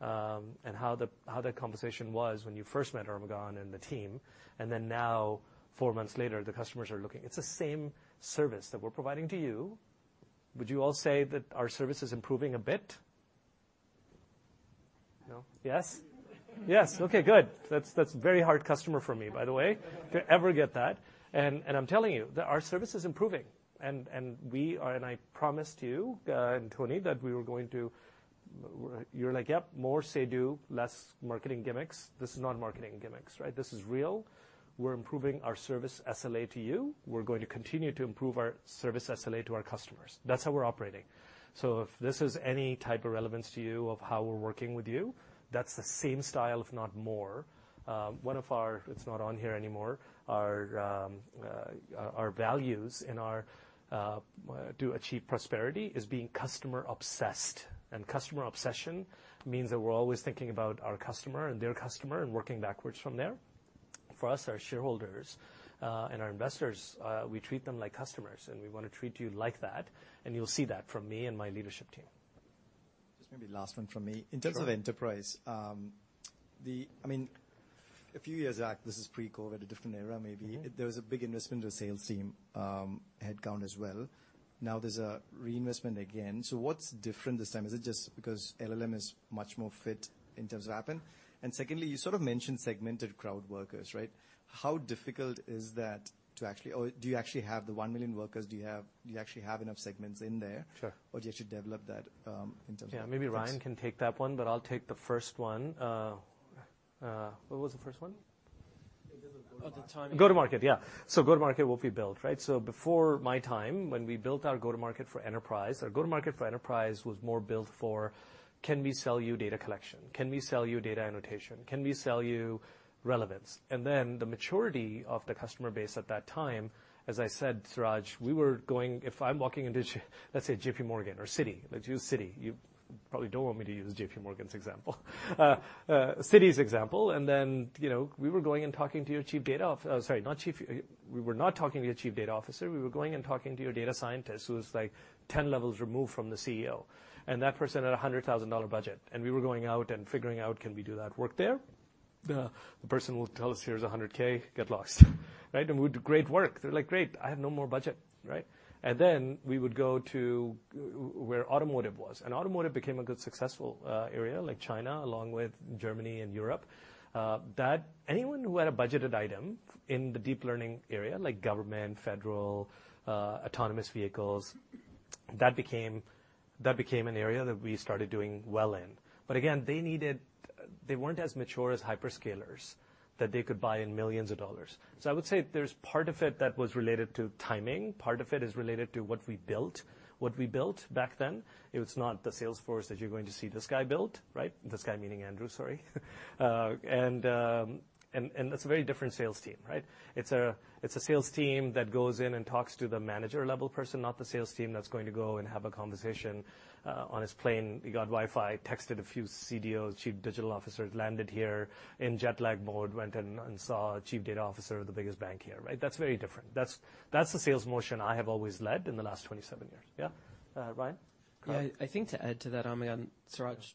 and how that conversation was when you first met Armughan and the team, and then now, four months later, the customers are looking. It's the same service that we're providing to you. Would you all say that our service is improving a bit? No. Yes? Yes. Okay, good. That's a very hard customer for me, by the way, to ever get that. I'm telling you that our service is improving, and we are and I promised you and Tony, that we were going to... You're like, "Yep, more say, do, less marketing gimmicks." This is not marketing gimmicks, right? This is real. We're improving our service SLA to you. We're going to continue to improve our service SLA to our customers. That's how we're operating. If this is any type of relevance to you of how we're working with you, that's the same style, if not more. One of our, it's not on here anymore, our values in our to achieve prosperity is being customer obsessed. Customer obsession means that we're always thinking about our customer and their customer, and working backwards from there. For us, our shareholders, and our investors, we treat them like customers, and we wanna treat you like that, and you'll see that from me and my leadership team. Just maybe last one from me. Sure. In terms of enterprise, I mean, a few years back, this is pre-COVID, a different era maybe. Mm-hmm. there was a big investment in the sales team, headcount as well. Now there's a reinvestment again. What's different this time? Is it just because LLM is much more fit in terms of Appen? Secondly, you sort of mentioned segmented crowd workers, right? How difficult is that to actually... Or do you actually have the 1 million workers? Do you actually have enough segments in there? Sure or do you actually develop that. Yeah, maybe Ryan can take that one, but I'll take the first one. What was the first one? Go-to-market. Go-to-market, yeah. Go-to-market will be built, right? Before my time, when we built our go-to-market for enterprise, our go-to-market for enterprise was more built for, can we sell you data collection? Can we sell you data annotation? Can we sell you relevance? The maturity of the customer base at that time, as I said, Suraj, we were going if I'm walking into, let's say, JPMorgan or Citi, let's do Citi, you probably don't want me to use JPMorgan's example. Citi's example, you know, we were going and talking to your Chief Data Officer. We were not talking to your Chief Data Officer. We were going and talking to your data scientist, who was, like, 10 levels removed from the CEO, that person had a $100,000 budget, we were going out and figuring out, can we do that work there? The person will tell us, "Here's $100K, get lost." Right? We would do great work. They're like: "Great, I have no more budget," right? We would go to where automotive was, automotive became a good, successful area, like China, along with Germany and Europe. Anyone who had a budgeted item in the deep learning area, like government, federal, autonomous vehicles, that became an area that we started doing well in. Again, they weren't as mature as hyperscalers, that they could buy in $ millions. I would say there's part of it that was related to timing, part of it is related to what we built, what we built back then. It was not the Salesforce that you're going to see this guy build, right? This guy, meaning Andrew, sorry. That's a very different sales team, right? It's a sales team that goes in and talks to the manager-level person, not the sales team that's going to go and have a conversation on his plane. He got Wi-Fi, texted a few CDOs, Chief Digital Officers, landed here in jet lag mode, went in and saw a Chief Data Officer of the biggest bank here, right? That's very different. That's the sales motion I have always led in the last 27 years. Yeah. Ryan? I think to add to that, Armughan, Suraj... Yeah.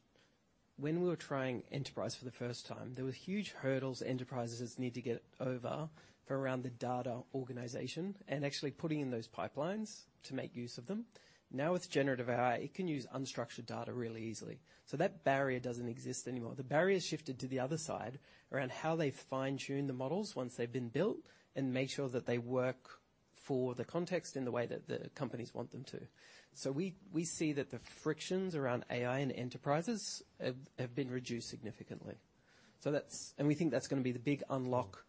When we were trying enterprise for the first time, there were huge hurdles enterprises need to get over for around the data organization and actually putting in those pipelines to make use of them. With generative AI, it can use unstructured data really easily, so that barrier doesn't exist anymore. The barrier has shifted to the other side around how they fine-tune the models once they've been built and make sure that they work for the context in the way that the companies want them to. We see that the frictions around AI and enterprises have been reduced significantly. That's. And we think that's gonna be the big unlock.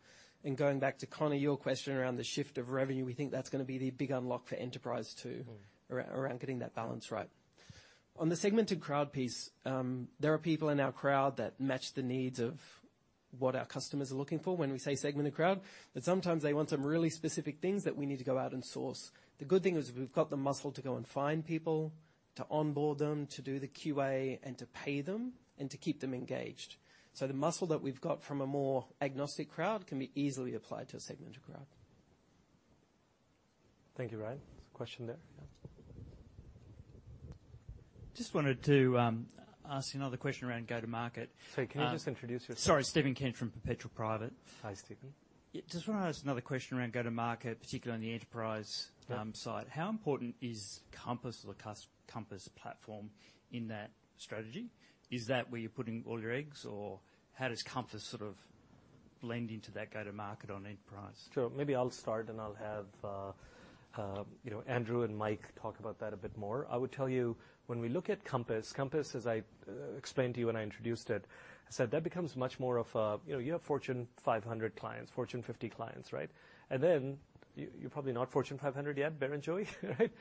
Going back to Conor, your question around the shift of revenue, we think that's gonna be the big unlock for enterprise, too- Mm. around getting that balance right. On the segmented crowd piece, there are people in our crowd that match the needs of what our customers are looking for when we say segmented crowd. Sometimes they want some really specific things that we need to go out and source. The good thing is we've got the muscle to go and find people, to onboard them, to do the QA, and to pay them, and to keep them engaged. The muscle that we've got from a more agnostic crowd can be easily applied to a segmented crowd. Thank you, Ryan. There's a question there. Yeah. Just wanted to ask you another question around go-to-market. Sorry, can you just introduce yourself? Sorry. Stephen Kench from Perpetual Private. Hi, Stephen. Just wanted to ask another question around go-to-market, particularly on the enterprise side. Yeah. How important is Quadrant or the Quadrant platform in that strategy? Is that where you're putting all your eggs, or how does Quadrant sort of blend into that go-to-market on enterprise? Sure. Maybe I'll start, and I'll have, you know, Andrew and Mike talk about that a bit more. I would tell you, when we look at Compass, as I explained to you when I introduced it, I said, that becomes much more of a. You know, you have Fortune 500 clients, Fortune 50 clients, right? Then, you're probably not Fortune 500 yet, Barrenjoey, right?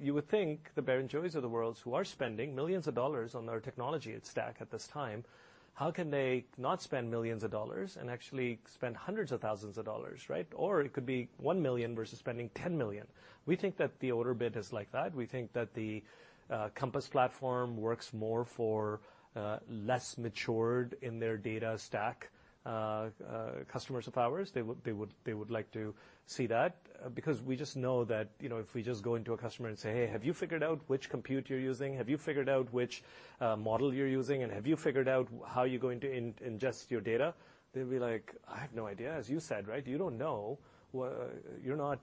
You would think the Barrenjoeys of the world, who are spending millions of dollars on their technology stack at this time, how can they not spend millions of dollars and actually spend hundreds of thousands of dollars, right? It could be 1 million versus spending 10 million. We think that the older bit is like that. We think that the Compass platform works more for less matured in their data stack, customers of ours. They would like to see that because we just know that, you know, if we just go into a customer and say, "Hey, have you figured out which compute you're using? Have you figured out which model you're using, and have you figured out how you're going to ingest your data?" They'd be like, "I have no idea." As you said, right? You don't know. You're not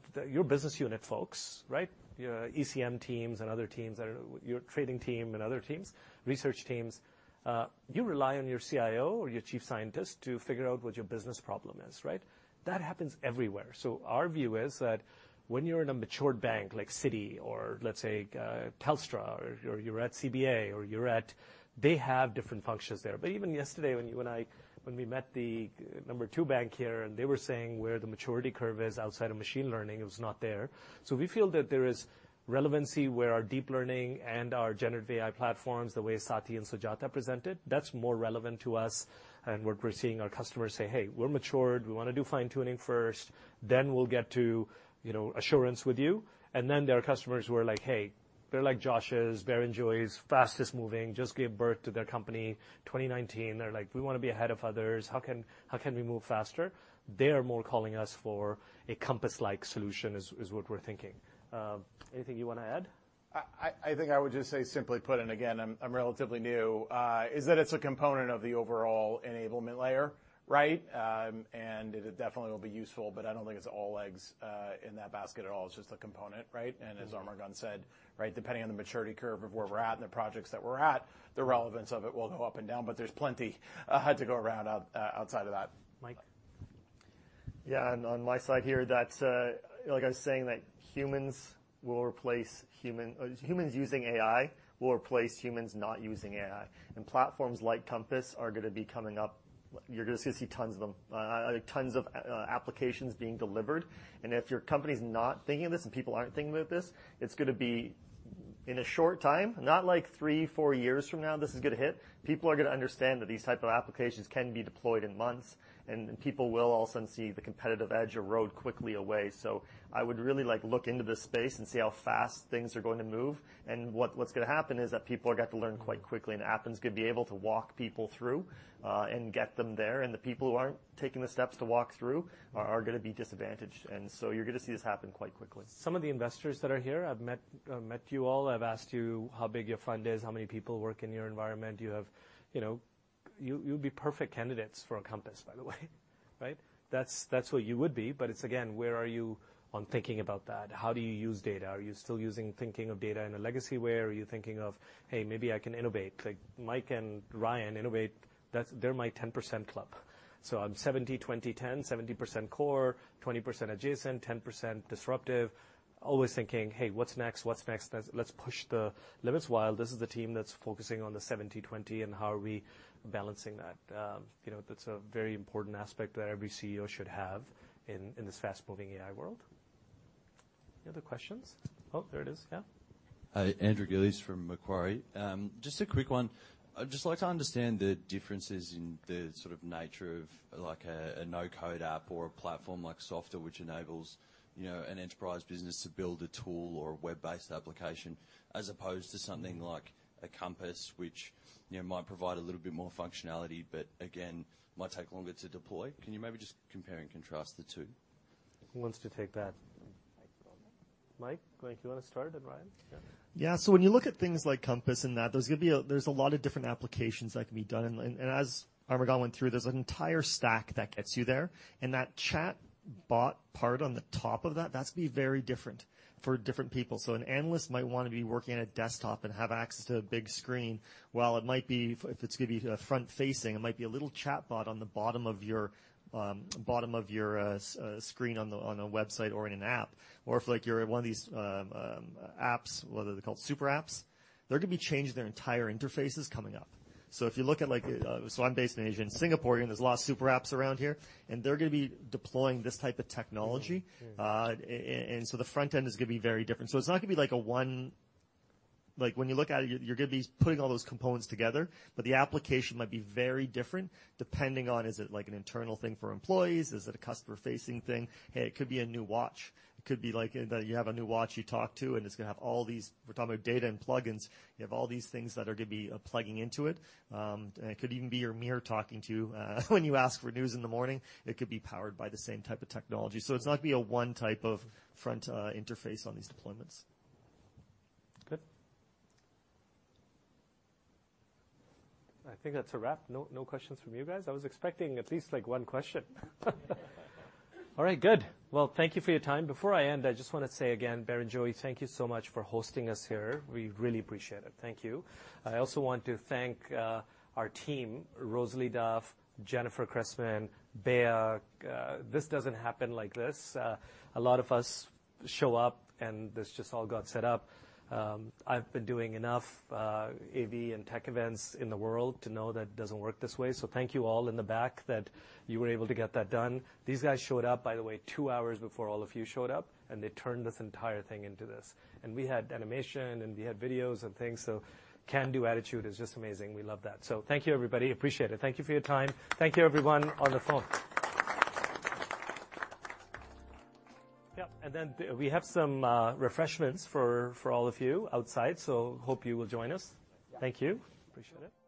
business unit folks, right? Your ECM teams and other teams that are. Your trading team and other teams, research teams, you rely on your CIO or your chief scientist to figure out what your business problem is, right? That happens everywhere. Our view is that when you're in a matured bank, like Citi, or let's say, Telstra, or you're at CBA, or you're at. They have different functions there. Even yesterday, when you and I, when we met the number 2 bank here, and they were saying where the maturity curve is outside of machine learning, it was not there. We feel that there is relevancy where our deep learning and our generative AI platforms, the way Saty and Sujatha presented, that's more relevant to us, and we're seeing our customers say: "Hey, we're matured. We wanna do fine-tuning first, then we'll get to, you know, assurance with you." There are customers who are like, "Hey," they're like Joshes, Barrenjoey, fastest moving, just gave birth to their company, 2019. They're like: "We wanna be ahead of others. How can we move faster?" They are more calling us for a Compass-like solution, is what we're thinking. Anything you wanna add? I think I would just say, simply put, and again, I'm relatively new, is that it's a component of the overall enablement layer, right? It definitely will be useful, but I don't think it's all eggs in that basket at all. It's just a component, right? Mm-hmm. As Armughan said, right, depending on the maturity curve of where we're at and the projects that we're at, the relevance of it will go up and down, but there's plenty to go around out outside of that. Mike? On my side here, that's, like I was saying, that Humans using AI will replace humans not using AI, and platforms like Compass are gonna be coming up. You're just gonna see tons of them, tons of applications being delivered, and if your company's not thinking of this, and people aren't thinking about this, it's gonna be in a short time, not like three, four years from now, this is gonna hit. People are gonna understand that these type of applications can be deployed in months, and then people will all of a sudden see the competitive edge erode quickly away. I would really, like, look into this space and see how fast things are going to move. What's gonna happen is that people are going to have to learn quite quickly, and Appen's gonna be able to walk people through and get them there, and the people who aren't taking the steps to walk through are gonna be disadvantaged. So you're gonna see this happen quite quickly. Some of the investors that are here, I've met, I've met you all. I've asked you how big your fund is, how many people work in your environment. You know, you'd be perfect candidates for a Quadrant, by the way, right? That's what you would be. It's, again, where are you on thinking about that? How do you use data? Are you still using thinking of data in a legacy way, or are you thinking of, "Hey, maybe I can innovate," like Mike and Ryan innovate. They're my 10% club. I'm 70, 20, 10: 70% core, 20% adjacent, 10% disruptive. Always thinking, "Hey, what's next? What's next? Let's push the limits." While this is the team that's focusing on the 70, 20, and how are we balancing that? You know, that's a very important aspect that every CEO should have in this fast-moving AI world. Any other questions? There it is, yeah. Hi, Andrew Gillies from Macquarie. just a quick one. I'd just like to understand the differences in the sort of nature of, like, a no-code app or a platform like Softr, which enables, you know, an enterprise business to build a tool or a web-based application, as opposed to something like a Compass, which, you know, might provide a little bit more functionality, but again, might take longer to deploy. Can you maybe just compare and contrast the two? Who wants to take that? Mike, you want to start, then Ryan? Yeah. When you look at things like Quadrant and that, there's gonna be a lot of different applications that can be done. As Armughan went through, there's an entire stack that gets you there, and that chatbot part on the top of that's gonna be very different for different people. An analyst might want to be working at a desktop and have access to a big screen, while it might be, if it's gonna be front-facing, it might be a little chatbot on the bottom of your screen on a website or in an app. If, like, you're in one of these apps, whether they're called superapps, they're gonna be changing their entire interfaces coming up. If you look at, like... I'm based in Asia, in Singapore, and there's a lot of superapps around here, and they're gonna be deploying this type of technology. Mm-hmm. Mm. The front end is gonna be very different. It's not gonna be, like, when you look at it, you're gonna be putting all those components together, but the application might be very different, depending on, is it like an internal thing for employees? Is it a customer-facing thing? Hey, it could be a new watch. It could be like that you have a new watch you talk to, and it's gonna have all these... We're talking about data and plugins. You have all these things that are gonna be plugging into it. It could even be your mirror talking to you when you ask for news in the morning. It could be powered by the same type of technology. It's not gonna be a one type of front interface on these deployments. Good. I think that's a wrap. No questions from you guys? I was expecting at least, like, one question. All right, good. Well, thank you for your time. Before I end, I just want to say again, Barrenjoey, thank you so much for hosting us here. We really appreciate it. Thank you. I also want to thank our team, Rosalie Duff, Jennifer Cressman, Bea. This doesn't happen like this. A lot of us show up, this just all got set up. I've been doing enough AV and tech events in the world to know that it doesn't work this way. Thank you all in the back, that you were able to get that done. These guys showed up, by the way, two hours before all of you showed up, and they turned this entire thing into this. We had animation, and we had videos and things. Can-do attitude is just amazing. We love that. Thank you, everybody. Appreciate it. Thank you for your time. Thank you, everyone on the phone. We have some refreshments for all of you outside. Hope you will join us. Thank you. Appreciate it.